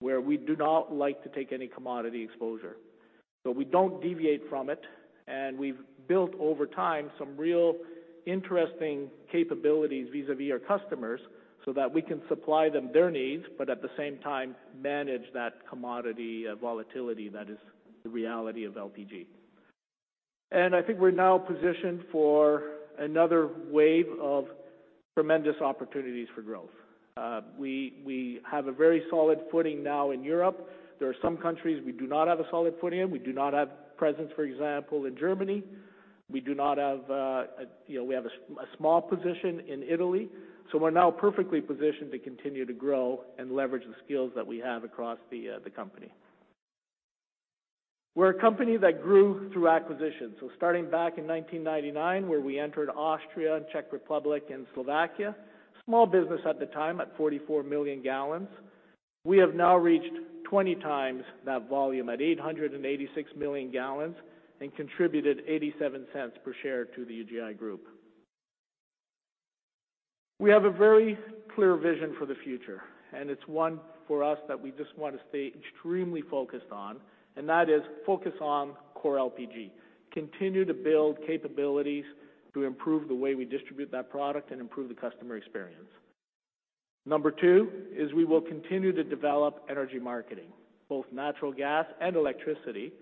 F: where we do not like to take any commodity exposure. We don't deviate from it, and we've built over time some real interesting capabilities vis-a-vis our customers so that we can supply them their needs, but at the same time, manage that commodity volatility that is the reality of LPG. I think we're now positioned for another wave of tremendous opportunities for growth. We have a very solid footing now in Europe. There are some countries we do not have a solid footing in. We do not have presence, for example, in Germany. We have a small position in Italy. We're now perfectly positioned to continue to grow and leverage the skills that we have across the company. We're a company that grew through acquisitions. Starting back in 1999, where we entered Austria, Czech Republic, and Slovakia, small business at the time at 44 million gallons. We have now reached 20 times that volume at 886 million gallons and contributed $0.87 per share to the UGI Group. We have a very clear vision for the future, and it's one for us that we just want to stay extremely focused on, and that is focus on core LPG. Continue to build capabilities to improve the way we distribute that product and improve the customer experience. Number 2 is we will continue to develop energy marketing, both natural gas and electricity.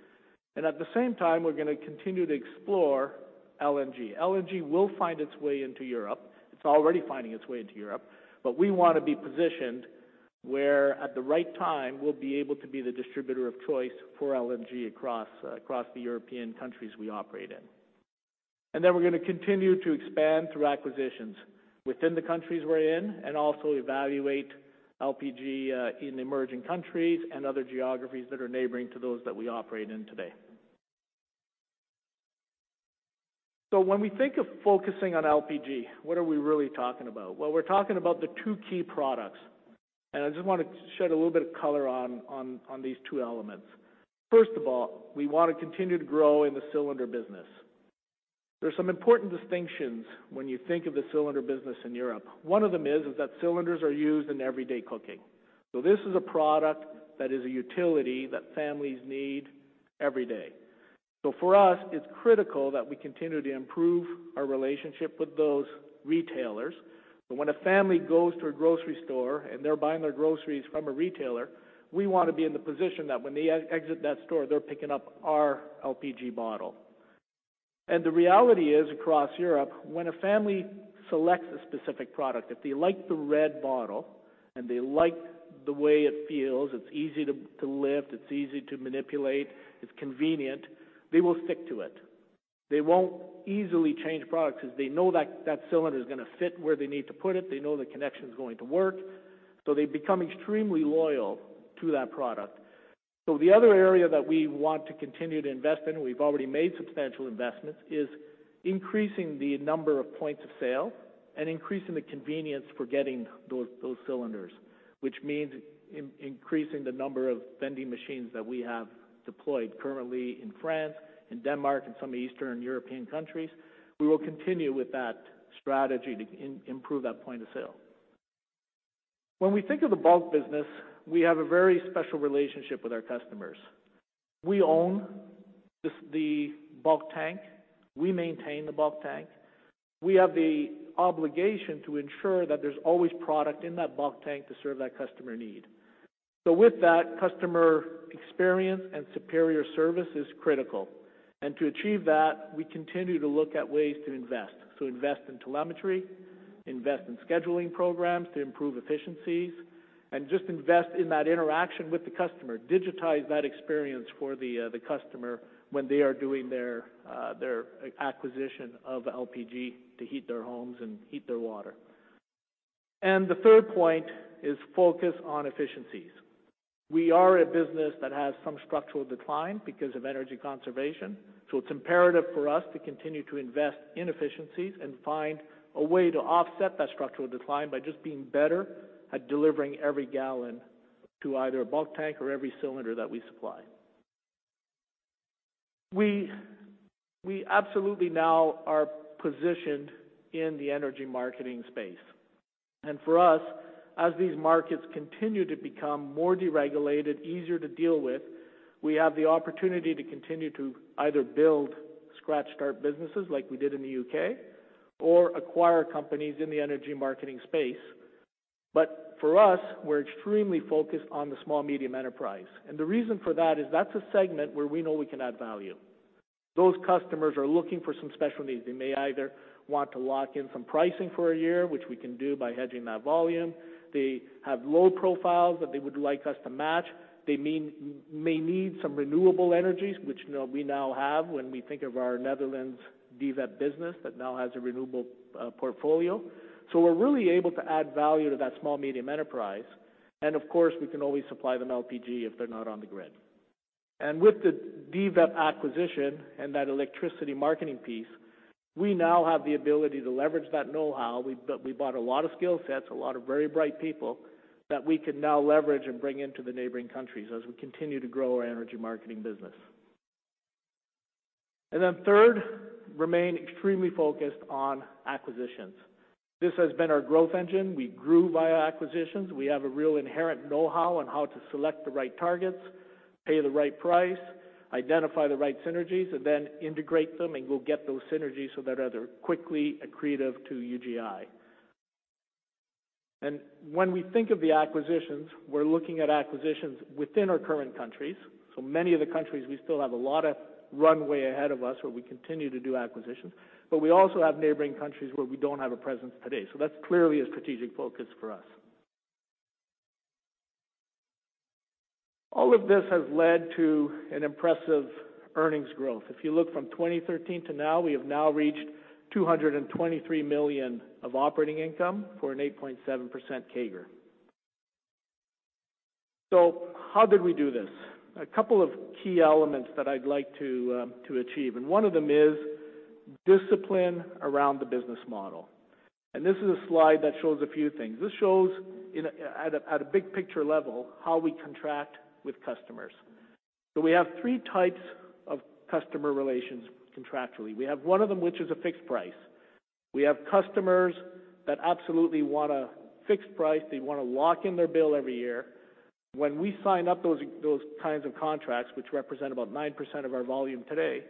F: At the same time, we're going to continue to explore LNG. LNG will find its way into Europe. It's already finding its way into Europe. We want to be positioned where at the right time, we'll be able to be the distributor of choice for LNG across the European countries we operate in. We're going to continue to expand through acquisitions within the countries we're in, and also evaluate LPG in emerging countries and other geographies that are neighboring to those that we operate in today. When we think of focusing on LPG, what are we really talking about? We're talking about the two key products, and I just want to shed a little bit of color on these two elements. First of all, we want to continue to grow in the cylinder business. There's some important distinctions when you think of the cylinder business in Europe. One of them is that cylinders are used in everyday cooking. This is a product that is a utility that families need every day. For us, it's critical that we continue to improve our relationship with those retailers. When a family goes to a grocery store and they're buying their groceries from a retailer, we want to be in the position that when they exit that store, they're picking up our LPG bottle. The reality is, across Europe, when a family selects a specific product, if they like the red bottle and they like the way it feels, it's easy to lift, it's easy to manipulate, it's convenient, they will stick to it. They won't easily change products because they know that that cylinder is going to fit where they need to put it. They know the connection is going to work. They become extremely loyal to that product. The other area that we want to continue to invest in, we've already made substantial investments, is increasing the number of points of sale and increasing the convenience for getting those cylinders, which means increasing the number of vending machines that we have deployed currently in France, in Denmark, and some Eastern European countries. We will continue with that strategy to improve that point of sale. When we think of the bulk business, we have a very special relationship with our customers. We own the bulk tank. We maintain the bulk tank. We have the obligation to ensure that there's always product in that bulk tank to serve that customer need. With that customer experience and superior service is critical. To achieve that, we continue to look at ways to invest, to invest in telemetry, invest in scheduling programs to improve efficiencies, and just invest in that interaction with the customer, digitize that experience for the customer when they are doing their acquisition of LPG to heat their homes and heat their water. The third point is focus on efficiencies. We are a business that has some structural decline because of energy conservation. It's imperative for us to continue to invest in efficiencies and find a way to offset that structural decline by just being better at delivering every gallon to either a bulk tank or every cylinder that we supply. We absolutely now are positioned in the energy marketing space. For us, as these markets continue to become more deregulated, easier to deal with, we have the opportunity to continue to either build scratch-start businesses like we did in the U.K. or acquire companies in the energy marketing space. For us, we're extremely focused on the small, medium enterprise. The reason for that is that's a segment where we know we can add value. Those customers are looking for some special needs. They may either want to lock in some pricing for a year, which we can do by hedging that volume. They have load profiles that they would like us to match. They may need some renewable energies, which we now have when we think of our Netherlands DVEP business that now has a renewable portfolio. We're really able to add value to that small, medium enterprise. Of course, we can always supply them LPG if they're not on the grid. With the DVEP acquisition and that electricity marketing piece, we now have the ability to leverage that know-how. We bought a lot of skill sets, a lot of very bright people that we can now leverage and bring into the neighboring countries as we continue to grow our energy marketing business. Third, remain extremely focused on acquisitions. This has been our growth engine. We grew via acquisitions. We have a real inherent know-how on how to select the right targets, pay the right price, identify the right synergies, and then integrate them and go get those synergies so that as they're quickly accretive to UGI. When we think of the acquisitions, we're looking at acquisitions within our current countries. Many of the countries, we still have a lot of runway ahead of us where we continue to do acquisitions, but we also have neighboring countries where we don't have a presence today. That's clearly a strategic focus for us. All of this has led to an impressive earnings growth. If you look from 2013 to now, we have now reached $223 million of operating income for an 8.7% CAGR. How did we do this? A couple of key elements that I'd like to achieve, one of them is discipline around the business model. This is a slide that shows a few things. This shows at a big picture level, how we contract with customers. We have 3 types of customer relations contractually. We have one of them, which is a fixed price. We have customers that absolutely want a fixed price. They want to lock in their bill every year. When we sign up those kinds of contracts, which represent about 9% of our volume today,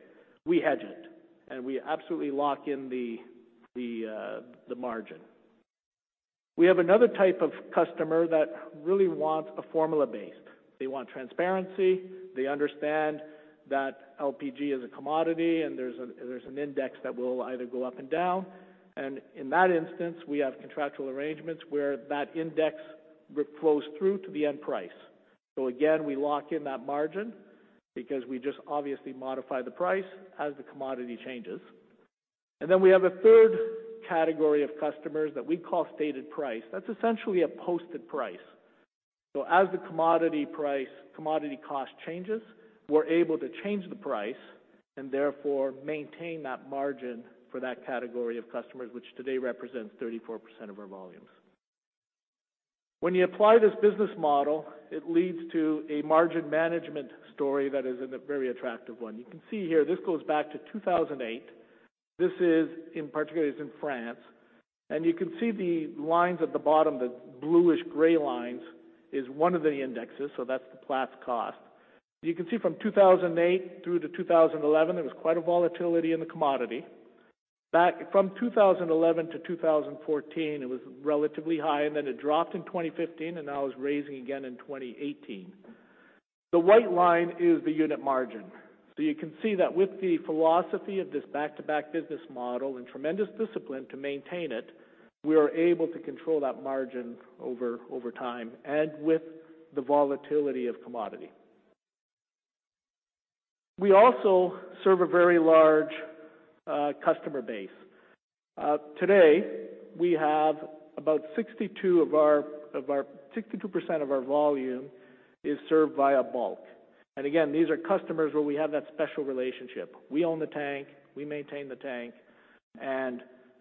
F: we hedge it, we absolutely lock in the margin. We have another type of customer that really wants a formula base. They want transparency. They understand that LPG is a commodity, there's an index that will either go up and down. In that instance, we have contractual arrangements where that index flows through to the end price. Again, we lock in that margin because we just obviously modify the price as the commodity changes. Then we have a 3rd category of customers that we call stated price. That's essentially a posted price. As the commodity cost changes, we're able to change the price and therefore maintain that margin for that category of customers, which today represents 34% of our volumes. When you apply this business model, it leads to a margin management story that is a very attractive one. You can see here, this goes back to 2008. This is in particular, is in France. You can see the lines at the bottom, the bluish-gray lines is one of the indexes, that's the Platts cost. You can see from 2008 through to 2011, there was quite a volatility in the commodity. Back from 2011 to 2014, it was relatively high, it dropped in 2015 and now is raising again in 2018. The white line is the unit margin. You can see that with the philosophy of this back-to-back business model and tremendous discipline to maintain it, we are able to control that margin over time with the volatility of commodity. We also serve a very large customer base. Today, we have about 62% of our volume is served via bulk. Again, these are customers where we have that special relationship. We own the tank, we maintain the tank,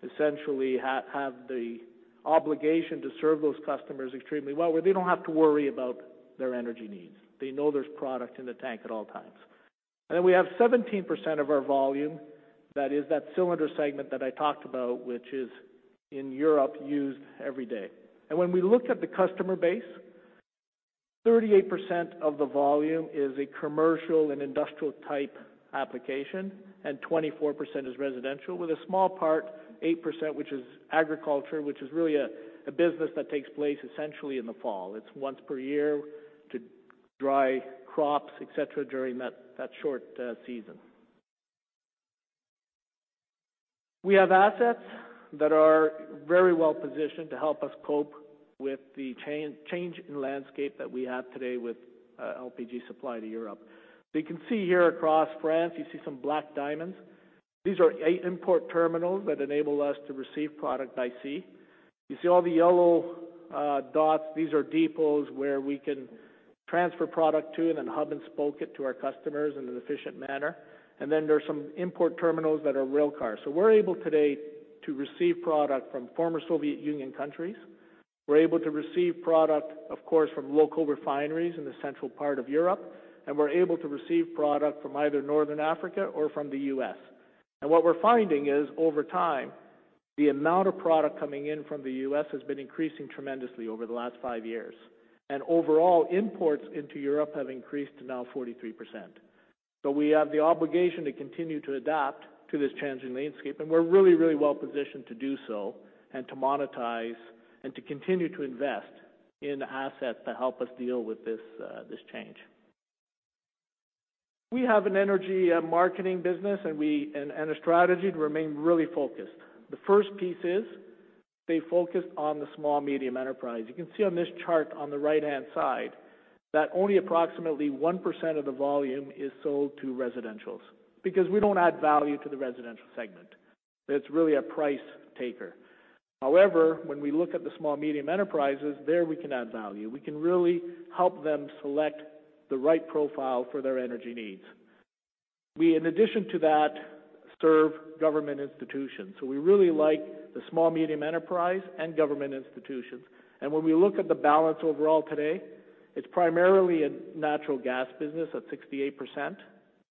F: essentially have the obligation to serve those customers extremely well, where they don't have to worry about their energy needs. They know there's product in the tank at all times. Then we have 17% of our volume that is that cylinder segment that I talked about, which is in Europe, used every day. When we look at the customer base, 38% of the volume is a commercial and industrial type application, and 24% is residential with a small part, 8%, which is agriculture, which is really a business that takes place essentially in the fall. It's once per year to dry crops, et cetera, during that short season. We have assets that are very well-positioned to help us cope with the change in landscape that we have today with LPG supply to Europe. You can see here across France, you see some black diamonds. These are 8 import terminals that enable us to receive product by sea. You see all the yellow dots. These are depots where we can transfer product to and then hub and spoke it to our customers in an efficient manner. Then there's some import terminals that are railcar. We're able today to receive product from former Soviet Union countries. We're able to receive product, of course, from local refineries in the central part of Europe, and we're able to receive product from either Northern Africa or from the U.S. What we're finding is over time, the amount of product coming in from the U.S. has been increasing tremendously over the last 5 years. Overall, imports into Europe have increased to now 43%. So we have the obligation to continue to adapt to this changing landscape, and we're really well-positioned to do so and to monetize and to continue to invest in assets to help us deal with this change. We have an energy marketing business and a strategy to remain really focused. The first piece is stay focused on the small-medium enterprise. You can see on this chart on the right-hand side that only approximately 1% of the volume is sold to residentials, because we don't add value to the residential segment. It's really a price taker. However, when we look at the small-medium enterprises, there, we can add value. We can really help them select the right profile for their energy needs. We, in addition to that, serve government institutions. We really like the small-medium enterprise and government institutions. When we look at the balance overall today, it's primarily a natural gas business at 68%,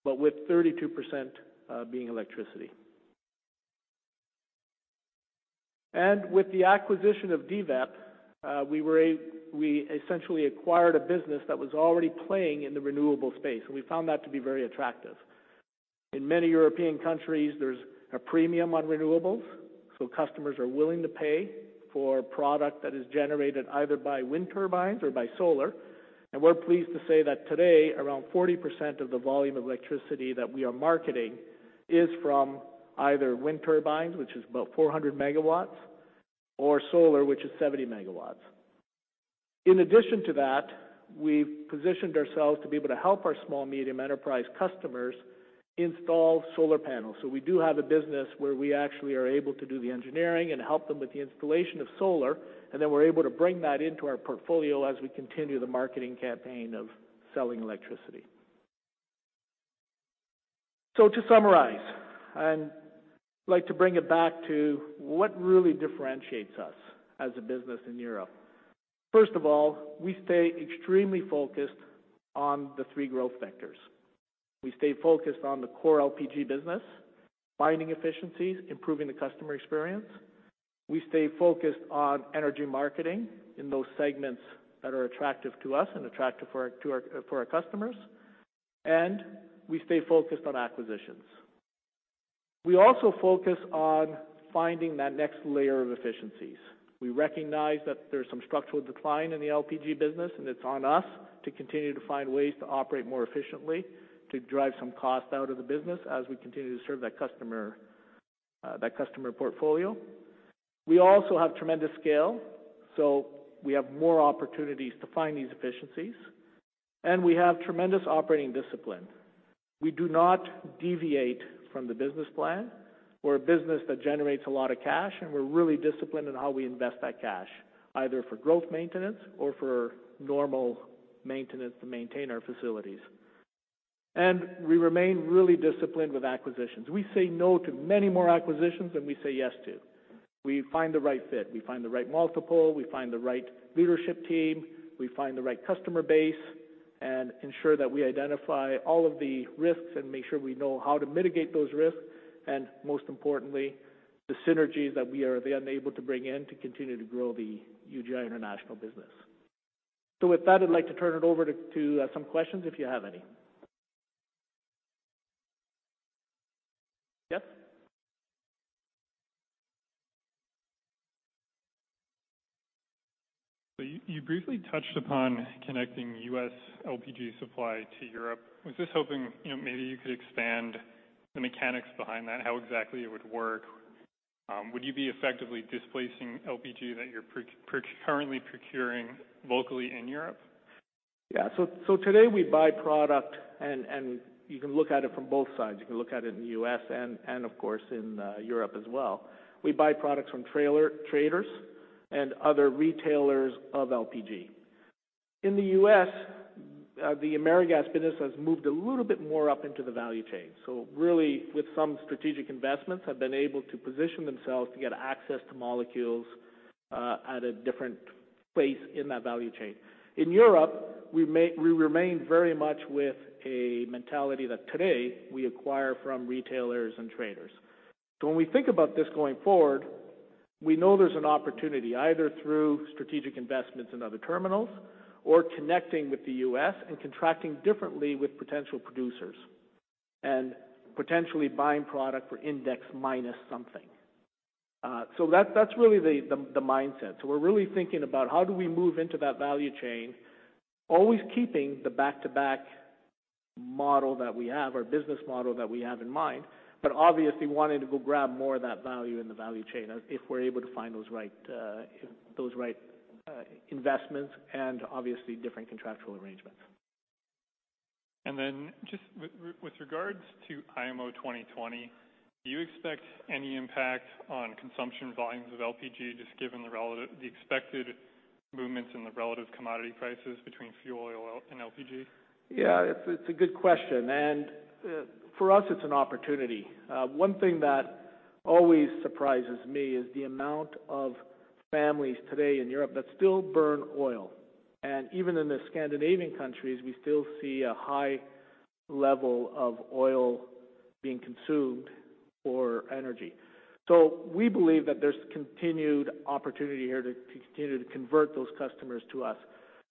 F: but with 32% being electricity. With the acquisition of DVEP, we essentially acquired a business that was already playing in the renewable space, and we found that to be very attractive. In many European countries, there's a premium on renewables, customers are willing to pay for product that is generated either by wind turbines or by solar. We're pleased to say that today, around 40% of the volume of electricity that we are marketing is from either wind turbines, which is about 400 MW, or solar, which is 70 MW. In addition to that, we've positioned ourselves to be able to help our small-medium enterprise customers install solar panels. We do have a business where we actually are able to do the engineering and help them with the installation of solar, and then we're able to bring that into our portfolio as we continue the marketing campaign of selling electricity. To summarize, I'd like to bring it back to what really differentiates us as a business in Europe. First of all, we stay extremely focused on the three growth vectors. We stay focused on the core LPG business, finding efficiencies, improving the customer experience. We stay focused on energy marketing in those segments that are attractive to us and attractive for our customers, and we stay focused on acquisitions. We also focus on finding that next layer of efficiencies. We recognize that there's some structural decline in the LPG business, and it's on us to continue to find ways to operate more efficiently, to drive some cost out of the business as we continue to serve that customer portfolio. We also have tremendous scale, so we have more opportunities to find these efficiencies, and we have tremendous operating discipline. We do not deviate from the business plan. We're a business that generates a lot of cash, and we're really disciplined in how we invest that cash, either for growth maintenance or for normal maintenance to maintain our facilities. We remain really disciplined with acquisitions. We say no to many more acquisitions than we say yes to. We find the right fit. We find the right multiple. We find the right leadership team. We find the right customer base and ensure that we identify all of the risks and make sure we know how to mitigate those risks, and most importantly, the synergies that we are then able to bring in to continue to grow the UGI International business. With that, I'd like to turn it over to some questions, if you have any. Yes.
C: You briefly touched upon connecting U.S. LPG supply to Europe. Was just hoping maybe you could expand the mechanics behind that, how exactly it would work. Would you be effectively displacing LPG that you're currently procuring locally in Europe?
F: Yeah. Today we buy product, and you can look at it from both sides. You can look at it in the U.S. and of course, in Europe as well. We buy products from traders and other retailers of LPG. In the U.S., the AmeriGas business has moved a little bit more up into the value chain. Really, with some strategic investments, have been able to position themselves to get access to molecules at a different place in that value chain. In Europe, we remain very much with a mentality that today we acquire from retailers and traders. When we think about this going forward, we know there's an opportunity, either through strategic investments in other terminals or connecting with the U.S. and contracting differently with potential producers, and potentially buying product for index minus something. That's really the mindset. We're really thinking about how do we move into that value chain, always keeping the back-to-back model that we have, our business model that we have in mind. Obviously wanting to go grab more of that value in the value chain, if we're able to find those right investments and obviously different contractual arrangements.
C: Just with regards to IMO 2020, do you expect any impact on consumption volumes of LPG, just given the expected movements in the relative commodity prices between fuel oil and LPG?
F: It's a good question. For us, it's an opportunity. One thing that always surprises me is the amount of families today in Europe that still burn oil. Even in the Scandinavian countries, we still see a high level of oil being consumed for energy. We believe that there's continued opportunity here to continue to convert those customers to us.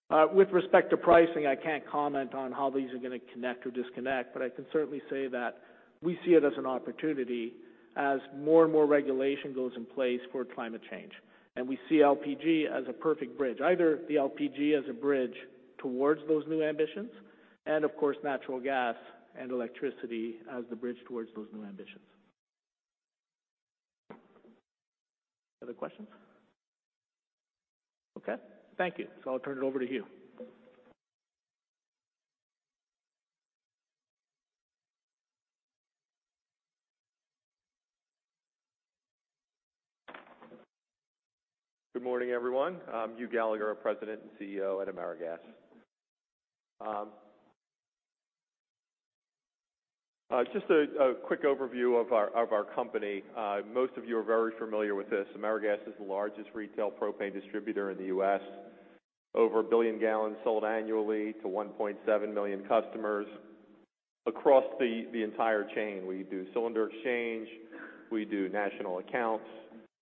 F: With respect to pricing, I can't comment on how these are going to connect or disconnect, I can certainly say that we see it as an opportunity as more and more regulation goes in place for climate change. We see LPG as a perfect bridge. Either the LPG as a bridge towards those new ambitions and, of course, natural gas and electricity as the bridge towards those new ambitions. Other questions? Okay, thank you. I'll turn it over to Hugh.
G: Good morning, everyone. I'm Hugh Gallagher, President and CEO at AmeriGas. Just a quick overview of our company. Most of you are very familiar with this. AmeriGas is the largest retail propane distributor in the U.S. Over 1 billion gallons sold annually to 1.7 million customers. Across the entire chain, we do cylinder exchange, we do national accounts,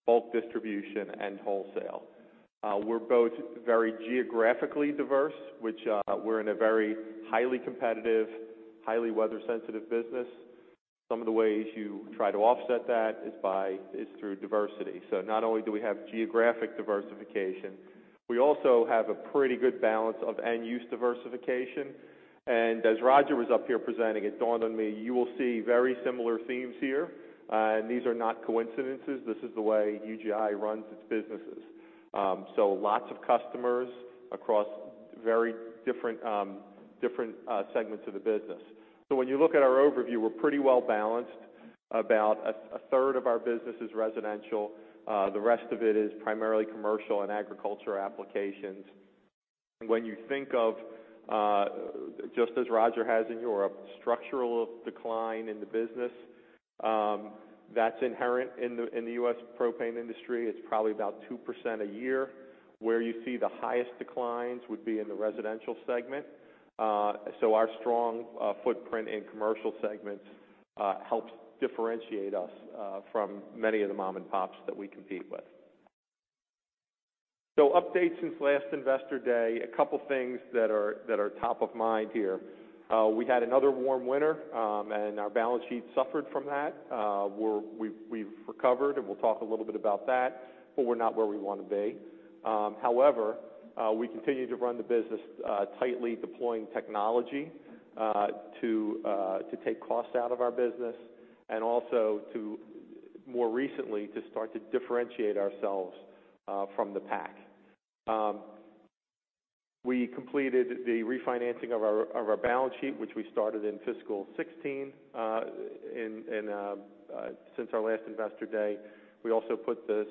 G: bulk distribution, and wholesale. We're both very geographically diverse, which we're in a very highly competitive, highly weather-sensitive business. Some of the ways you try to offset that is through diversity. Not only do we have geographic diversification, we also have a pretty good balance of end-use diversification. As Roger was up here presenting, it dawned on me, you will see very similar themes here. These are not coincidences. This is the way UGI runs its businesses. Lots of customers across very different segments of the business. When you look at our overview, we're pretty well-balanced. About a third of our business is residential. The rest of it is primarily commercial and agriculture applications. When you think of, just as Roger has in Europe, structural decline in the business, that's inherent in the U.S. propane industry. It's probably about 2% a year. Where you see the highest declines would be in the residential segment. Our strong footprint in commercial segments helps differentiate us from many of the mom and pops that we compete with. Updates since last Investor Day, a couple things that are top of mind here. We had another warm winter, and our balance sheet suffered from that. We've recovered, and we'll talk a little bit about that, but we're not where we want to be. However, we continue to run the business tightly deploying technology to take costs out of our business and also more recently, to start to differentiate ourselves from the pack. We completed the refinancing of our balance sheet, which we started in fiscal 2016. Since our last Investor Day, we also put the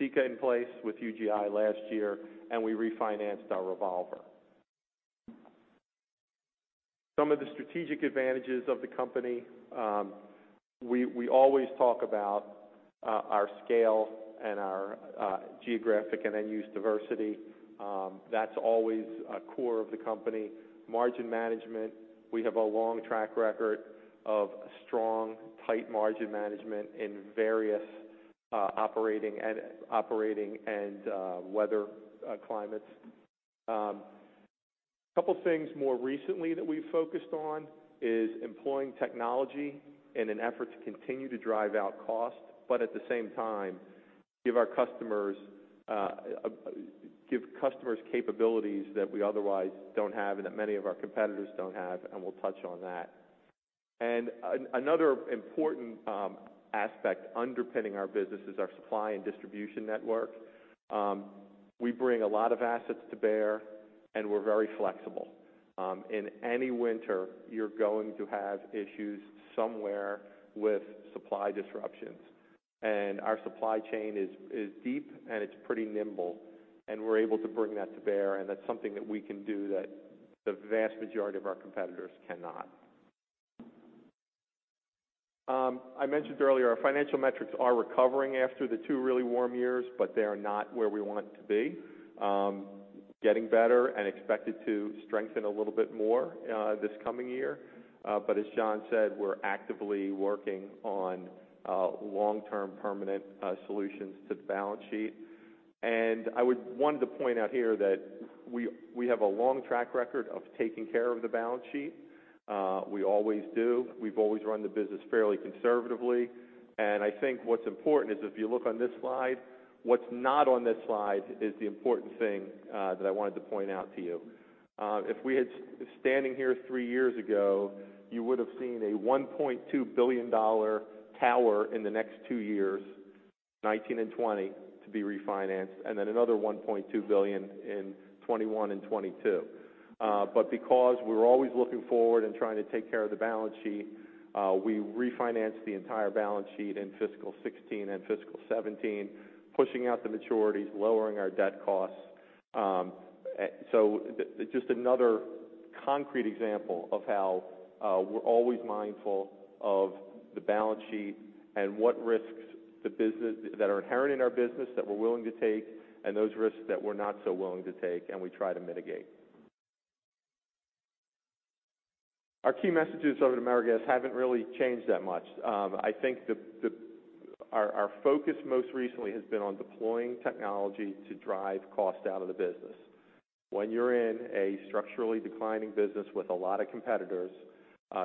G: CECA in place with UGI last year, and we refinanced our revolver. Some of the strategic advantages of the company. We always talk about our scale and our geographic and end-use diversity. That's always a core of the company. Margin management. We have a long track record of strong, tight margin management in various operating and weather climates. Couple things more recently that we've focused on is employing technology in an effort to continue to drive out cost, but at the same time, give customers capabilities that we otherwise don't have and that many of our competitors don't have, and we'll touch on that. Another important aspect underpinning our business is our supply and distribution network. We bring a lot of assets to bear, and we're very flexible. In any winter, you're going to have issues somewhere with supply disruptions. Our supply chain is deep, and it's pretty nimble, and we're able to bring that to bear, and that's something that we can do that the vast majority of our competitors cannot. I mentioned earlier, our financial metrics are recovering after the two really warm years, but they are not where we want to be. Getting better and expected to strengthen a little bit more this coming year. As John said, we're actively working on long-term permanent solutions to the balance sheet. I would want to point out here that we have a long track record of taking care of the balance sheet. We always do. We've always run the business fairly conservatively. I think what's important is if you look on this slide, what's not on this slide is the important thing that I wanted to point out to you. If we had standing here three years ago, you would've seen a $1.2 billion tower in the next two years, 2019 and 2020, to be refinanced, and then another $1.2 billion in 2021 and 2022. Because we're always looking forward and trying to take care of the balance sheet, we refinanced the entire balance sheet in fiscal 2016 and fiscal 2017, pushing out the maturities, lowering our debt costs. Just another concrete example of how we're always mindful of the balance sheet and what risks that are inherent in our business that we're willing to take, and those risks that we're not so willing to take, and we try to mitigate. Our key messages over at AmeriGas haven't really changed that much. I think our focus most recently has been on deploying technology to drive cost out of the business. When you're in a structurally declining business with a lot of competitors,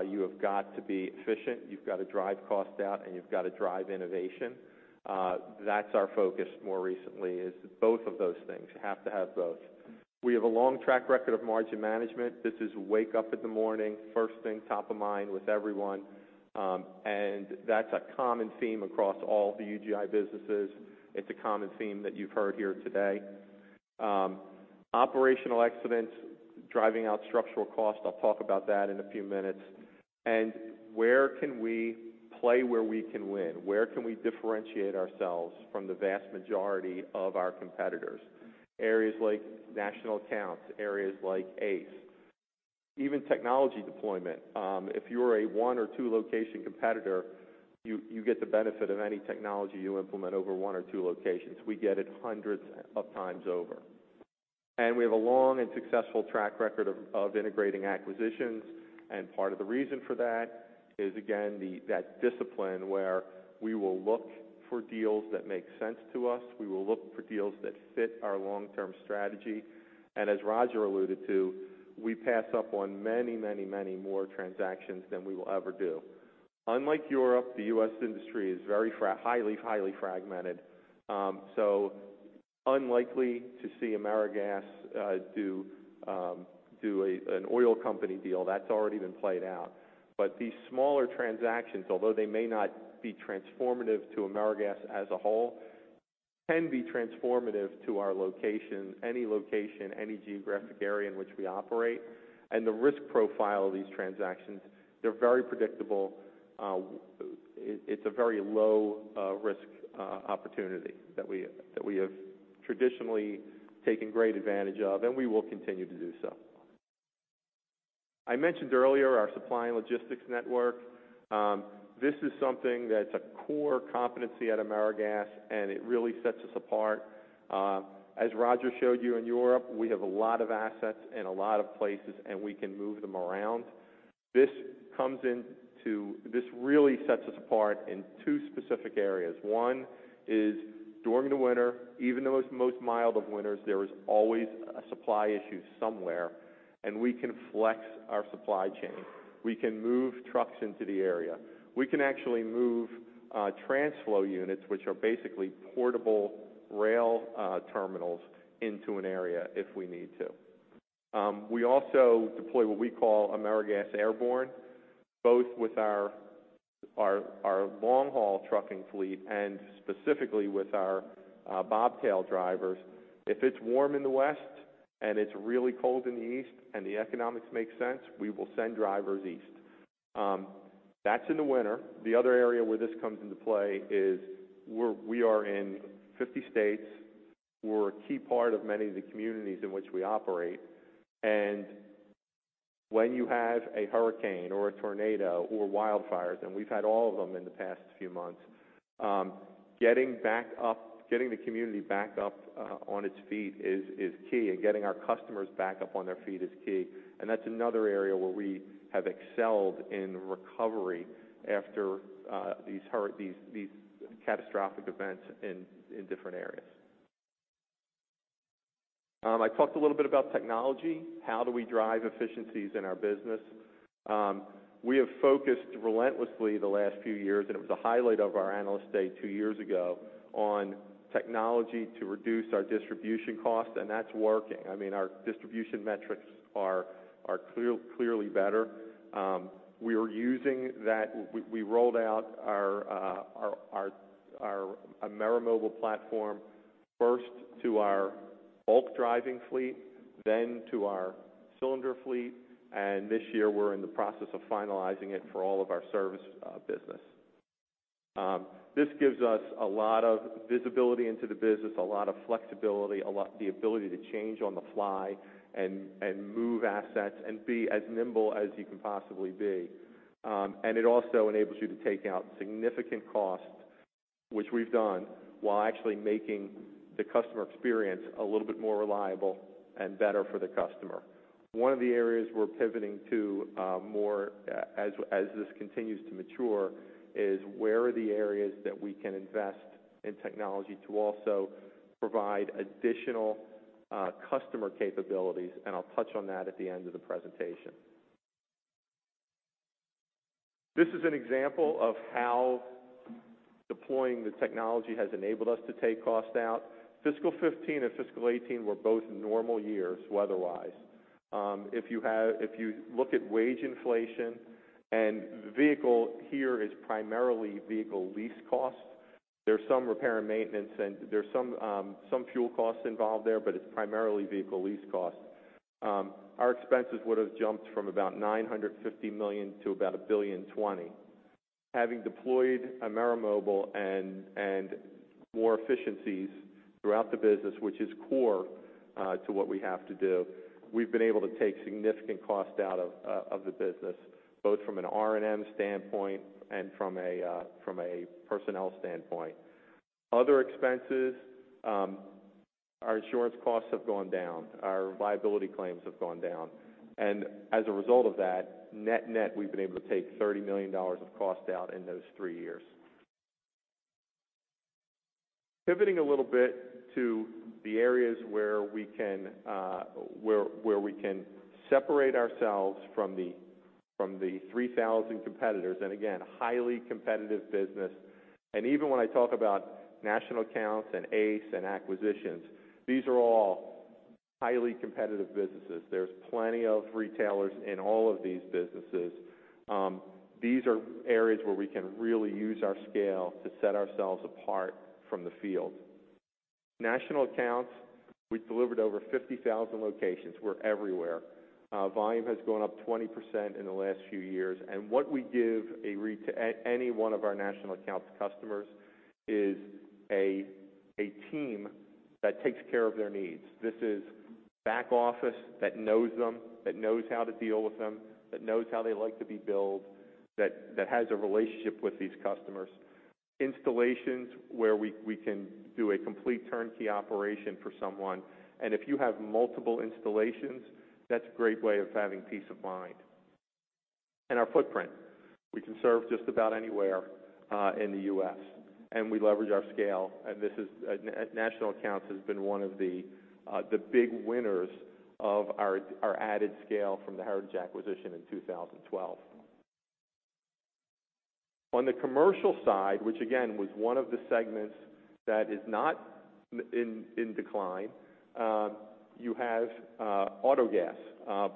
G: you have got to be efficient, you've got to drive cost out, and you've got to drive innovation. That's our focus more recently is both of those things. You have to have both. We have a long track record of margin management. This is wake up in the morning, first thing, top of mind with everyone. That's a common theme across all of the UGI businesses. It's a common theme that you've heard here today. Operational excellence, driving out structural cost, I'll talk about that in a few minutes. Where can we play where we can win? Where can we differentiate ourselves from the vast majority of our competitors? Areas like national accounts. Areas like ACE. Even technology deployment. If you're a one or two-location competitor, you get the benefit of any technology you implement over one or two locations. We get it hundreds of times over. We have a long and successful track record of integrating acquisitions. Part of the reason for that is, again, that discipline where we will look for deals that make sense to us. We will look for deals that fit our long-term strategy. As Roger alluded to, we pass up on many, many, many more transactions than we will ever do. Unlike Europe, the U.S. industry is very highly fragmented. Unlikely to see AmeriGas do an oil company deal. That's already been played out. These smaller transactions, although they may not be transformative to AmeriGas as a whole, can be transformative to our location, any location, any geographic area in which we operate. The risk profile of these transactions, they're very predictable. It's a very low-risk opportunity that we have traditionally taken great advantage of, and we will continue to do so. I mentioned earlier our supply and logistics network. This is something that's a core competency at AmeriGas, and it really sets us apart. As Roger showed you in Europe, we have a lot of assets in a lot of places, and we can move them around. This really sets us apart in two specific areas. One is during the winter. Even the most mild of winters, there is always a supply issue somewhere, and we can flex our supply chain. We can move trucks into the area. We can actually move TransFlow units, which are basically portable rail terminals, into an area if we need to. We also deploy what we call AmeriGas Airborne, both with our long-haul trucking fleet and specifically with our bobtail drivers. If it's warm in the West and it's really cold in the East, and the economics make sense, we will send drivers East. That's in the winter. When you have a hurricane or a tornado or wildfires, and we've had all of them in the past few months, getting the community back up on its feet is key, and getting our customers back up on their feet is key. That's another area where we have excelled in recovery after these catastrophic events in different areas. I talked a little bit about technology. How do we drive efficiencies in our business? We have focused relentlessly the last few years, and it was a highlight of our Analyst Day two years ago, on technology to reduce our distribution cost, and that's working. Our distribution metrics are clearly better. We rolled out our AmeriMobile platform first to our bulk driving fleet, then to our cylinder fleet, and this year, we're in the process of finalizing it for all of our service business. This gives us a lot of visibility into the business, a lot of flexibility, the ability to change on the fly and move assets and be as nimble as you can possibly be. It also enables you to take out significant cost, which we've done, while actually making the customer experience a little bit more reliable and better for the customer. One of the areas we're pivoting to more as this continues to mature is where are the areas that we can invest in technology to also provide additional customer capabilities, and I'll touch on that at the end of the presentation. This is an example of how deploying the technology has enabled us to take cost out. Fiscal 2015 and Fiscal 2018 were both normal years weather-wise. If you look at wage inflation, and vehicle here is primarily vehicle lease costs. There's some repair and maintenance, and there's some fuel costs involved there, but it's primarily vehicle lease costs. Our expenses would have jumped from about $950 million to about $1,020 million. Having deployed AmeriMobile and more efficiencies throughout the business, which is core to what we have to do. We've been able to take significant cost out of the business, both from an R&M standpoint and from a personnel standpoint. Other expenses, our insurance costs have gone down, our liability claims have gone down. As a result of that, net-net, we've been able to take $30 million of cost out in those three years. Pivoting a little bit to the areas where we can separate ourselves from the 3,000 competitors. Again, highly competitive business. Even when I talk about national accounts and ACE and acquisitions, these are all highly competitive businesses. There's plenty of retailers in all of these businesses. These are areas where we can really use our scale to set ourselves apart from the field. National accounts, we've delivered over 50,000 locations. We're everywhere. Volume has gone up 20% in the last few years. What we give any one of our national accounts customers is a team that takes care of their needs. This is back office that knows them, that knows how to deal with them, that knows how they like to be billed, that has a relationship with these customers. Installations where we can do a complete turnkey operation for someone. If you have multiple installations, that's a great way of having peace of mind. Our footprint, we can serve just about anywhere in the U.S., and we leverage our scale. National accounts has been one of the big winners of our added scale from the Heritage acquisition in 2012. On the commercial side, which again, was one of the segments that is not in decline, you have auto gas.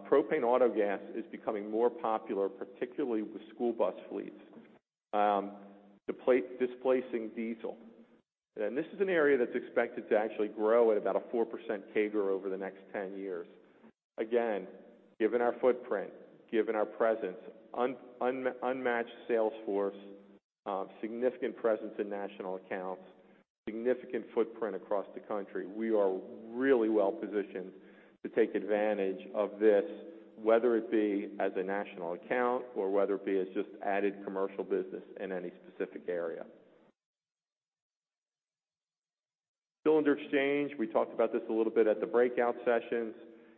G: Propane auto gas is becoming more popular, particularly with school bus fleets, displacing diesel. This is an area that's expected to actually grow at about a 4% CAGR over the next 10 years. Again, given our footprint, given our presence, unmatched sales force, significant presence in national accounts, significant footprint across the country, we are really well-positioned to take advantage of this, whether it be as a national account or whether it be as just added commercial business in any specific area. Cylinder exchange, we talked about this a little bit at the breakout sessions.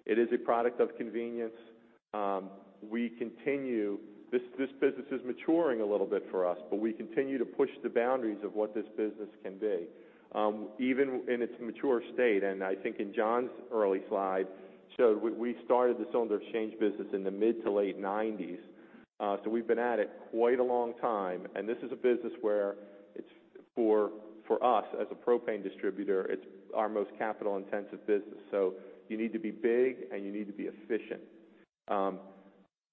G: It is a product of convenience. This business is maturing a little bit for us, but we continue to push the boundaries of what this business can be. Even in its mature state, and I think in John's early slide, showed we started the cylinder exchange business in the mid to late '90s. We've been at it quite a long time, and this is a business where it's for us, as a propane distributor, it's our most capital-intensive business. You need to be big, and you need to be efficient.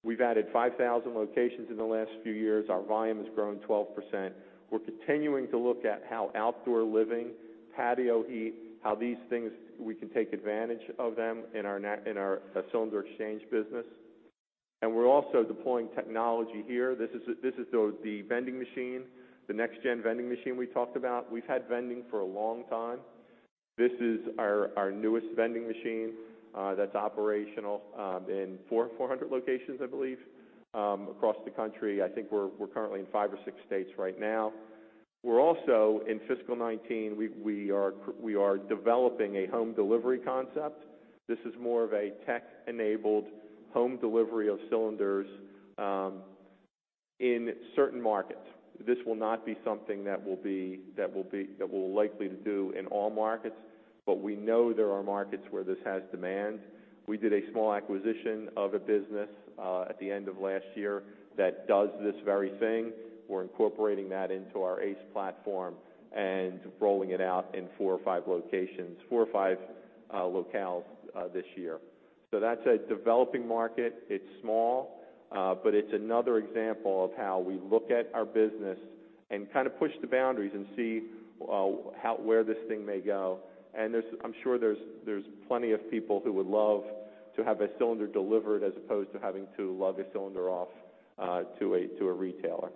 G: We've added 5,000 locations in the last few years. Our volume has grown 12%. We're continuing to look at how outdoor living, patio heat, how these things, we can take advantage of them in our cylinder exchange business. We're also deploying technology here. This is the vending machine, the next-gen vending machine we talked about. We've had vending for a long time. This is our newest vending machine that's operational in 400 locations, I believe, across the country. I think we're currently in five or six states right now. Also, in fiscal 2019, we are developing a home delivery concept. This is more of a tech-enabled home delivery of cylinders in certain markets. This will not be something that we'll likely to do in all markets, but we know there are markets where this has demand. We did a small acquisition of a business at the end of last year that does this very thing. We're incorporating that into our ACE platform and rolling it out in four or five locations, four or five locales this year. That's a developing market. It's small, but it's another example of how we look at our business and kind of push the boundaries and see where this thing may go. I'm sure there's plenty of people who would love to have a cylinder delivered as opposed to having to lug a cylinder off to a retailer.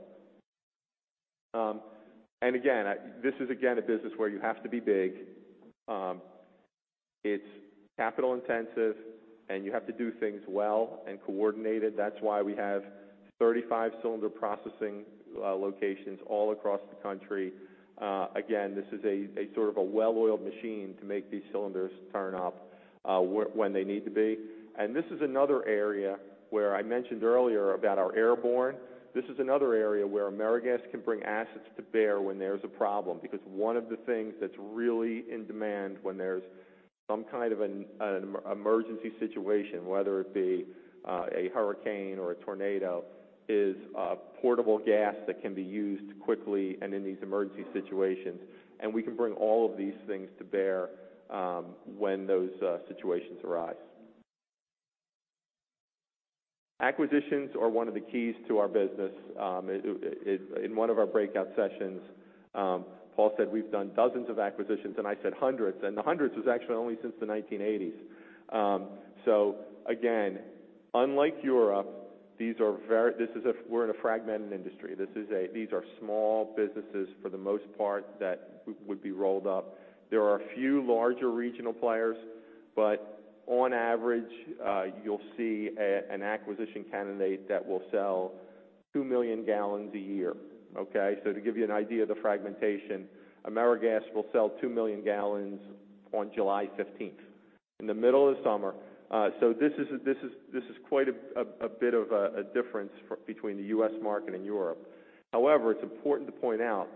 G: Again, this is again, a business where you have to be big. It's capital-intensive, and you have to do things well and coordinated. That's why we have 35 cylinder processing locations all across the country. This is a sort of a well-oiled machine to make these cylinders turn up when they need to be. This is another area where I mentioned earlier about our AmeriGas Airborne. This is another area where AmeriGas can bring assets to bear when there's a problem. One of the things that's really in demand when there's some kind of an emergency situation, whether it be a hurricane or a tornado, is portable gas that can be used quickly and in these emergency situations. We can bring all of these things to bear when those situations arise. Acquisitions are one of the keys to our business. In one of our breakout sessions, Paul said we've done dozens of acquisitions, I said hundreds. The hundreds was actually only since the 1980s. Again, unlike Europe, we're in a fragmented industry. These are small businesses for the most part that would be rolled up. There are a few larger regional players, on average, you'll see an acquisition candidate that will sell 2 million gallons a year. To give you an idea of the fragmentation, AmeriGas will sell 2 million gallons on July 15th, in the middle of summer. This is quite a bit of a difference between the U.S. market and Europe. However, it's important to point out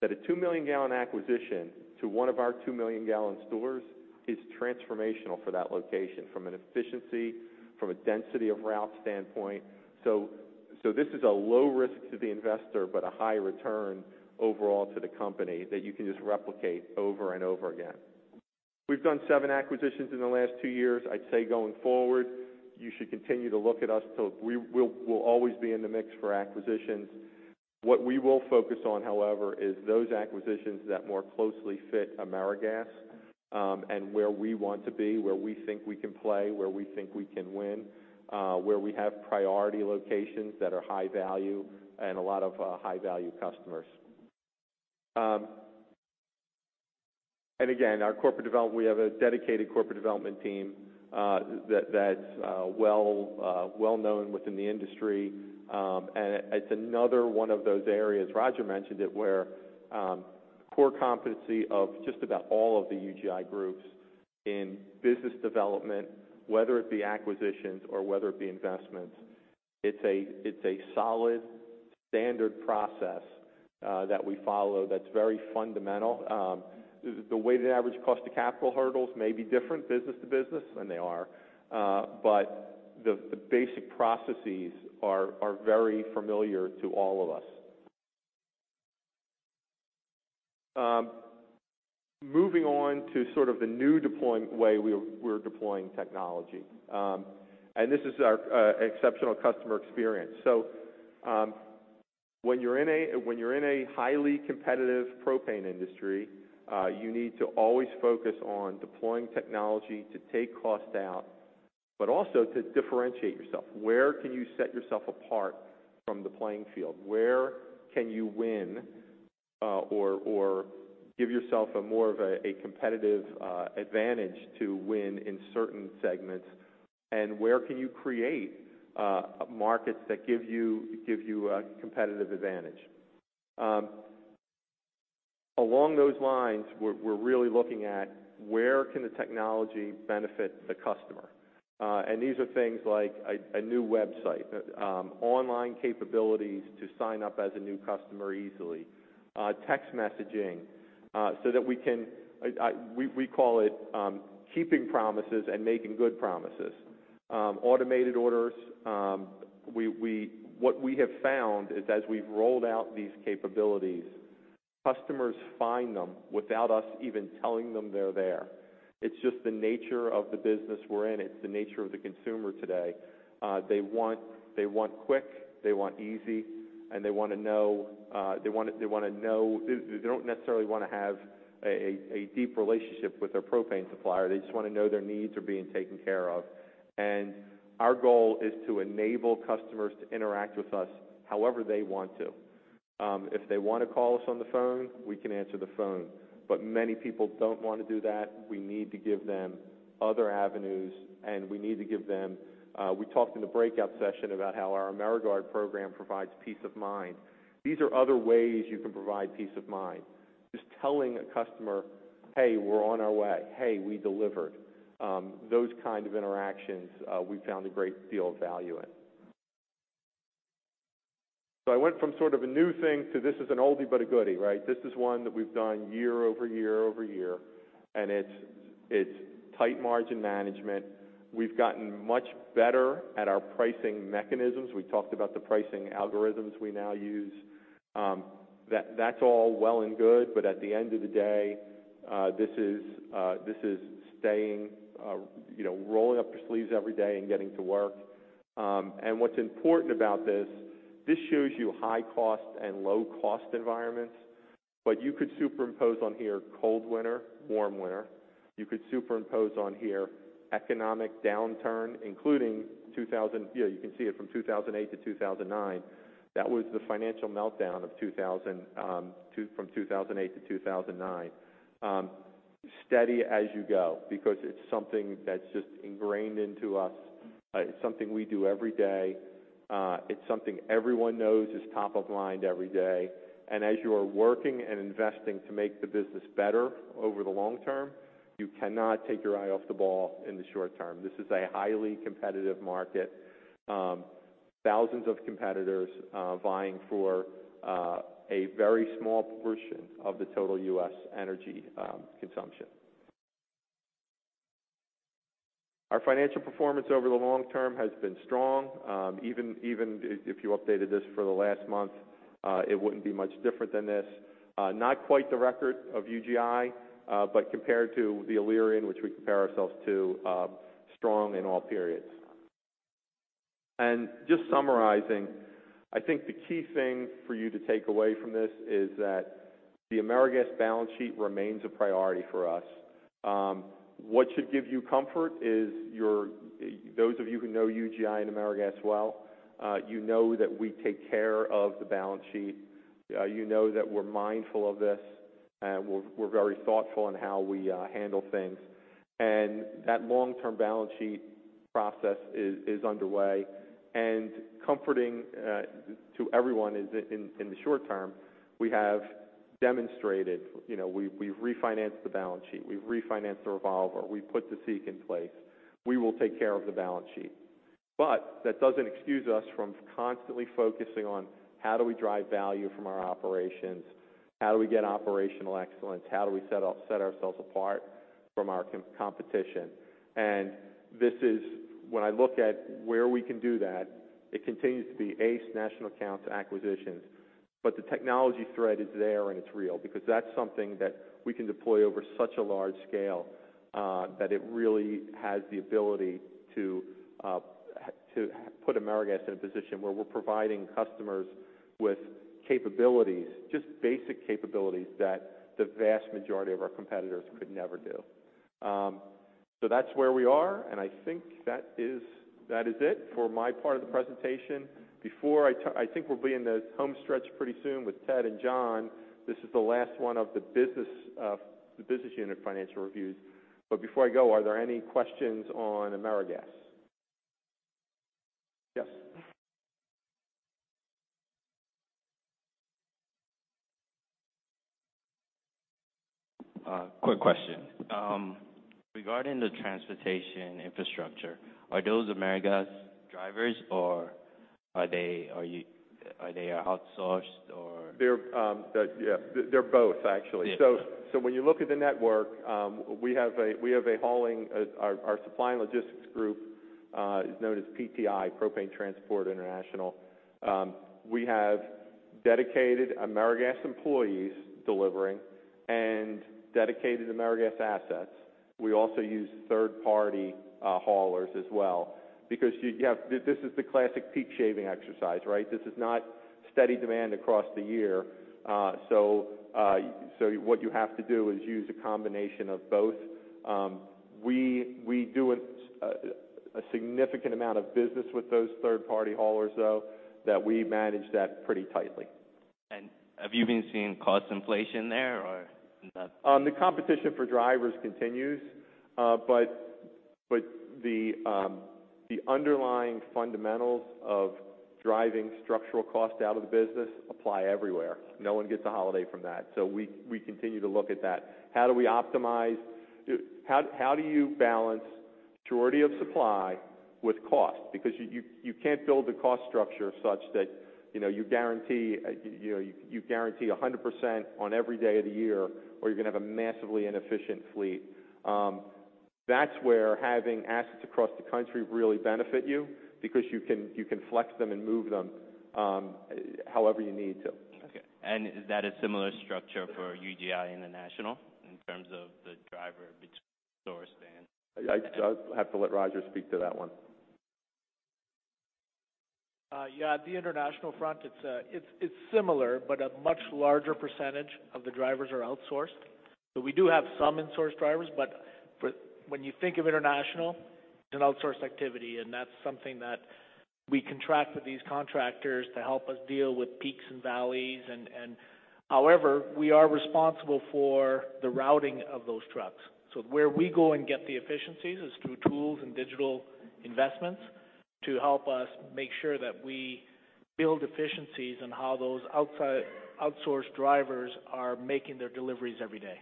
G: that a 2 million gallon acquisition to one of our 2 million gallon stores is transformational for that location from an efficiency, from a density of route standpoint. This is a low risk to the investor, a high return overall to the company that you can just replicate over and over again. We've done seven acquisitions in the last two years. I'd say going forward, you should continue to look at us. We'll always be in the mix for acquisitions. What we will focus on, however, is those acquisitions that more closely fit AmeriGas, where we want to be, where we think we can play, where we think we can win, where we have priority locations that are high value a lot of high-value customers. Again, our corporate development. We have a dedicated corporate development team that's well known within the industry. It's another one of those areas, Roger mentioned it, where core competency of just about all of the UGI groups in business development, whether it be acquisitions or whether it be investments. It's a solid standard process that we follow that's very fundamental. The weighted average cost of capital hurdles may be different business to business, they are. The basic processes are very familiar to all of us. Moving on to sort of the new way we're deploying technology. This is our exceptional customer experience. When you're in a highly competitive propane industry, you need to always focus on deploying technology to take cost out, also to differentiate yourself. Where can you set yourself apart from the playing field? Where can you win, give yourself more of a competitive advantage to win in certain segments? Where can you create markets that give you a competitive advantage? Along those lines, we're really looking at where can the technology benefit the customer. These are things like a new website. Online capabilities to sign up as a new customer easily. Text messaging, we call it keeping promises making good promises. Automated orders. What we have found is as we've rolled out these capabilities, customers find them without us even telling them they're there. It's just the nature of the business we're in. It's the nature of the consumer today. They want quick, they want easy, and they don't necessarily want to have a deep relationship with their propane supplier. They just want to know their needs are being taken care of. Our goal is to enable customers to interact with us however they want to. If they want to call us on the phone, we can answer the phone. Many people don't want to do that. We need to give them other avenues. We talked in the breakout session about how our AmeriGuard program provides peace of mind. These are other ways you can provide peace of mind. Just telling a customer, "Hey, we're on our way. Hey, we delivered." Those kind of interactions, we found a great deal of value in. I went from sort of a new thing to this is an oldie but a goodie, right? This is one that we've done year-over-year over year, and it's tight margin management. We've gotten much better at our pricing mechanisms. We talked about the pricing algorithms we now use. That's all well and good, but at the end of the day, this is rolling up your sleeves every day and getting to work. What's important about this shows you high-cost and low-cost environments. You could superimpose on here, cold winter, warm winter. You could superimpose on here economic downturn, including, you can see it from 2008 to 2009. That was the financial meltdown from 2008 to 2009. Steady as you go, because it's something that's just ingrained into us. It's something we do every day. It's something everyone knows is top of mind every day. As you are working and investing to make the business better over the long term, you cannot take your eye off the ball in the short term. This is a highly competitive market. Thousands of competitors vying for a very small portion of the total U.S. energy consumption. Our financial performance over the long term has been strong. Even if you updated this for the last month, it wouldn't be much different than this. Not quite the record of UGI. Compared to the Alerian, which we compare ourselves to, strong in all periods. And just summarizing, I think the key thing for you to take away from this is that the AmeriGas balance sheet remains a priority for us. What should give you comfort is those of you who know UGI and AmeriGas well, you know that we take care of the balance sheet. You know that we're mindful of this, we're very thoughtful in how we handle things. That long-term balance sheet process is underway. Comforting to everyone in the short term, we have demonstrated. We've refinanced the balance sheet. We've refinanced the revolver. We put the SEEK in place. We will take care of the balance sheet. That doesn't excuse us from constantly focusing on how do we drive value from our operations? How do we get operational excellence? How do we set ourselves apart from our competition? When I look at where we can do that, it continues to be ACE National Accounts acquisitions. The technology thread is there, and it's real because that's something that we can deploy over such a large scale, that it really has the ability to put AmeriGas in a position where we're providing customers with capabilities, just basic capabilities that the vast majority of our competitors could never do. That's where we are, and I think that is it for my part of the presentation. I think we'll be in the home stretch pretty soon with Ted and John. This is the last one of the business unit financial reviews. Before I go, are there any questions on AmeriGas? Yes.
H: Quick question. Regarding the transportation infrastructure, are those AmeriGas drivers, or are they outsourced or?
G: They're both, actually.
H: Yeah.
G: When you look at the network, our supply and logistics group is known as PTI, Propane Transport International. We have dedicated AmeriGas employees delivering and dedicated AmeriGas assets. We also use third-party haulers as well because this is the classic peak shaving exercise. This is not steady demand across the year. What you have to do is use a combination of both. We do a significant amount of business with those third-party haulers, though, that we manage that pretty tightly.
H: Have you been seeing cost inflation there or not?
G: The competition for drivers continues. The underlying fundamentals of driving structural cost out of the business apply everywhere. No one gets a holiday from that. We continue to look at that. How do we optimize? How do you balance security of supply with cost? You can't build a cost structure such that you guarantee 100% on every day of the year, or you're going to have a massively inefficient fleet. That's where having assets across the country really benefit you because you can flex them and move them however you need to.
H: Okay. Is that a similar structure for UGI International in terms of the driver between source and-
G: I have to let Roger speak to that one.
F: At the international front, it's similar, but a much larger percentage of the drivers are outsourced. We do have some in-source drivers, but when you think of international, it's an outsourced activity, and that's something that we contract with these contractors to help us deal with peaks and valleys. However, we are responsible for the routing of those trucks. Where we go and get the efficiencies is through tools and digital investments to help us make sure that we build efficiencies on how those outsourced drivers are making their deliveries every day.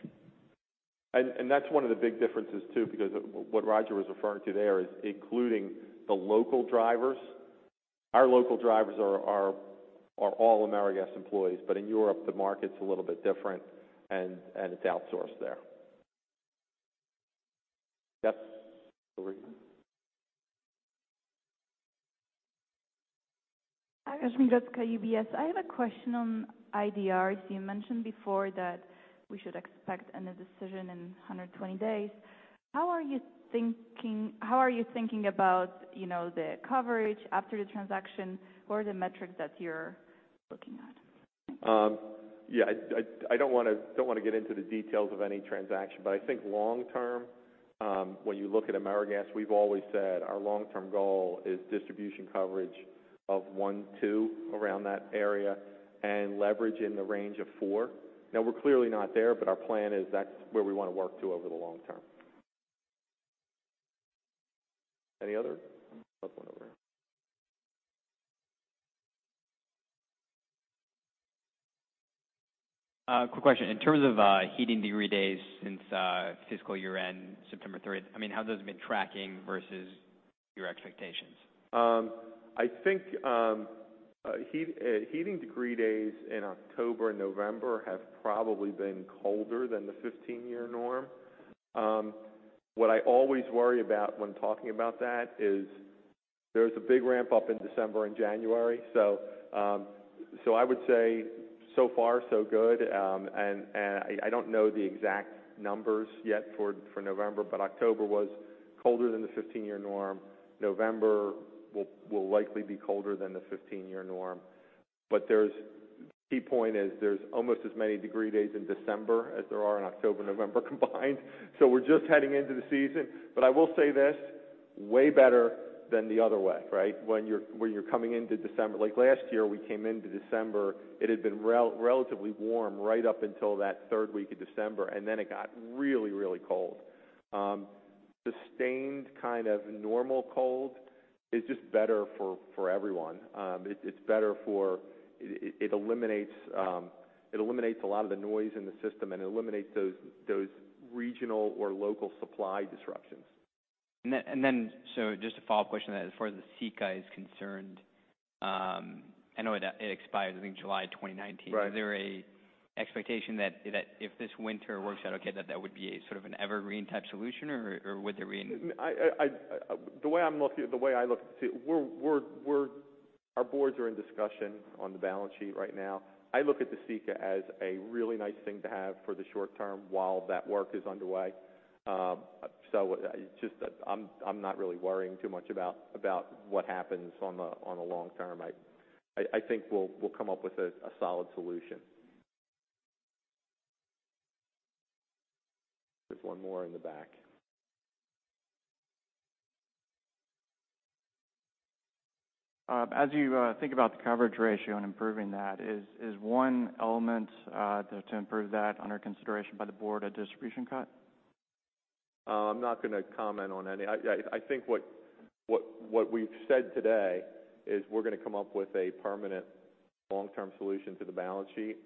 G: That's one of the big differences, too, because what Roger was referring to there is including the local drivers. Our local drivers are all AmeriGas employees. In Europe, the market's a little bit different, and it's outsourced there. Yep. Over here.
C: Hi. Jasmina Grcar, UBS. I have a question on IDR. You mentioned before that we should expect a decision in 120 days. How are you thinking about the coverage after the transaction, or the metrics that you're looking at?
G: I don't want to get into the details of any transaction. I think long term, when you look at AmeriGas, we've always said our long-term goal is distribution coverage of one, two, around that area, and leverage in the range of four. We're clearly not there, but our plan is that's where we want to work to over the long term. Any other? There's one over here.
I: Quick question. In terms of heating degree days since fiscal year-end, September 30th, how have those been tracking versus your expectations?
G: I think heating degree days in October and November have probably been colder than the 15-year norm. What I always worry about when talking about that is there's a big ramp-up in December and January. I would say so far so good. I don't know the exact numbers yet for November, October was colder than the 15-year norm. November will likely be colder than the 15-year norm. The key point is there's almost as many degree days in December as there are in October, November combined. We're just heading into the season. I will say this, way better than the other way, right? When you're coming into December, like last year, we came into December, it had been relatively warm right up until that third week of December, and then it got really, really cold. Sustained kind of normal cold is just better for everyone. It eliminates a lot of the noise in the system and it eliminates those regional or local supply disruptions.
I: Just a follow-up question. As far as the CECA is concerned, I know it expires I think July 2019.
G: Right.
I: Is there an expectation that if this winter works out okay, that would be a sort of an evergreen type solution? Or would there be any?
G: The way I look at it, our boards are in discussion on the balance sheet right now. I look at the CECA as a really nice thing to have for the short term while that work is underway. I'm not really worrying too much about what happens on the long term. I think we'll come up with a solid solution. There's one more in the back.
J: As you think about the coverage ratio and improving that, is one element to improve that under consideration by the board a distribution cut?
G: I'm not going to comment. I think what we've said today is we're going to come up with a permanent long-term solution to the balance sheet.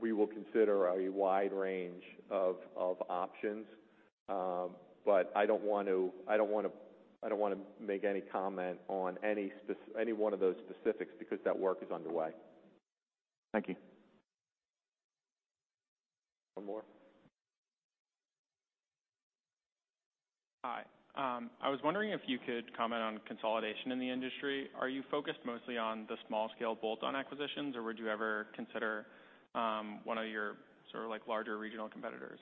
G: We will consider a wide range of options. I don't want to make any comment on any one of those specifics because that work is underway.
J: Thank you.
G: One more.
K: Hi. I was wondering if you could comment on consolidation in the industry. Are you focused mostly on the small scale bolt-on acquisitions, or would you ever consider one of your sort of larger regional competitors?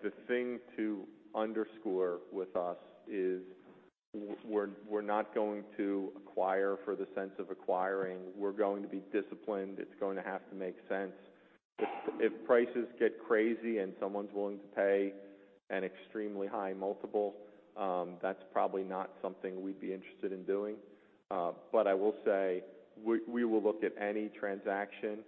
G: The thing to underscore with us is we're not going to acquire for the sense of acquiring. We're going to be disciplined. It's going to have to make sense. If prices get crazy and someone's willing to pay an extremely high multiple, that's probably not something we'd be interested in doing. I will say, we will look at any transaction.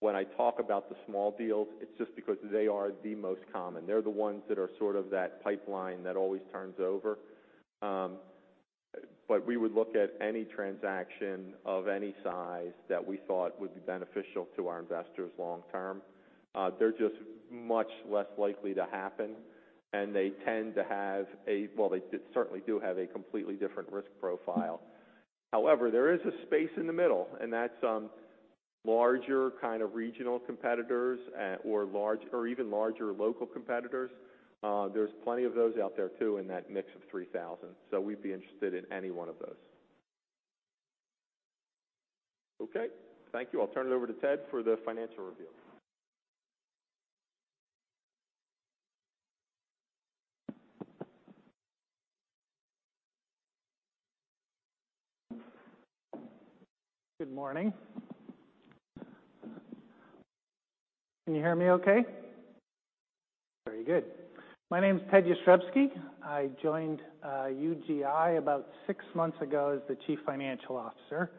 G: When I talk about the small deals, it's just because they are the most common. They're the ones that are sort of that pipeline that always turns over. We would look at any transaction of any size that we thought would be beneficial to our investors long term. They're just much less likely to happen, and they tend to have a, well, they certainly do have a completely different risk profile. There is a space in the middle, and that's larger kind of regional competitors or even larger local competitors. There's plenty of those out there too in that mix of 3,000. We'd be interested in any one of those. Okay, thank you. I'll turn it over to Ted for the financial review.
L: Good morning. Can you hear me okay? Very good. My name is Ted Jastrzebski. I joined UGI about six months ago as the Chief Financial Officer,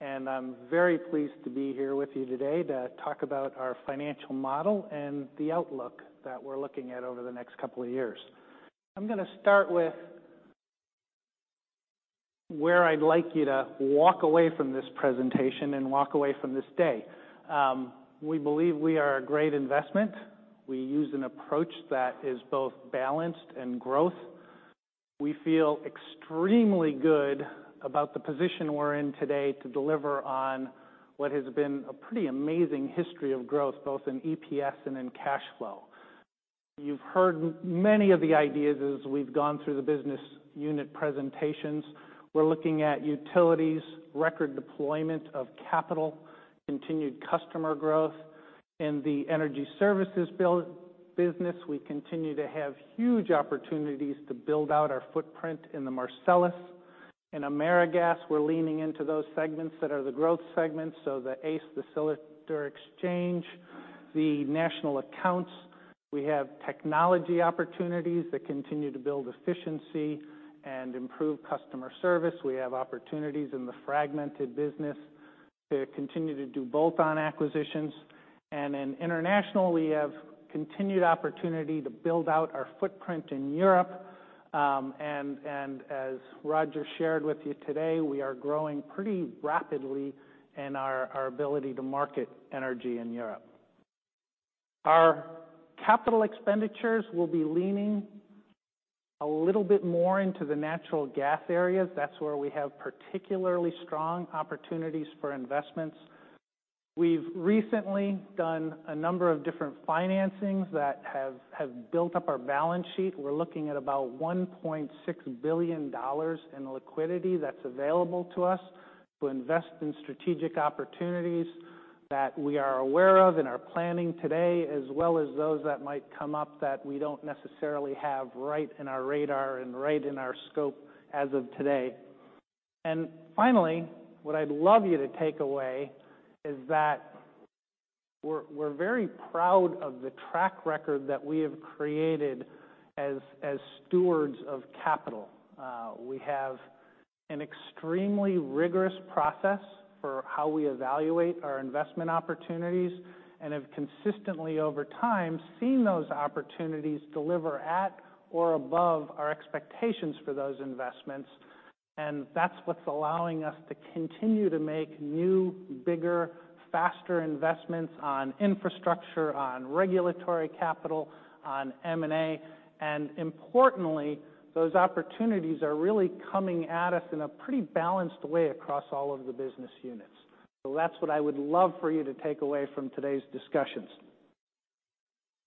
L: and I'm very pleased to be here with you today to talk about our financial model and the outlook that we're looking at over the next couple of years. I'm going to start with where I'd like you to walk away from this presentation and walk away from this day. We believe we are a great investment. We use an approach that is both balanced and growth. We feel extremely good about the position we're in today to deliver on what has been a pretty amazing history of growth, both in EPS and in cash flow. You've heard many of the ideas as we've gone through the business unit presentations. We're looking at utilities, record deployment of capital, continued customer growth. In the energy services business, we continue to have huge opportunities to build out our footprint in the Marcellus. In AmeriGas, we're leaning into those segments that are the growth segments, the ACE Cylinder Exchange, the national accounts. We have technology opportunities that continue to build efficiency and improve customer service. We have opportunities in the fragmented business to continue to do bolt-on acquisitions. In international, we have continued opportunity to build out our footprint in Europe. As Roger shared with you today, we are growing pretty rapidly in our ability to market energy in Europe. Our capital expenditures will be leaning a little bit more into the natural gas areas. That's where we have particularly strong opportunities for investments. We've recently done a number of different financings that have built up our balance sheet. We're looking at about $1.6 billion in liquidity that's available to us to invest in strategic opportunities that we are aware of and are planning today, as well as those that might come up that we don't necessarily have right in our radar and right in our scope as of today. Finally, what I'd love you to take away is that we're very proud of the track record that we have created as stewards of capital. We have an extremely rigorous process for how we evaluate our investment opportunities and have consistently, over time, seen those opportunities deliver at or above our expectations for those investments. That's what's allowing us to continue to make new, bigger, faster investments on infrastructure, on regulatory capital, on M&A, and importantly, those opportunities are really coming at us in a pretty balanced way across all of the business units. That's what I would love for you to take away from today's discussions.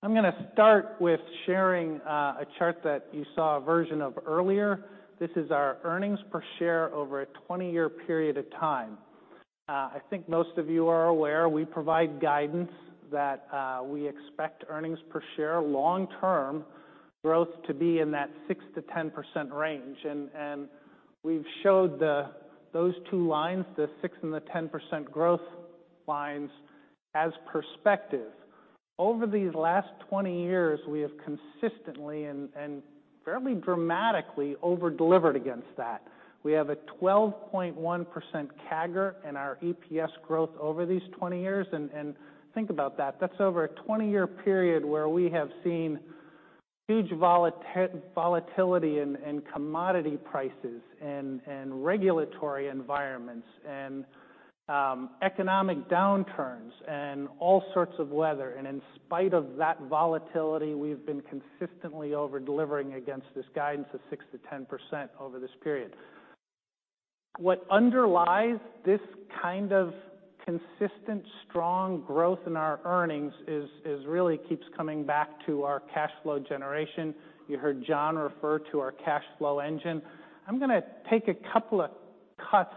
L: I'm going to start with sharing a chart that you saw a version of earlier. This is our earnings per share over a 20-year period of time. I think most of you are aware we provide guidance that we expect earnings per share long-term growth to be in that 6%-10% range. We've showed those two lines, the 6% and the 10% growth lines, as perspective. Over these last 20 years, we have consistently and fairly dramatically over-delivered against that. We have a 12.1% CAGR in our EPS growth over these 20 years. Think about that. That's over a 20-year period where we have seen huge volatility in commodity prices and regulatory environments and economic downturns and all sorts of weather. In spite of that volatility, we've been consistently over-delivering against this guidance of 6%-10% over this period. What underlies this kind of consistent, strong growth in our earnings really keeps coming back to our cash flow generation. You heard John refer to our cash flow engine. I'm going to take a couple of cuts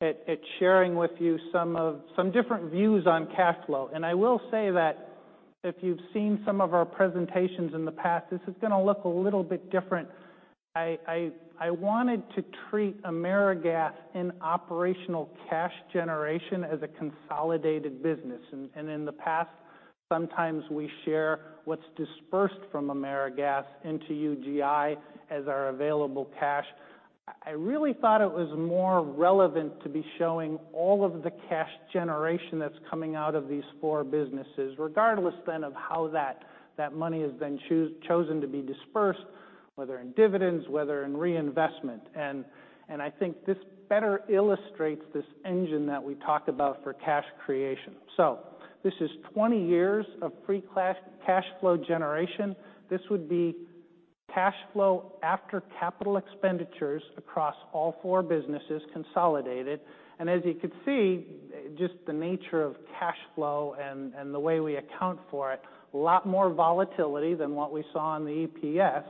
L: at sharing with you some different views on cash flow. I will say that if you've seen some of our presentations in the past, this is going to look a little bit different. I wanted to treat AmeriGas and operational cash generation as a consolidated business. In the past, sometimes we share what's dispersed from AmeriGas into UGI as our available cash. I really thought it was more relevant to be showing all of the cash generation that's coming out of these four businesses, regardless of how that money is then chosen to be dispersed, whether in dividends, whether in reinvestment. I think this better illustrates this engine that we talked about for cash creation. This is 20 years of free cash flow generation. This would be cash flow after capital expenditures across all four businesses consolidated. As you can see, just the nature of cash flow and the way we account for it, a lot more volatility than what we saw in the EPS,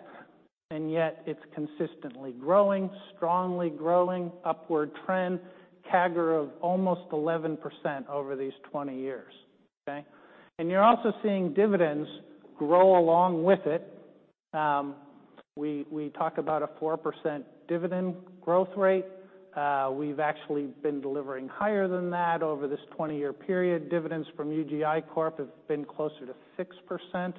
L: and yet it's consistently growing, strongly growing, upward trend, CAGR of almost 11% over these 20 years. Okay? You're also seeing dividends grow along with it. We talk about a 4% dividend growth rate. We've actually been delivering higher than that over this 20-year period. Dividends from UGI Corp have been closer to 6%.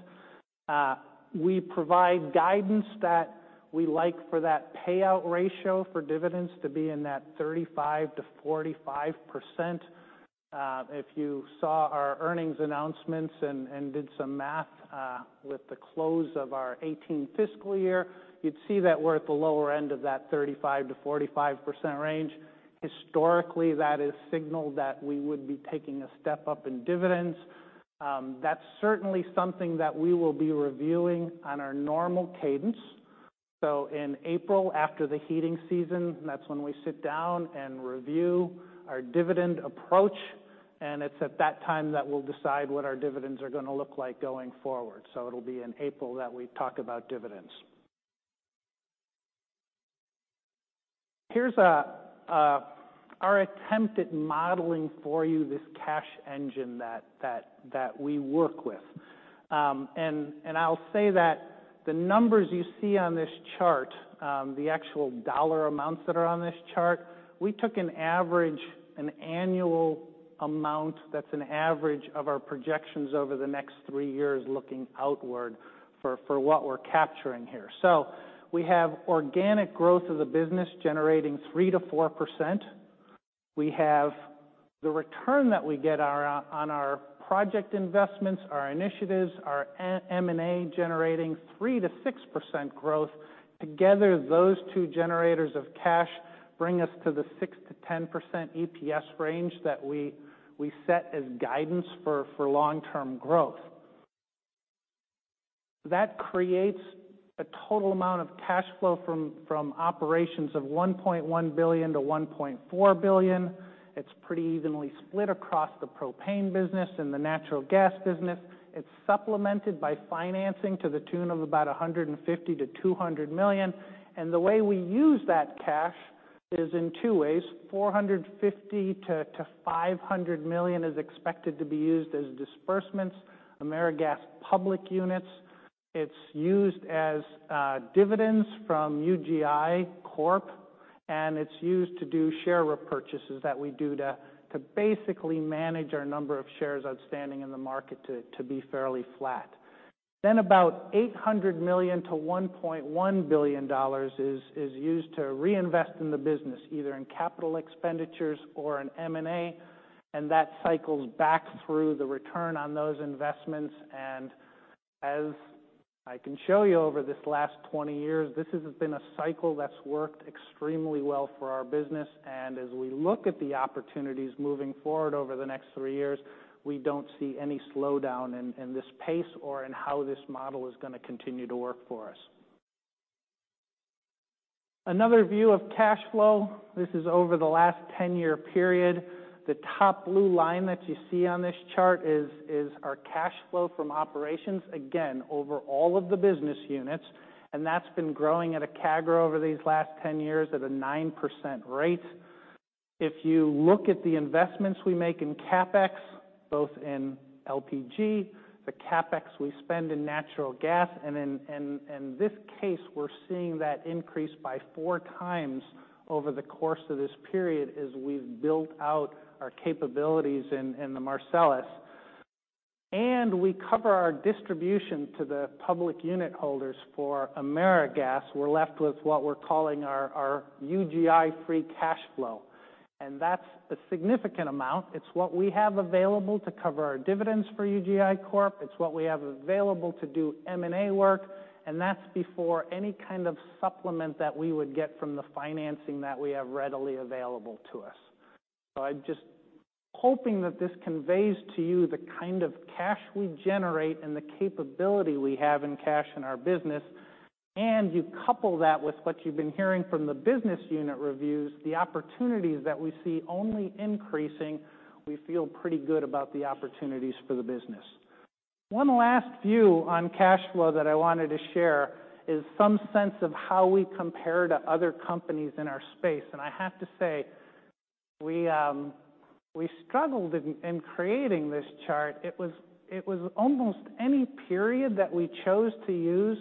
L: We provide guidance that we like for that payout ratio for dividends to be in that 35%-45%. If you saw our earnings announcements and did some math with the close of our 2018 fiscal year, you'd see that we're at the lower end of that 35%-45% range. Historically, that has signaled that we would be taking a step up in dividends. That's certainly something that we will be reviewing on our normal cadence. In April, after the heating season, that's when we sit down and review our dividend approach, and it's at that time that we'll decide what our dividends are going to look like going forward. It'll be in April that we talk about dividends. Here's our attempt at modeling for you this cash engine that we work with. I'll say that the numbers you see on this chart, the actual dollar amounts that are on this chart, we took an average, an annual amount that's an average of our projections over the next three years, looking outward for what we're capturing here. We have organic growth of the business generating 3%-4%. We have the return that we get on our project investments, our initiatives, our M&A generating 3%-6% growth. Together, those two generators of cash bring us to the 6%-10% EPS range that we set as guidance for long-term growth. That creates a total amount of cash flow from operations of $1.1 billion-$1.4 billion. It's pretty evenly split across the propane business and the natural gas business. It's supplemented by financing to the tune of about $150 million-$200 million. The way we use that cash is in two ways. $450 million-$500 million is expected to be used as disbursements, AmeriGas public units. It's used as dividends from UGI Corp, it's used to do share repurchases that we do to basically manage our number of shares outstanding in the market to be fairly flat. About $800 million-$1.1 billion is used to reinvest in the business, either in capital expenditures or in M&A, and that cycles back through the return on those investments. As I can show you over this last 20 years, this has been a cycle that's worked extremely well for our business. As we look at the opportunities moving forward over the next three years, we don't see any slowdown in this pace or in how this model is going to continue to work for us. Another view of cash flow, this is over the last 10-year period. The top blue line that you see on this chart is our cash flow from operations, again, over all of the business units, that's been growing at a CAGR over these last 10 years at a 9% rate. If you look at the investments we make in CapEx, both in LPG, the CapEx we spend in natural gas, and in this case, we're seeing that increase by 4 times over the course of this period as we've built out our capabilities in the Marcellus. We cover our distribution to the public unit holders for AmeriGas. We're left with what we're calling our UGI free cash flow. That's a significant amount. It's what we have available to cover our dividends for UGI Corp. It's what we have available to do M&A work, that's before any kind of supplement that we would get from the financing that we have readily available to us. I'm just hoping that this conveys to you the kind of cash we generate and the capability we have in cash in our business. You couple that with what you've been hearing from the business unit reviews, the opportunities that we see only increasing. We feel pretty good about the opportunities for the business. One last view on cash flow that I wanted to share is some sense of how we compare to other companies in our space. I have to say, we struggled in creating this chart. It was almost any period that we chose to use,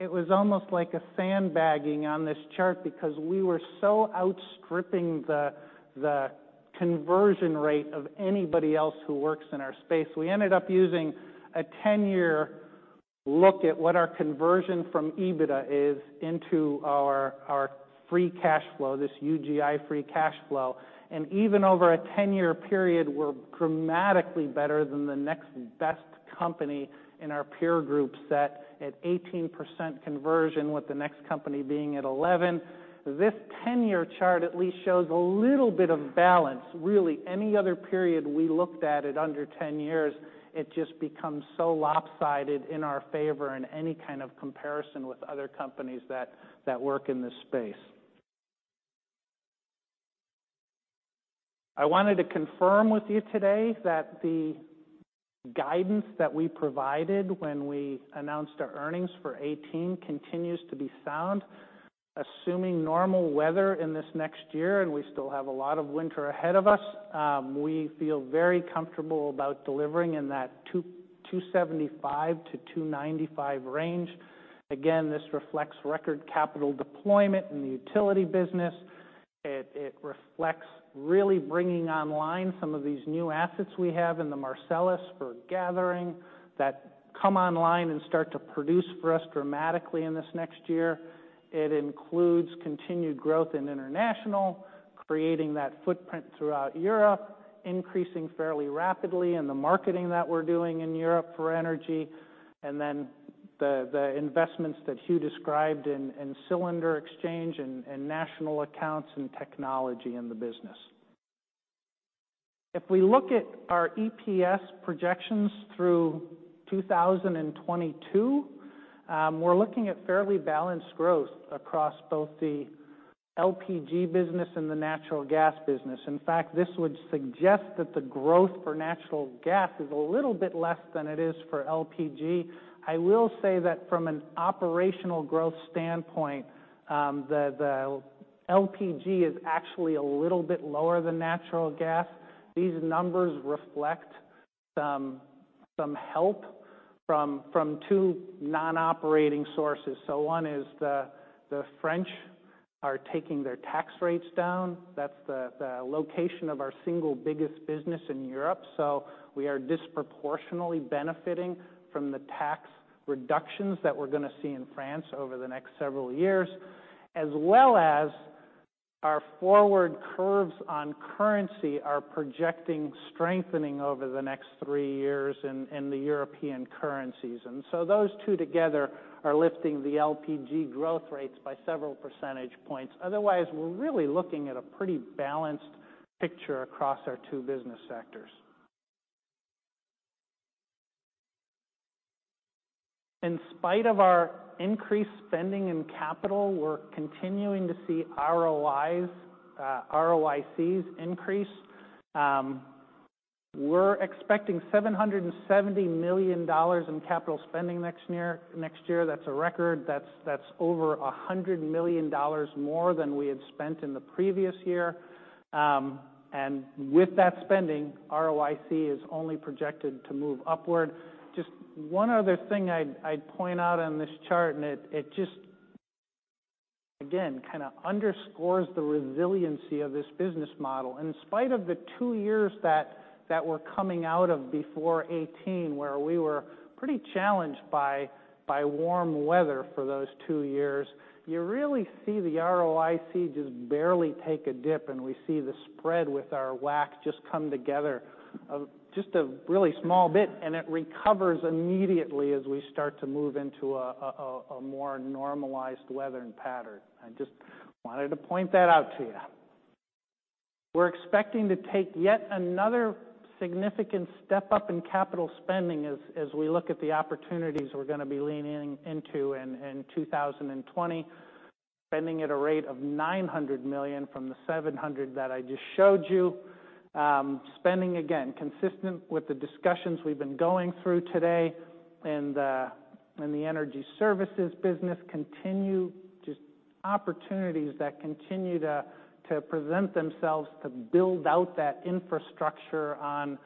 L: it was almost like a sandbagging on this chart because we were so outstripping the conversion rate of anybody else who works in our space. We ended up using a 10-year look at what our conversion from EBITDA is into our free cash flow, this UGI free cash flow. Even over a 10-year period, we're dramatically better than the next best company in our peer group set at 18% conversion, with the next company being at 11%. This 10-year chart at least shows a little bit of balance. Any other period we looked at it under 10 years, it just becomes so lopsided in our favor in any kind of comparison with other companies that work in this space. I wanted to confirm with you today that the guidance that we provided when we announced our earnings for 2018 continues to be sound. Assuming normal weather in this next year, and we still have a lot of winter ahead of us, we feel very comfortable about delivering in that $2.75-$2.95 range. Again, this reflects record capital deployment in the utility business. It reflects really bringing online some of these new assets we have in the Marcellus for gathering that come online and start to produce for us dramatically in this next year. It includes continued growth in UGI International, creating that footprint throughout Europe, increasing fairly rapidly in the marketing that we're doing in Europe for energy, the investments that Hugh described in ACE Cylinder Exchange and national accounts and technology in the business. If we look at our EPS projections through 2022, we're looking at fairly balanced growth across both the LPG business and the natural gas business. In fact, this would suggest that the growth for natural gas is a little bit less than it is for LPG. I will say that from an operational growth standpoint, the LPG is actually a little bit lower than natural gas. These numbers reflect some help from two non-operating sources. One is the French are taking their tax rates down. That's the location of our single biggest business in Europe. We are disproportionately benefiting from the tax reductions that we're going to see in France over the next several years, as well as our forward curves on currency are projecting strengthening over the next three years in the European currencies. Those two together are lifting the LPG growth rates by several percentage points. Otherwise, we're really looking at a pretty balanced picture across our two business sectors. In spite of our increased spending and capital, we're continuing to see ROICs increase. We're expecting $770 million in capital spending next year. That's a record. That's over $100 million more than we had spent in the previous year. With that spending, ROIC is only projected to move upward. Just one other thing I'd point out on this chart, it just, again, underscores the resiliency of this business model. In spite of the two years that were coming out of before 2018, where we were pretty challenged by warm weather for those two years, you really see the ROIC just barely take a dip, and we see the spread with our WACC just come together just a really small bit, and it recovers immediately as we start to move into a more normalized weather pattern. I just wanted to point that out to you. We're expecting to take yet another significant step up in capital spending as we look at the opportunities we're going to be leaning into in 2020. Spending at a rate of $900 million from the $700 million that I just showed you. Spending, again, consistent with the discussions we've been going through today. In the energy services business, just opportunities that continue to present themselves to build out that infrastructure on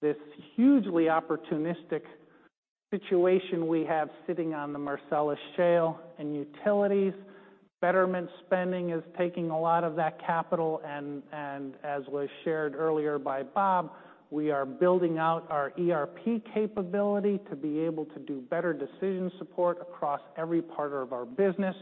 L: this hugely opportunistic situation we have sitting on the Marcellus Shale. In utilities, betterment spending is taking a lot of that capital, and as was shared earlier by Bob, we are building out our ERP capability to be able to do better decision support across every part of our business.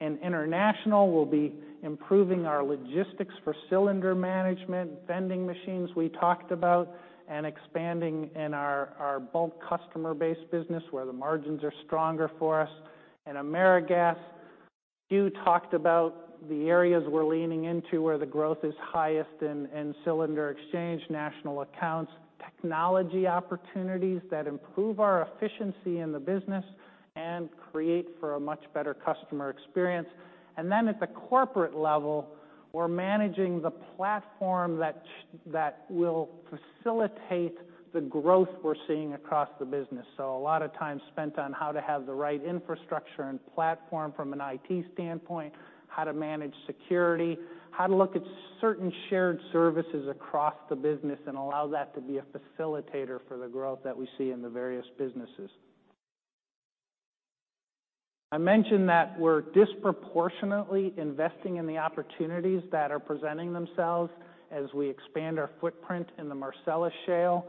L: In international, we'll be improving our logistics for cylinder management, vending machines we talked about, and expanding in our bulk customer base business, where the margins are stronger for us. In AmeriGas, Hugh talked about the areas we're leaning into where the growth is highest in cylinder exchange, national accounts, technology opportunities that improve our efficiency in the business and create for a much better customer experience. At the corporate level, we're managing the platform that will facilitate the growth we're seeing across the business. A lot of time spent on how to have the right infrastructure and platform from an IT standpoint, how to manage security, how to look at certain shared services across the business and allow that to be a facilitator for the growth that we see in the various businesses. I mentioned that we're disproportionately investing in the opportunities that are presenting themselves as we expand our footprint in the Marcellus Shale.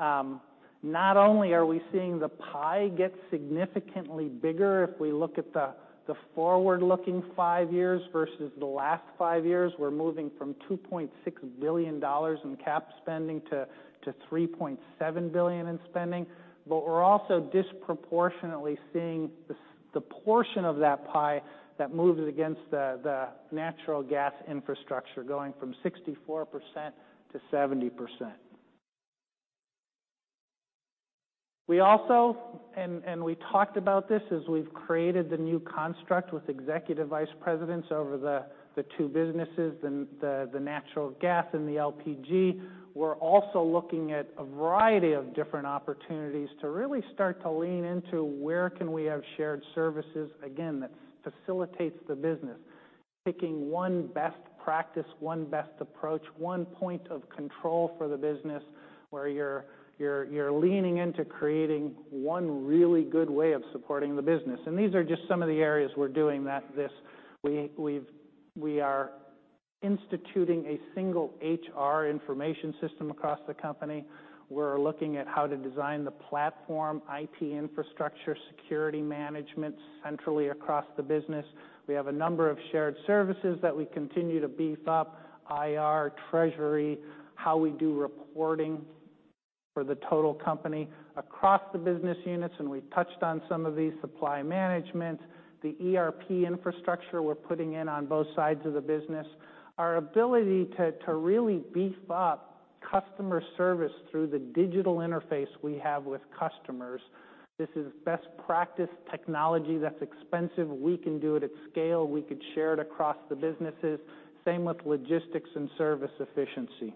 L: Not only are we seeing the pie get significantly bigger if we look at the forward-looking five years versus the last five years. We're moving from $2.6 billion in cap spending to $3.7 billion in spending. We're also disproportionately seeing the portion of that pie that moves against the natural gas infrastructure going from 64% to 70%. We also, and we talked about this as we've created the new construct with executive vice presidents over the two businesses, the natural gas and the LPG. We're also looking at a variety of different opportunities to really start to lean into where can we have shared services, again, that facilitates the business. Picking one best practice, one best approach, one point of control for the business, where you're leaning into creating one really good way of supporting the business. These are just some of the areas we're doing this. We are instituting a single HR information system across the company. We're looking at how to design the platform, IT infrastructure, security management centrally across the business. We have a number of shared services that we continue to beef up, IR, treasury, how we do reporting for the total company across the business units, and we touched on some of these. Supply management, the ERP infrastructure we're putting in on both sides of the business. Our ability to really beef up customer service through the digital interface we have with customers. This is best practice technology that's expensive. We can do it at scale. We could share it across the businesses. Same with logistics and service efficiency.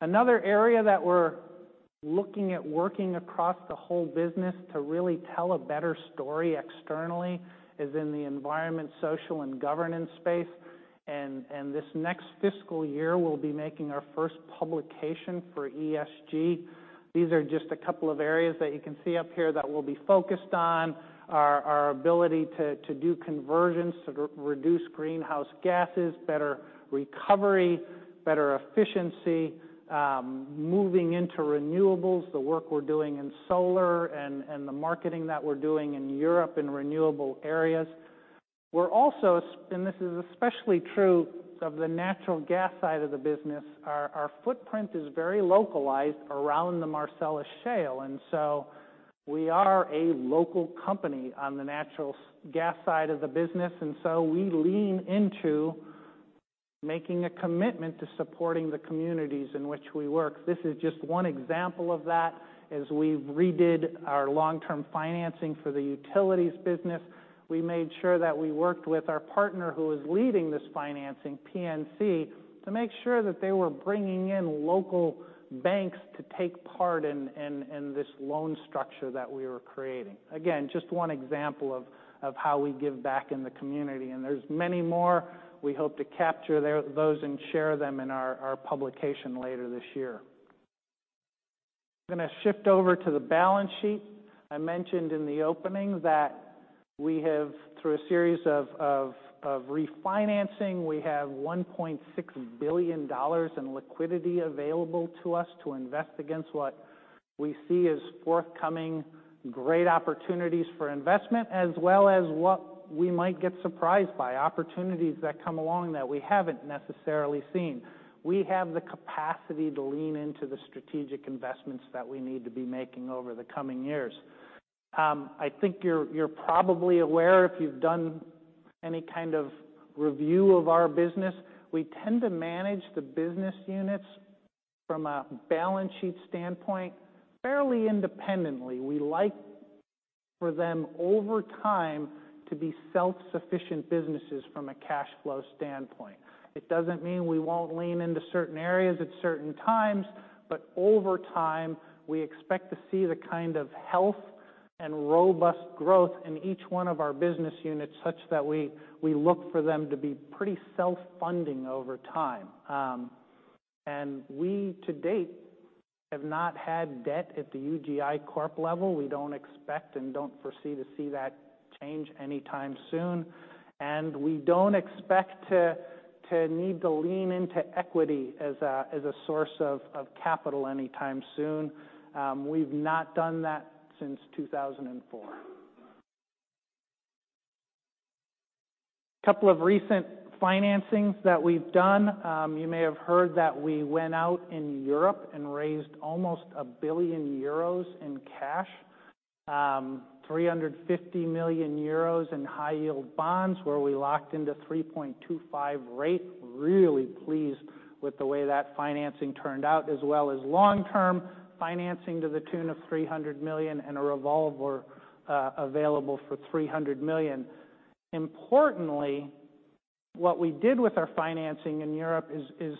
L: Another area that we're looking at working across the whole business to really tell a better story externally is in the environment, social, and governance space. This next fiscal year, we'll be making our first publication for ESG. These are just a couple of areas that you can see up here that we'll be focused on. Our ability to do conversions to reduce greenhouse gases, better recovery, better efficiency, moving into renewables, the work we're doing in solar and the marketing that we're doing in Europe in renewable areas. This is especially true of the natural gas side of the business. Our footprint is very localized around the Marcellus Shale. We are a local company on the natural gas side of the business, and so we lean into making a commitment to supporting the communities in which we work. This is just one example of that. As we redid our long-term financing for the utilities business, we made sure that we worked with our partner who is leading this financing, PNC, to make sure that they were bringing in local banks to take part in this loan structure that we were creating. Again, just one example of how we give back in the community, and there's many more. We hope to capture those and share them in our publication later this year. I'm going to shift over to the balance sheet. I mentioned in the opening that we have, through a series of refinancing, $1.6 billion in liquidity available to us to invest against what we see as forthcoming great opportunities for investment, as well as what we might get surprised by, opportunities that come along that we haven't necessarily seen. We have the capacity to lean into the strategic investments that we need to be making over the coming years. I think you're probably aware, if you've done any kind of review of our business, we tend to manage the business units from a balance sheet standpoint fairly independently. We like for them, over time, to be self-sufficient businesses from a cash flow standpoint. It doesn't mean we won't lean into certain areas at certain times, but over time, we expect to see the kind of health and robust growth in each one of our business units such that we look for them to be pretty self-funding over time. We, to date, have not had debt at the UGI Corp level. We don't expect and don't foresee to see that change anytime soon, and we don't expect to need to lean into equity as a source of capital anytime soon. We've not done that since 2004. Couple of recent financings that we've done. You may have heard that we went out in Europe and raised almost 1 billion euros in cash. 350 million euros in high-yield bonds, where we locked into 3.25 rate. Really pleased with the way that financing turned out, as well as long-term financing to the tune of $300 million and a revolver available for $300 million. Importantly, what we did with our financing in Europe is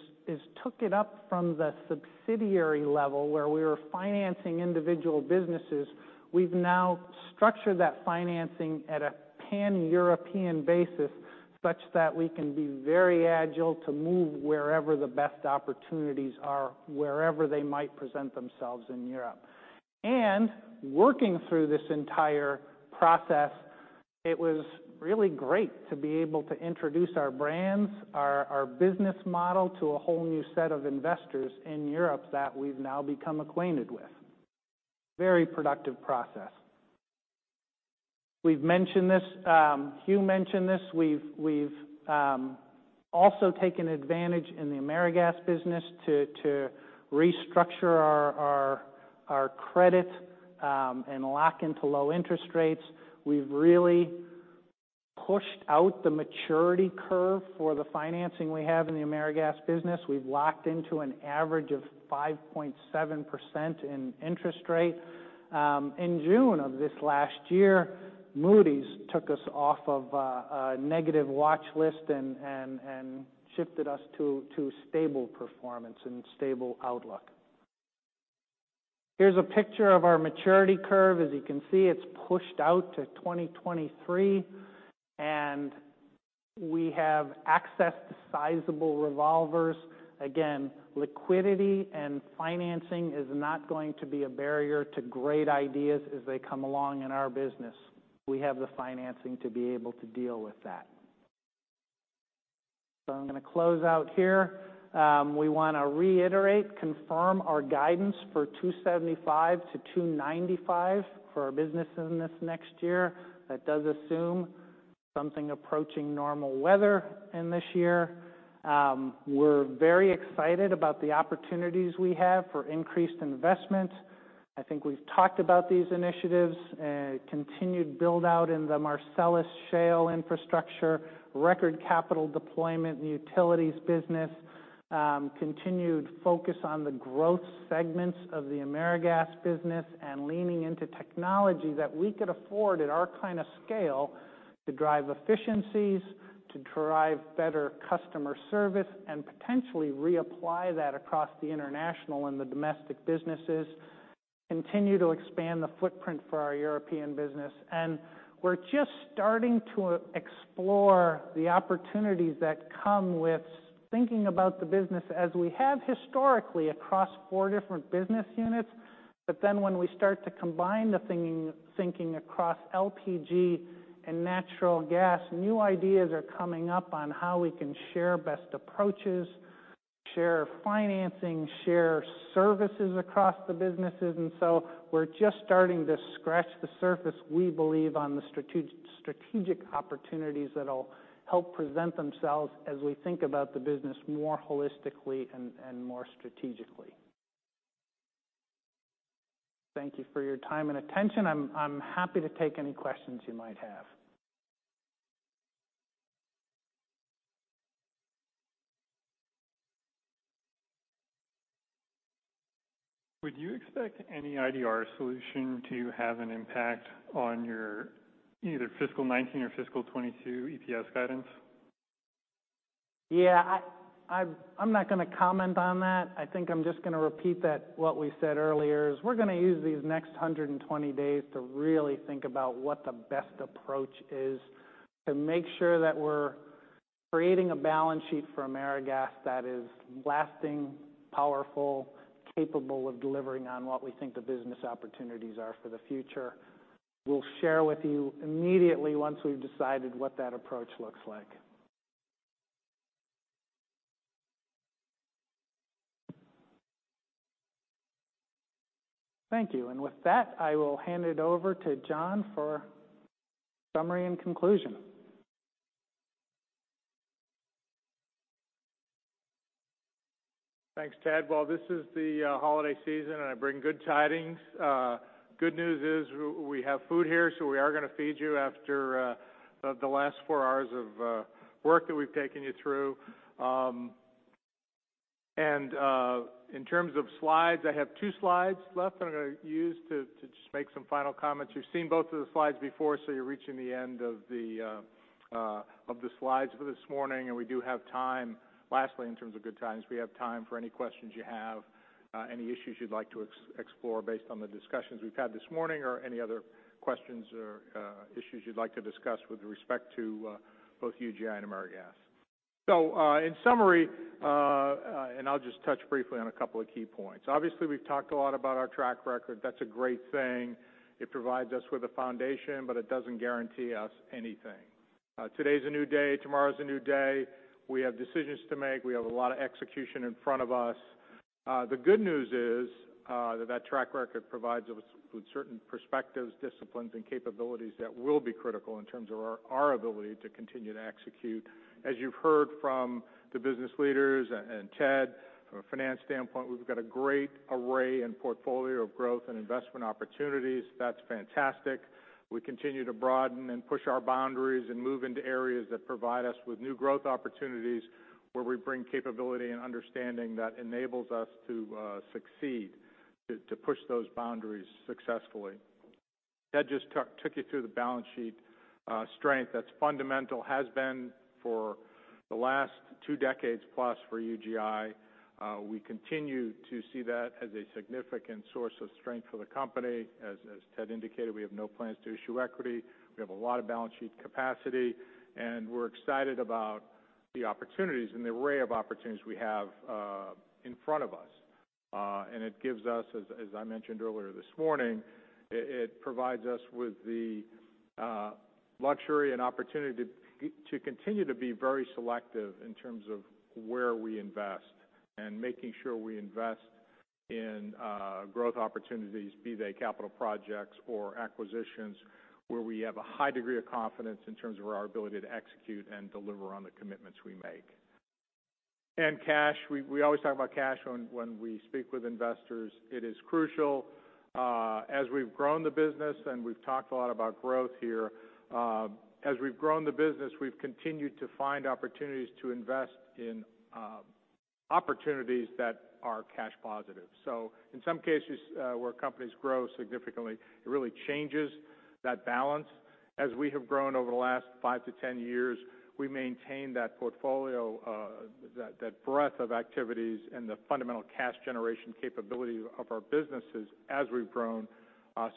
L: took it up from the subsidiary level where we were financing individual businesses. We've now structured that financing at a pan-European basis such that we can be very agile to move wherever the best opportunities are, wherever they might present themselves in Europe. Working through this entire process, it was really great to be able to introduce our brands, our business model, to a whole new set of investors in Europe that we've now become acquainted with. Very productive process. We've mentioned this. Hugh mentioned this. We've also taken advantage in the AmeriGas business to restructure our credit and lock into low interest rates. We've really pushed out the maturity curve for the financing we have in the AmeriGas business. We've locked into an average of 5.7% in interest rate. In June of this last year, Moody's took us off of a negative watch list and shifted us to stable performance and stable outlook. Here's a picture of our maturity curve. As you can see, it's pushed out to 2023, and we have access to sizable revolvers. Liquidity and financing is not going to be a barrier to great ideas as they come along in our business. We have the financing to be able to deal with that. I'm going to close out here. We want to reiterate, confirm our guidance for $275 million-$295 million for our business in this next year. That does assume something approaching normal weather in this year. We're very excited about the opportunities we have for increased investment. I think we've talked about these initiatives. Continued build-out in the Marcellus Shale infrastructure, record capital deployment in the utilities business, continued focus on the growth segments of the AmeriGas business, leaning into technology that we could afford at our kind of scale to drive efficiencies, to drive better customer service, and potentially reapply that across the international and the domestic businesses. Continue to expand the footprint for our European business. We're just starting to explore the opportunities that come with thinking about the business as we have historically across four different business units. When we start to combine the thinking across LPG and natural gas, new ideas are coming up on how we can share best approaches, share financing, share services across the businesses, we're just starting to scratch the surface, we believe, on the strategic opportunities that'll help present themselves as we think about the business more holistically and more strategically. Thank you for your time and attention. I'm happy to take any questions you might have.
C: Would you expect any IDR solution to have an impact on your either fiscal 2019 or fiscal 2022 EPS guidance?
L: I'm not going to comment on that. I think I'm just going to repeat that what we said earlier is we're going to use these next 120 days to really think about what the best approach is to make sure that we're creating a balance sheet for AmeriGas that is lasting, powerful, capable of delivering on what we think the business opportunities are for the future. We'll share with you immediately once we've decided what that approach looks like. Thank you. With that, I will hand it over to John for summary and conclusion.
A: Thanks, Ted. This is the holiday season, I bring good tidings. Good news is we have food here, we are going to feed you after the last four hours of work that we've taken you through. In terms of slides, I have two slides left that I'm going to use to just make some final comments. You've seen both of the slides before, you're reaching the end of the slides for this morning. We do have time. Lastly, in terms of good times, we have time for any questions you have, any issues you'd like to explore based on the discussions we've had this morning, or any other questions or issues you'd like to discuss with respect to both UGI and AmeriGas. In summary, I'll just touch briefly on a couple of key points. We've talked a lot about our track record. That's a great thing. It provides us with a foundation, it doesn't guarantee us anything. Today's a new day. Tomorrow's a new day. We have decisions to make. We have a lot of execution in front of us. The good news is that track record provides us with certain perspectives, disciplines, and capabilities that will be critical in terms of our ability to continue to execute. As you've heard from the business leaders and Ted, from a finance standpoint, we've got a great array and portfolio of growth and investment opportunities. That's fantastic. We continue to broaden and push our boundaries and move into areas that provide us with new growth opportunities, where we bring capability and understanding that enables us to succeed, to push those boundaries successfully. Ted just took you through the balance sheet strength. That's fundamental, has been for the last two decades plus for UGI. We continue to see that as a significant source of strength for the company. As Ted indicated, we have no plans to issue equity. We have a lot of balance sheet capacity, and we're excited about the opportunities and the array of opportunities we have in front of us. It gives us, as I mentioned earlier this morning, it provides us with the luxury and opportunity to continue to be very selective in terms of where we invest and making sure we invest in growth opportunities, be they capital projects or acquisitions, where we have a high degree of confidence in terms of our ability to execute and deliver on the commitments we make. Cash, we always talk about cash when we speak with investors. It is crucial. As we've grown the business, and we've talked a lot about growth here, as we've grown the business, we've continued to find opportunities to invest in opportunities that are cash positive. In some cases, where companies grow significantly, it really changes that balance. As we have grown over the last five to 10 years, we maintain that portfolio, that breadth of activities, and the fundamental cash generation capability of our businesses as we've grown.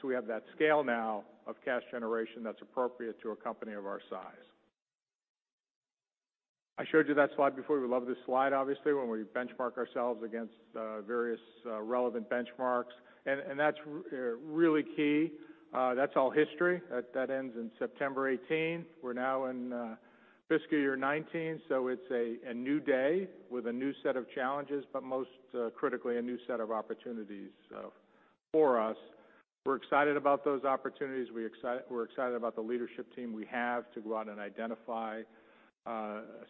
A: We have that scale now of cash generation that's appropriate to a company of our size. I showed you that slide before. We love this slide, obviously, when we benchmark ourselves against various relevant benchmarks. That's really key. That's all history. That ends in September 2018. We're now in FY 2019, so it's a new day with a new set of challenges, but most critically, a new set of opportunities for us. We're excited about those opportunities. We're excited about the leadership team we have to go out and identify,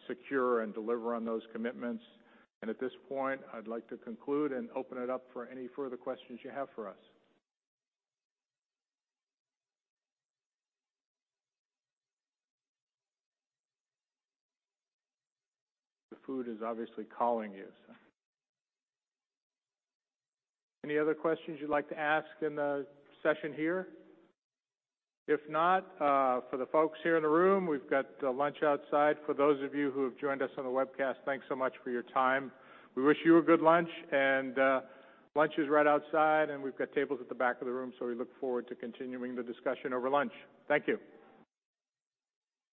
A: secure, and deliver on those commitments. At this point, I'd like to conclude and open it up for any further questions you have for us. The food is obviously calling you, so. Any other questions you'd like to ask in the session here? If not, for the folks here in the room, we've got lunch outside. For those of you who have joined us on the webcast, thanks so much for your time. We wish you a good lunch, and lunch is right outside, and we've got tables at the back of the room, so we look forward to continuing the discussion over lunch. Thank you.